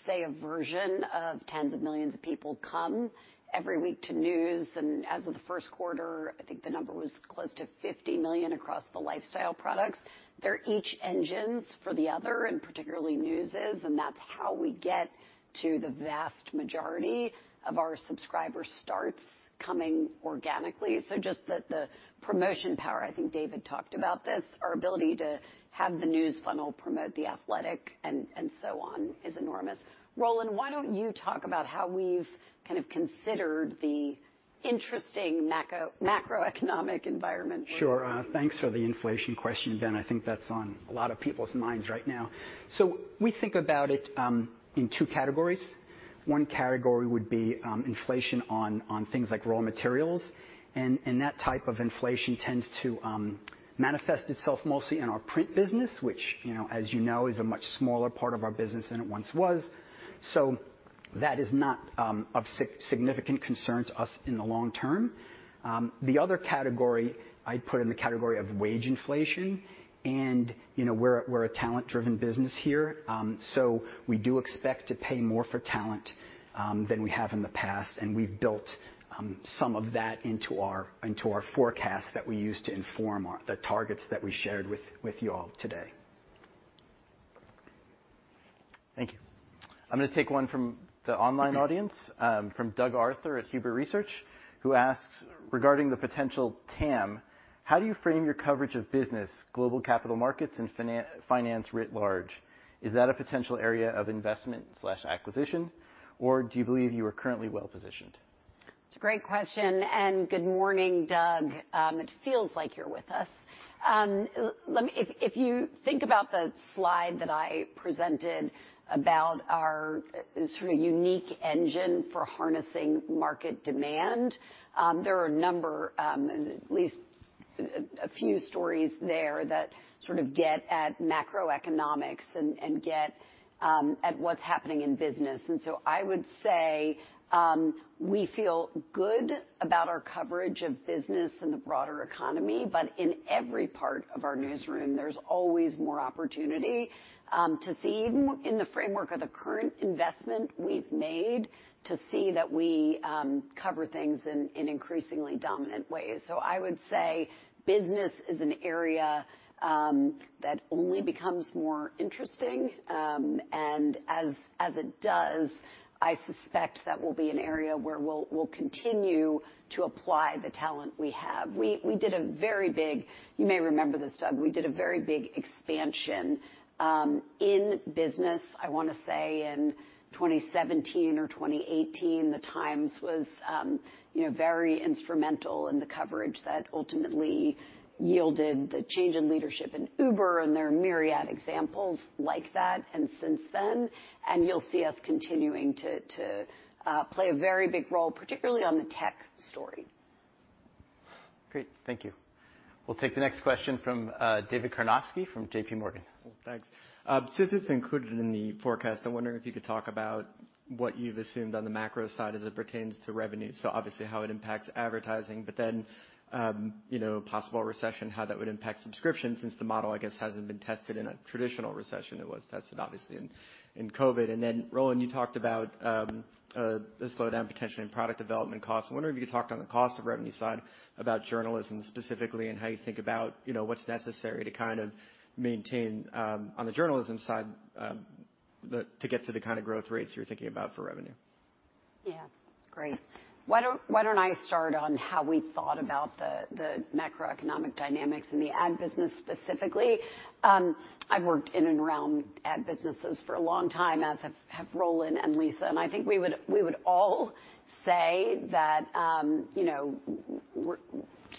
say a version of tens of millions of people come every week to news, and as of the first quarter, I think the number was close to 50 million across the lifestyle products. They're each engines for the other, and particularly news is, and that's how we get to the vast majority of our subscriber starts coming organically. Just the promotion power, I think David talked about this, our ability to have the news funnel promote The Athletic and so on is enormous. Roland, why don't you talk about how we've kind of considered the interesting macroeconomic environment. Sure. Thanks for the inflation question, Ben. I think that's on a lot of people's minds right now. We think about it in two categories. One category would be inflation on things like raw materials, and that type of inflation tends to manifest itself mostly in our print business, which, you know, as you know, is a much smaller part of our business than it once was. That is not of significant concern to us in the long term. The other category I'd put in the category of wage inflation. You know, we're a talent-driven business here, so we do expect to pay more for talent than we have in the past, and we've built some of that into our forecast that we use to inform the targets that we shared with you all today. Thank you. I'm gonna take one from the online audience, from Doug Arthur at Huber Research, who asks, "Regarding the potential TAM, how do you frame your coverage of business, global capital markets, and finance writ large? Is that a potential area of investment slash acquisition, or do you believe you are currently well-positioned? It's a great question, and good morning, Doug. It feels like you're with us. If you think about the slide that I presented about our sort of unique engine for harnessing market demand, there are a number, at least a few stories there that sort of get at macroeconomics and get at what's happening in business. I would say we feel good about our coverage of business and the broader economy, but in every part of our newsroom, there's always more opportunity to see even within the framework of the current investment we've made, to see that we cover things in increasingly dominant ways. I would say business is an area that only becomes more interesting. As it does, I suspect that will be an area where we'll continue to apply the talent we have. You may remember this, Doug. We did a very big expansion in business, I wanna say in 2017 or 2018. The Times was, you know, very instrumental in the coverage that ultimately yielded the change in leadership in Uber, and there are myriad examples like that, and since then. You'll see us continuing to play a very big role, particularly on the tech story. Great. Thank you. We'll take the next question from David Karnovsky from JPMorgan. Thanks. Since it's included in the forecast, I'm wondering if you could talk about what you've assumed on the macro side as it pertains to revenue. Obviously how it impacts advertising, but then possible recession, how that would impact subscription since the model, I guess, hasn't been tested in a traditional recession. It was tested obviously in COVID-19. Then, Roland, you talked about the slowdown potentially in product development costs. I'm wondering if you could talk on the cost of revenue side about journalism specifically and how you think about what's necessary to kind of maintain on the journalism side to get to the kind of growth rates you're thinking about for revenue. Yeah. Great. Why don't I start on how we thought about the macroeconomic dynamics in the ad business specifically? I've worked in and around ad businesses for a long time, as have Roland and Lisa, and I think we would all say that, you know,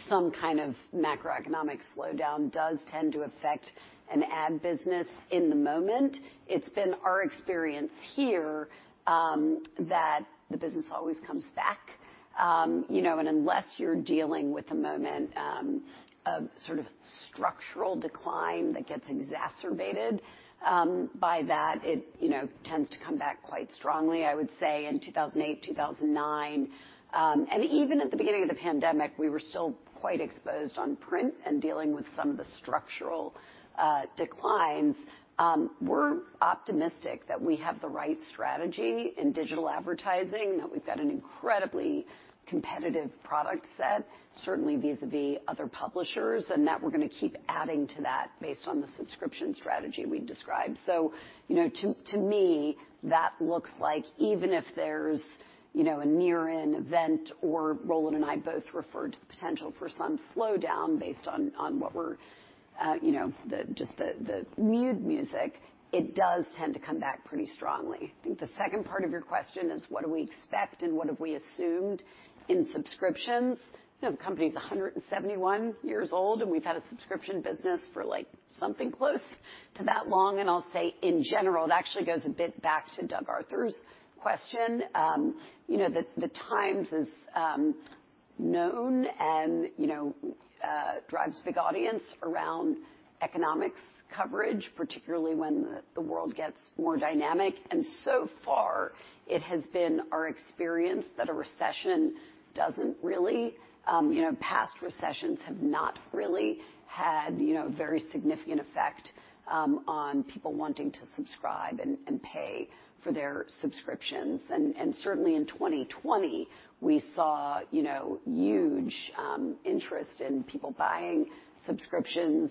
some kind of macroeconomic slowdown does tend to affect an ad business in the moment. It's been our experience here that the business always comes back. You know, and unless you're dealing with a moment of sort of structural decline that gets exacerbated by that, it, you know, tends to come back quite strongly. I would say in 2008, 2009, and even at the beginning of the pandemic, we were still quite exposed on print and dealing with some of the structural declines. We're optimistic that we have the right strategy in digital advertising, that we've got an incredibly competitive product set, certainly vis-à-vis other publishers, and that we're gonna keep adding to that based on the subscription strategy we described. You know, to me, that looks like even if there's, you know, a near-term event or Roland and I both referred to the potential for some slowdown based on what we're, you know, just the mood music, it does tend to come back pretty strongly. I think the second part of your question is what do we expect and what have we assumed in subscriptions. You know, the company's 171 years old, and we've had a subscription business for, like, something close to that long. I'll say in general, it actually goes a bit back to Doug Arthur's question. You know, The Times is known and you know drives a big audience around economics coverage, particularly when the world gets more dynamic. So far, it has been our experience that a recession doesn't really you know past recessions have not really had you know very significant effect on people wanting to subscribe and pay for their subscriptions. Certainly in 2020, we saw you know huge interest in people buying subscriptions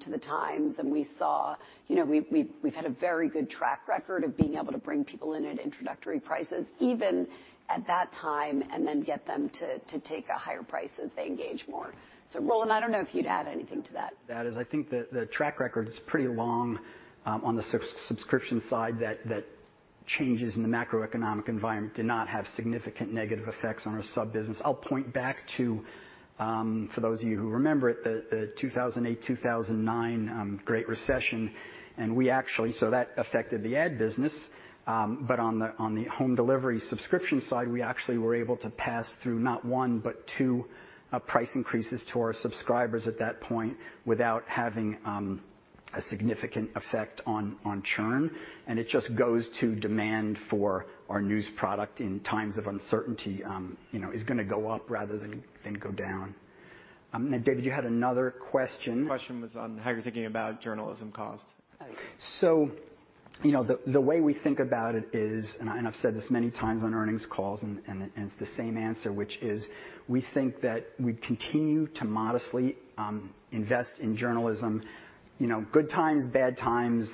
to The Times. We saw you know we've had a very good track record of being able to bring people in at introductory prices, even at that time, and then get them to take a higher price as they engage more. Roland, I don't know if you'd add anything to that. That is, I think the track record is pretty long on the subscription side that changes in the macroeconomic environment did not have significant negative effects on our subscription business. I'll point back to, for those of you who remember it, the 2008, 2009 Great Recession, and that affected the ad business. But on the home delivery subscription side, we actually were able to pass through not one, but two price increases to our subscribers at that point without having a significant effect on churn. It just goes to demand for our news product in times of uncertainty, you know, is gonna go up rather than go down. David, you had another question. The question was on how you're thinking about journalism cost. Okay. You know, the way we think about it is, and I've said this many times on earnings calls and it's the same answer, which is we think that we continue to modestly invest in journalism. You know, good times, bad times,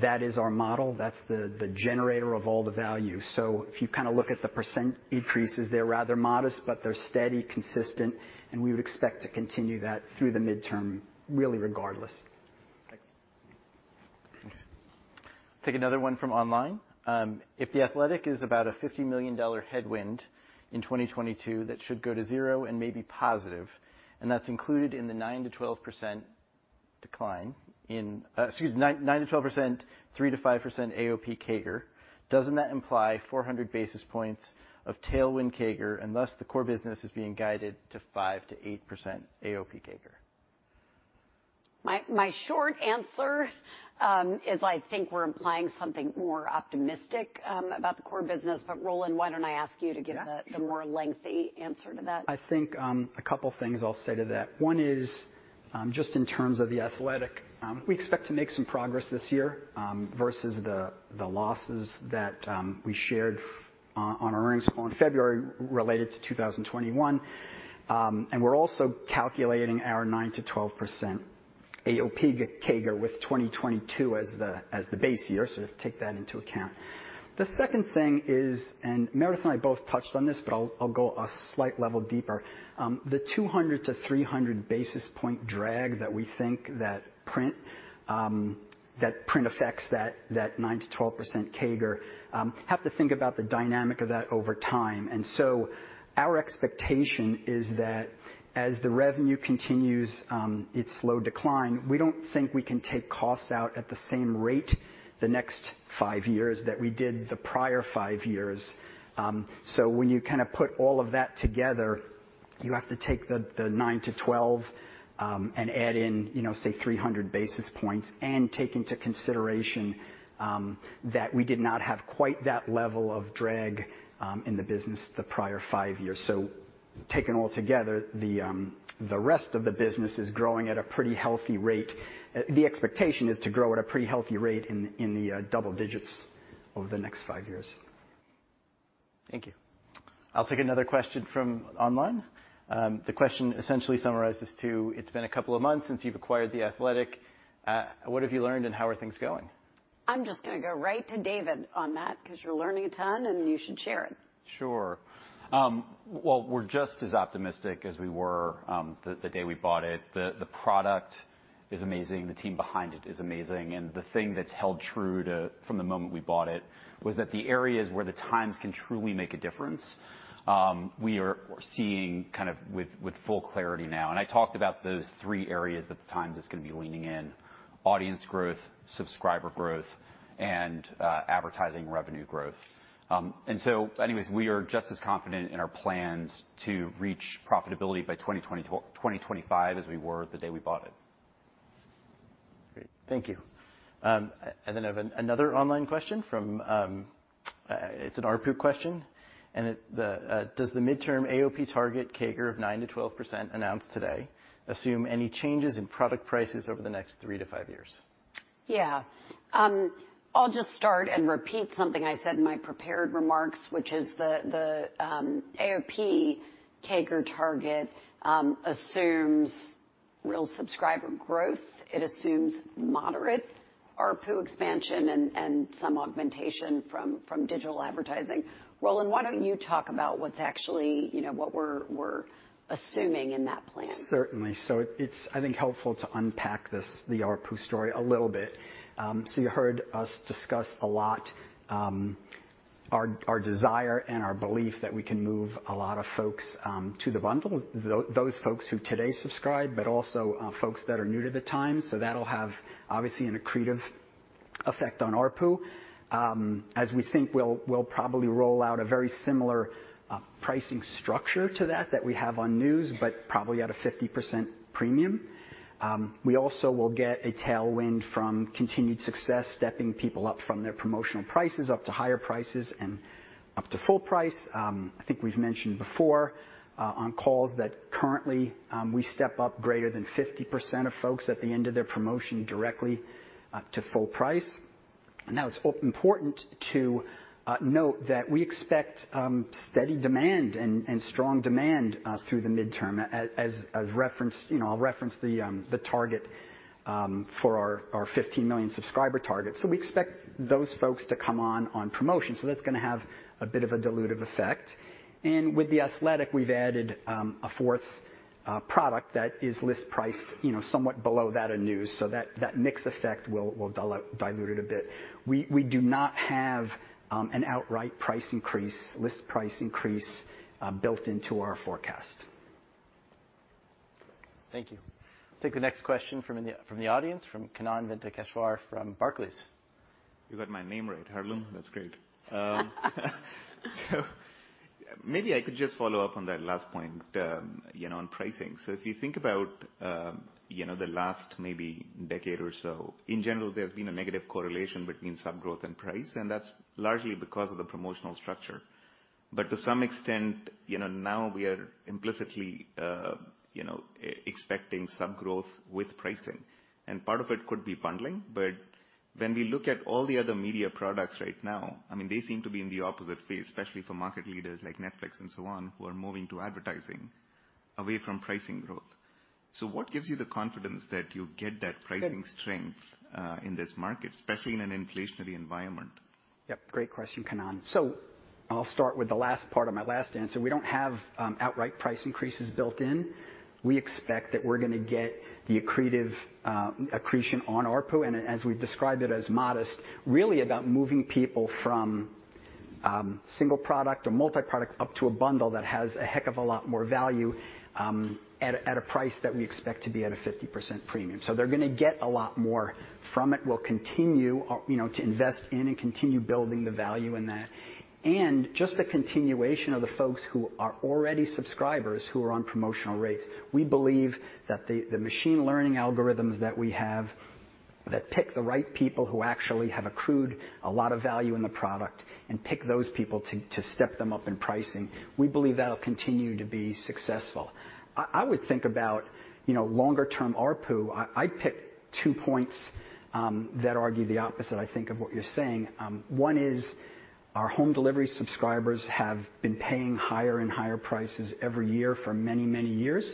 that is our model. That's the generator of all the value. If you kinda look at the percent increases, they're rather modest, but they're steady, consistent, and we would expect to continue that through the medium term, really regardless. Thanks. Thanks. Take another one from online. If The Athletic is about a $50 million headwind in 2022, that should go to zero and maybe positive, and that's included in the 9%-12%, 3%-5% AOP CAGR, doesn't that imply 400 basis points of tailwind CAGR, and thus the core business is being guided to 5%-8% AOP CAGR? My short answer is I think we're implying something more optimistic about the core business. Roland, why don't I ask you to give the- Yeah, sure. the more lengthy answer to that? I think a couple of things I'll say to that. One is just in terms of The Athletic, we expect to make some progress this year versus the losses that we shared on earnings call in February related to 2021. We're also calculating our 9%-12% AOP CAGR with 2022 as the base year. Take that into account. The second thing is, Meredith and I both touched on this, but I'll go a slight level deeper. The 200-300 basis point drag that we think that print affects that 9%-12% CAGR, have to think about the dynamic of that over time. Our expectation is that as the revenue continues its slow decline, we don't think we can take costs out at the same rate the next five years that we did the prior five years. When you kinda put all of that together, you have to take the 9%-12% and add in, you know, say, 300 basis points and take into consideration that we did not have quite that level of drag in the business the prior five years. Taken all together, the rest of the business is growing at a pretty healthy rate. The expectation is to grow at a pretty healthy rate in the double digits over the next five years. Thank you. I'll take another question from online. The question essentially summarizes to, it's been a couple of months since you've acquired The Athletic. What have you learned and how are things going? I'm just gonna go right to David on that because you're learning a ton and you should share it. Sure. Well, we're just as optimistic as we were, the day we bought it. The product, It's amazing, the team behind it is amazing. The thing that's held true to—from the moment we bought it was that the areas where The Times can truly make a difference, we are seeing with full clarity now. I talked about those three areas that The Times is gonna be leaning in. Audience growth, subscriber growth, and advertising revenue growth. Anyways, we are just as confident in our plans to reach profitability by 2024-2025 as we were the day we bought it. Great. Thank you. I have another online question from. It's an ARPU question, and it does the midterm AOP target CAGR of 9%-12% announced today assume any changes in product prices over the next three to five years? Yeah. I'll just start and repeat something I said in my prepared remarks, which is the AOP CAGR target assumes real subscriber growth. It assumes moderate ARPU expansion and some augmentation from digital advertising. Roland, why don't you talk about what's actually. You know, what we're assuming in that plan. Certainly. It's, I think, helpful to unpack this, the ARPU story a little bit. You heard us discuss a lot, our desire and our belief that we can move a lot of folks, to the bundle, those folks who today subscribe, but also, folks that are new to The Times. That'll have, obviously, an accretive effect on ARPU, as we think we'll probably roll out a very similar, pricing structure to that that we have on News, but probably at a 50% premium. We also will get a tailwind from continued success, stepping people up from their promotional prices up to higher prices and up to full price. I think we've mentioned before, on calls that currently, we step up greater than 50% of folks at the end of their promotion directly to full price. Now, it's important to note that we expect steady demand and strong demand through the midterm. As referenced, you know, I'll reference the target for our 15 million subscriber target. We expect those folks to come on promotion, so that's gonna have a bit of a dilutive effect. With The Athletic, we've added a fourth product that is list priced, you know, somewhat below that of News. So that mix effect will dilute it a bit. We do not have an outright price increase, list price increase, built into our forecast. Thank you. I'll take the next question from the audience, from Kannan Venkateshwar from Barclays. You got my name right, Harlan. That's great. Maybe I could just follow up on that last point, you know, on pricing. If you think about, you know, the last maybe decade or so, in general, there's been a negative correlation between sub growth and price, and that's largely because of the promotional structure. To some extent, you know, now we are implicitly, you know, expecting sub growth with pricing, and part of it could be bundling. When we look at all the other media products right now, I mean, they seem to be in the opposite phase, especially for market leaders like Netflix and so on, who are moving to advertising away from pricing growth. What gives you the confidence that you'll get that pricing strength, in this market, especially in an inflationary environment? Yep, great question, Kannan. I'll start with the last part of my last answer. We don't have outright price increases built in. We expect that we're gonna get the accretive accretion on ARPU, and as we've described it as modest, really about moving people from single product or multi-product up to a bundle that has a heck of a lot more value at a price that we expect to be at a 50% premium. They're gonna get a lot more from it. We'll continue, you know, to invest in and continue building the value in that. Just the continuation of the folks who are already subscribers who are on promotional rates. We believe that the machine learning algorithms that we have that pick the right people who actually have accrued a lot of value in the product and pick those people to step them up in pricing. We believe that'll continue to be successful. I would think about, you know, longer term ARPU. I'd pick two points that argue the opposite, I think, of what you're saying. One is our home delivery subscribers have been paying higher and higher prices every year for many, many years.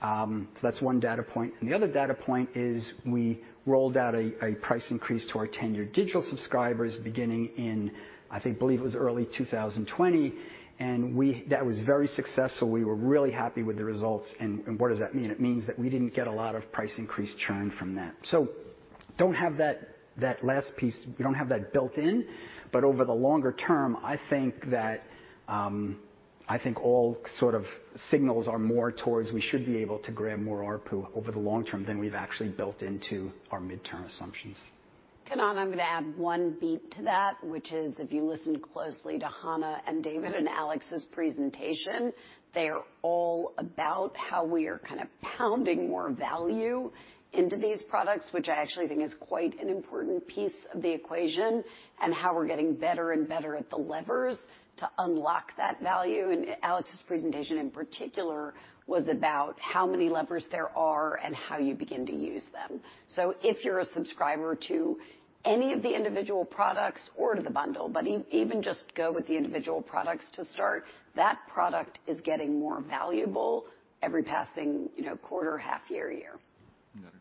So that's one data point. The other data point is we rolled out a price increase to our 10-year digital subscribers beginning in, I believe it was early 2020, and that was very successful. We were really happy with the results. What does that mean? It means that we didn't get a lot of price increase churn from that. Don't have that last piece. We don't have that built in. Over the longer term, I think all sort of signals are more towards we should be able to grab more ARPU over the long term than we've actually built into our midterm assumptions. Kannan, I'm gonna add one beat to that, which is if you listen closely to Hannah and David and Alex's presentation, they are all about how we are kind of pounding more value into these products, which I actually think is quite an important piece of the equation, and how we're getting better and better at the levers to unlock that value. And Alex's presentation in particular was about how many levers there are and how you begin to use them. If you're a subscriber to any of the individual products or to the bundle, but even just go with the individual products to start, that product is getting more valuable every passing, you know, quarter, half year. Got it.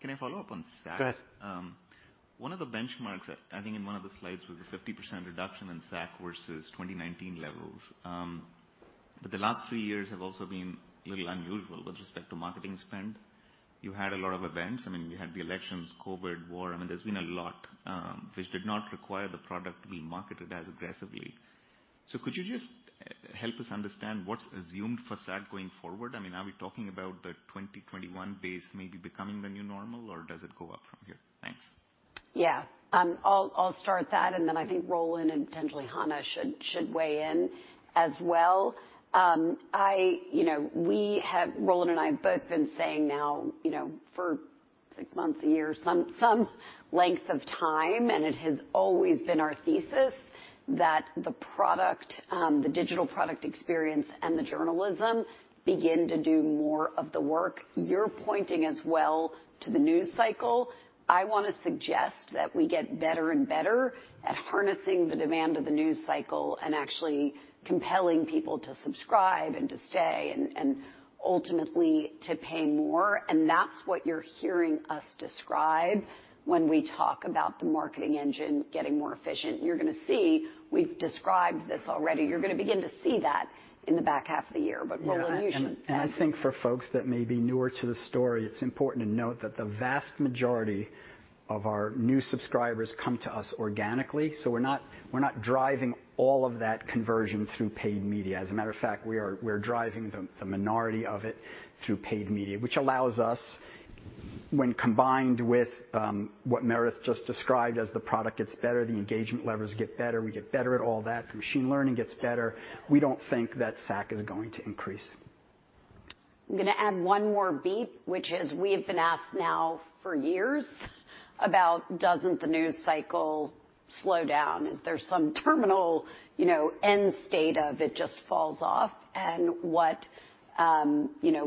Can I follow up on SAC? Go ahead. One of the benchmarks, I think in one of the slides, was a 50% reduction in SAC versus 2019 levels. The last three years have also been really unusual with respect to marketing spend. You had a lot of events. I mean, you had the elections, COVID, war. I mean, there's been a lot, which did not require the product to be marketed as aggressively. Could you just help us understand what's assumed for SAC going forward? I mean, are we talking about the 2021 base maybe becoming the new normal, or does it go up from here? Thanks. Yeah. I'll start that, and then I think Roland and potentially Hannah should weigh in as well. You know, Roland and I have both been saying now, you know, for six months, a year, some length of time, and it has always been our thesis that the product, the digital product experience and the journalism begin to do more of the work. You're pointing as well to the news cycle. I wanna suggest that we get better and better at harnessing the demand of the news cycle and actually compelling people to subscribe and to stay and ultimately to pay more, and that's what you're hearing us describe when we talk about the marketing engine getting more efficient. You're gonna see, we've described this already. You're gonna begin to see that in the back half of the year. Roland, you should add. Yeah, I think for folks that may be newer to the story, it's important to note that the vast majority of our new subscribers come to us organically, so we're not driving all of that conversion through paid media. As a matter of fact, we're driving the minority of it through paid media, which allows us, when combined with what Meredith just described as the product gets better, the engagement levels get better, we get better at all that, the machine learning gets better. We don't think that SAC is going to increase. I'm gonna add one more beat, which is we've been asked now for years about doesn't the news cycle slow down? Is there some terminal, you know, end state of it just falls off?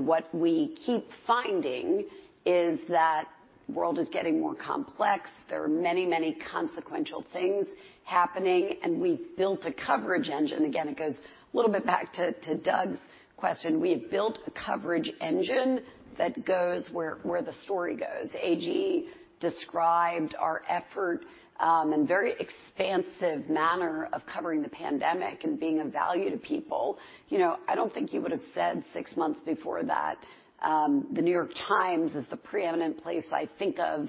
What we keep finding is that world is getting more complex. There are many, many consequential things happening, and we've built a coverage engine. Again, it goes a little bit back to Doug's question. We have built a coverage engine that goes where the story goes. A.G. described our effort in very expansive manner of covering the pandemic and being of value to people. You know, I don't think he would have said six months before that, The New York Times is the preeminent place I think of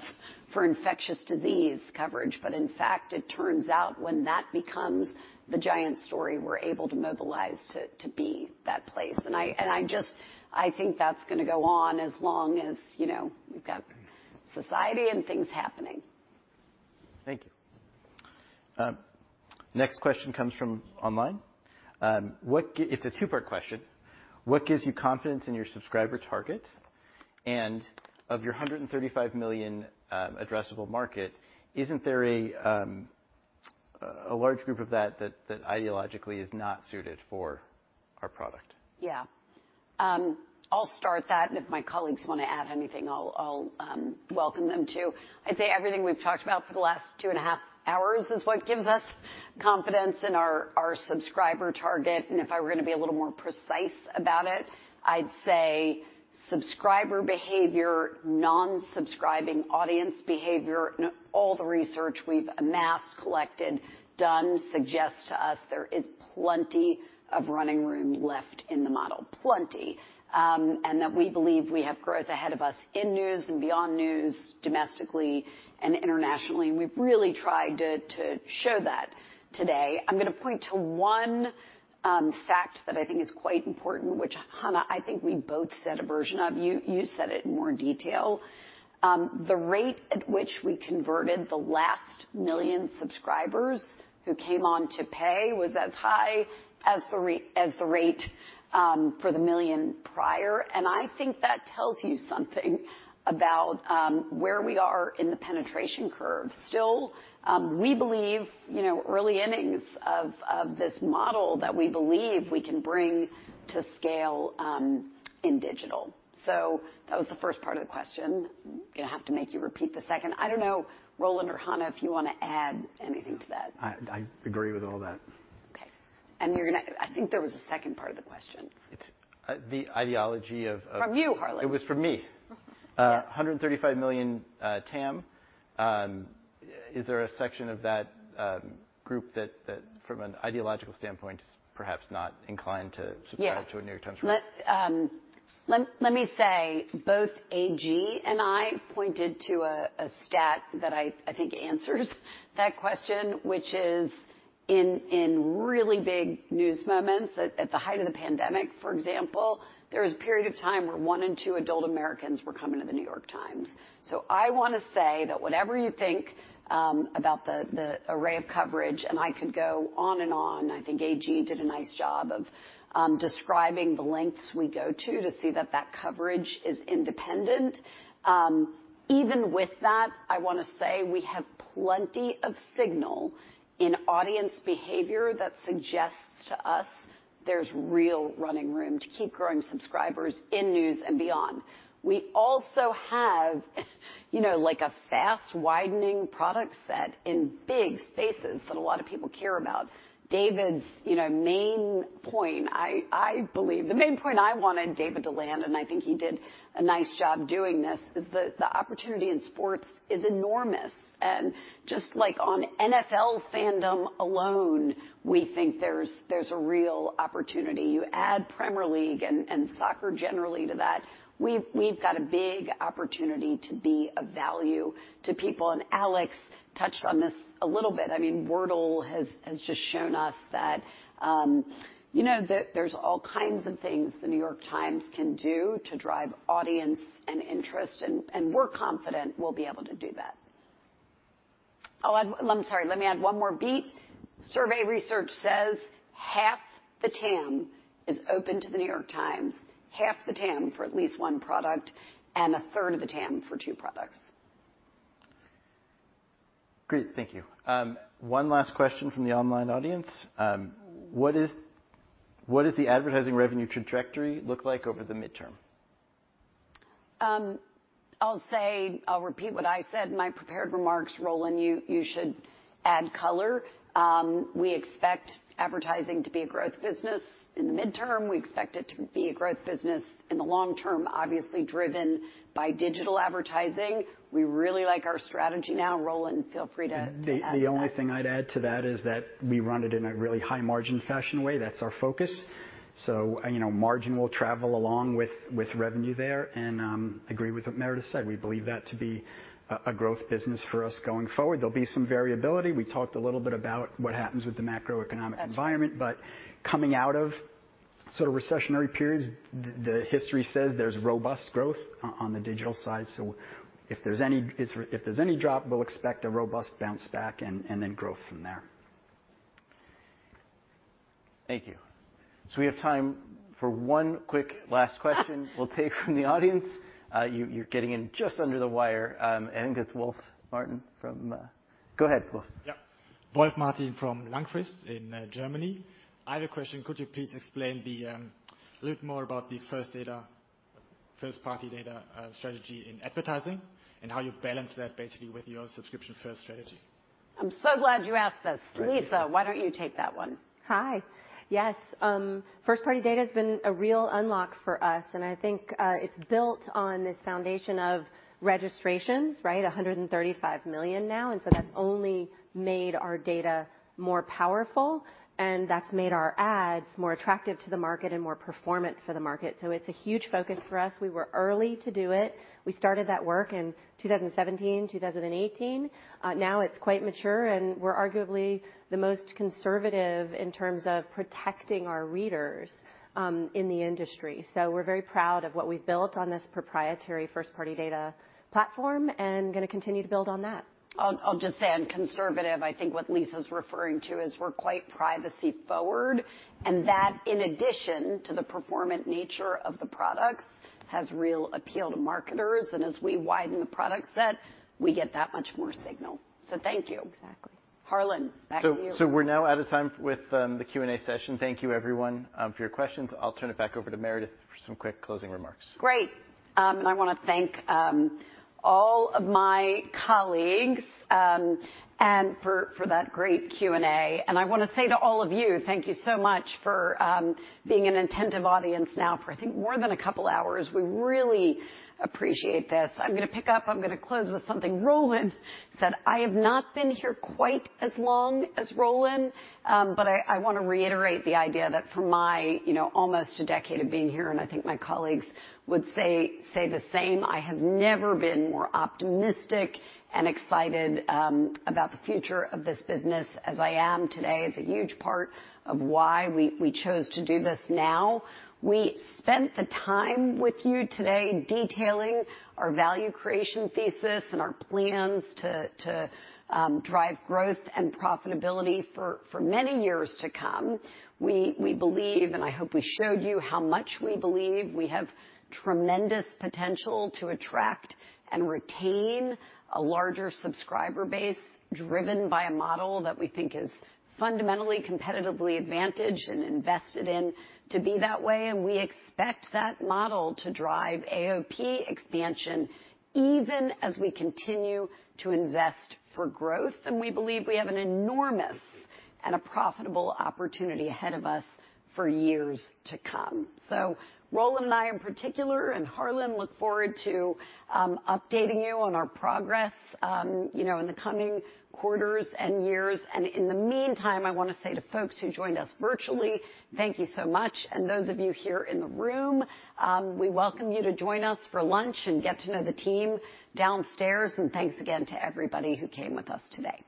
for infectious disease coverage. In fact, it turns out when that becomes the giant story, we're able to mobilize to be that place. I just think that's gonna go on as long as, you know, we've got society and things happening. Thank you. Next question comes from online. It's a two-part question. What gives you confidence in your subscriber target? Of your 135 million addressable market, isn't there a large group of that that ideologically is not suited for our product? Yeah. I'll start that, and if my colleagues wanna add anything, I'll welcome them to. I'd say everything we've talked about for the last two and a half hours is what gives us confidence in our subscriber target, and if I were gonna be a little more precise about it, I'd say subscriber behavior, non-subscribing audience behavior, all the research we've amassed, collected, done suggests to us there is plenty of running room left in the model, plenty. And that we believe we have growth ahead of us in news and beyond news, domestically and internationally, and we've really tried to show that today. I'm gonna point to one fact that I think is quite important, which Hannah, I think we both said a version of. You said it in more detail. The rate at which we converted the last million subscribers who came on to pay was as high as the rate for the million prior. I think that tells you something about where we are in the penetration curve. Still, we believe, you know, early innings of this model that we believe we can bring to scale in digital. That was the first part of the question. Gonna have to make you repeat the second. I don't know, Roland or Hannah, if you wanna add anything to that. I agree with all that. Okay. I think there was a second part of the question. It's the ideology of From you, Harlan. It was from me. Yes. $135 million TAM. Is there a section of that group that from an ideological standpoint, perhaps not inclined to subscribe to a New York Times reader? Yeah. Let me say, both A.G. and I pointed to a stat that I think answers that question, which is in really big news moments, at the height of the pandemic, for example, there was a period of time where one in two adult Americans were coming to The New York Times. I wanna say that whatever you think about the array of coverage, and I could go on and on, I think A.G. did a nice job of describing the lengths we go to to see that that coverage is independent. Even with that, I wanna say we have plenty of signal in audience behavior that suggests to us there's real running room to keep growing subscribers in news and beyond. We also have, you know, like a fast widening product set in big spaces that a lot of people care about. David's, you know, main point, I believe the main point I wanted David to land, and I think he did a nice job doing this, is the opportunity in sports is enormous, and just like on NFL fandom alone, we think there's a real opportunity. You add Premier League and soccer generally to that, we've got a big opportunity to be of value to people. Alex touched on this a little bit. I mean, Wordle has just shown us that, you know, that there's all kinds of things The New York Times can do to drive audience and interest, and we're confident we'll be able to do that. Oh, I'm sorry. Let me add one more beat. Survey research says half the TAM is open to The New York Times, half the TAM for at least one product, and a third of the TAM for two products. Great. Thank you. One last question from the online audience. What does the advertising revenue trajectory look like over the midterm? I'll repeat what I said in my prepared remarks. Roland, you should add color. We expect advertising to be a growth business in the midterm. We expect it to be a growth business in the long term, obviously driven by digital advertising. We really like our strategy now. Roland, feel free to add to that. The only thing I'd add to that is that we run it in a really high margin fashion way. That's our focus. Margin will travel along with revenue there, and agree with what Meredith said. We believe that to be a growth business for us going forward. There'll be some variability. We talked a little bit about what happens with the macroeconomic environment. Absolutely. Coming out of sort of recessionary periods, the history says there's robust growth on the digital side. If there's any drop, we'll expect a robust bounce back and then growth from there. Thank you. So we have time for one quick last question we'll take from the audience. You're getting in just under the wire. It's Doug Arthur from. Go ahead, Doug Arthur. Yeah. Doug Arthur from Langfrist in Germany. I have a question. Could you please explain a little more about the first-party data strategy in advertising and how you balance that basically with your subscription-first strategy? I'm so glad you asked this. Lisa, why don't you take that one? Hi. Yes. First-party data's been a real unlock for us, and I think it's built on this foundation of registrations, right? 135 million now, and so that's only made our data more powerful, and that's made our ads more attractive to the market and more performant for the market, so it's a huge focus for us. We were early to do it. We started that work in 2017, 2018. Now it's quite mature, and we're arguably the most conservative in terms of protecting our readers in the industry. So we're very proud of what we've built on this proprietary first-party data platform and gonna continue to build on that. I'll just say on conservative, I think what Lisa's referring to is we're quite privacy forward, and that in addition to the performant nature of the products, has real appeal to marketers, and as we widen the product set, we get that much more signal. So thank you. Exactly. Harlan, back to you. We're now out of time with the Q&A session. Thank you, everyone, for your questions. I'll turn it back over to Meredith for some quick closing remarks. Great. I wanna thank all of my colleagues and for that great Q&A. I wanna say to all of you, thank you so much for being an attentive audience now for, I think, more than a couple hours. We really appreciate this. I'm gonna close with something Roland said. I have not been here quite as long as Roland, but I wanna reiterate the idea that for my, you know, almost a decade of being here, and I think my colleagues would say the same. I have never been more optimistic and excited about the future of this business as I am today. It's a huge part of why we chose to do this now. We spent the time with you today detailing our value creation thesis and our plans to drive growth and profitability for many years to come. We believe, and I hope we showed you how much we believe, we have tremendous potential to attract and retain a larger subscriber base driven by a model that we think is fundamentally competitively advantaged and invested in to be that way, and we expect that model to drive AOP expansion even as we continue to invest for growth, and we believe we have an enormous and profitable opportunity ahead of us for years to come. Roland and I, in particular, and Harlan look forward to updating you on our progress, you know, in the coming quarters and years. In the meantime, I wanna say to folks who joined us virtually, thank you so much. Those of you here in the room, we welcome you to join us for lunch and get to know the team downstairs. Thanks again to everybody who came with us today.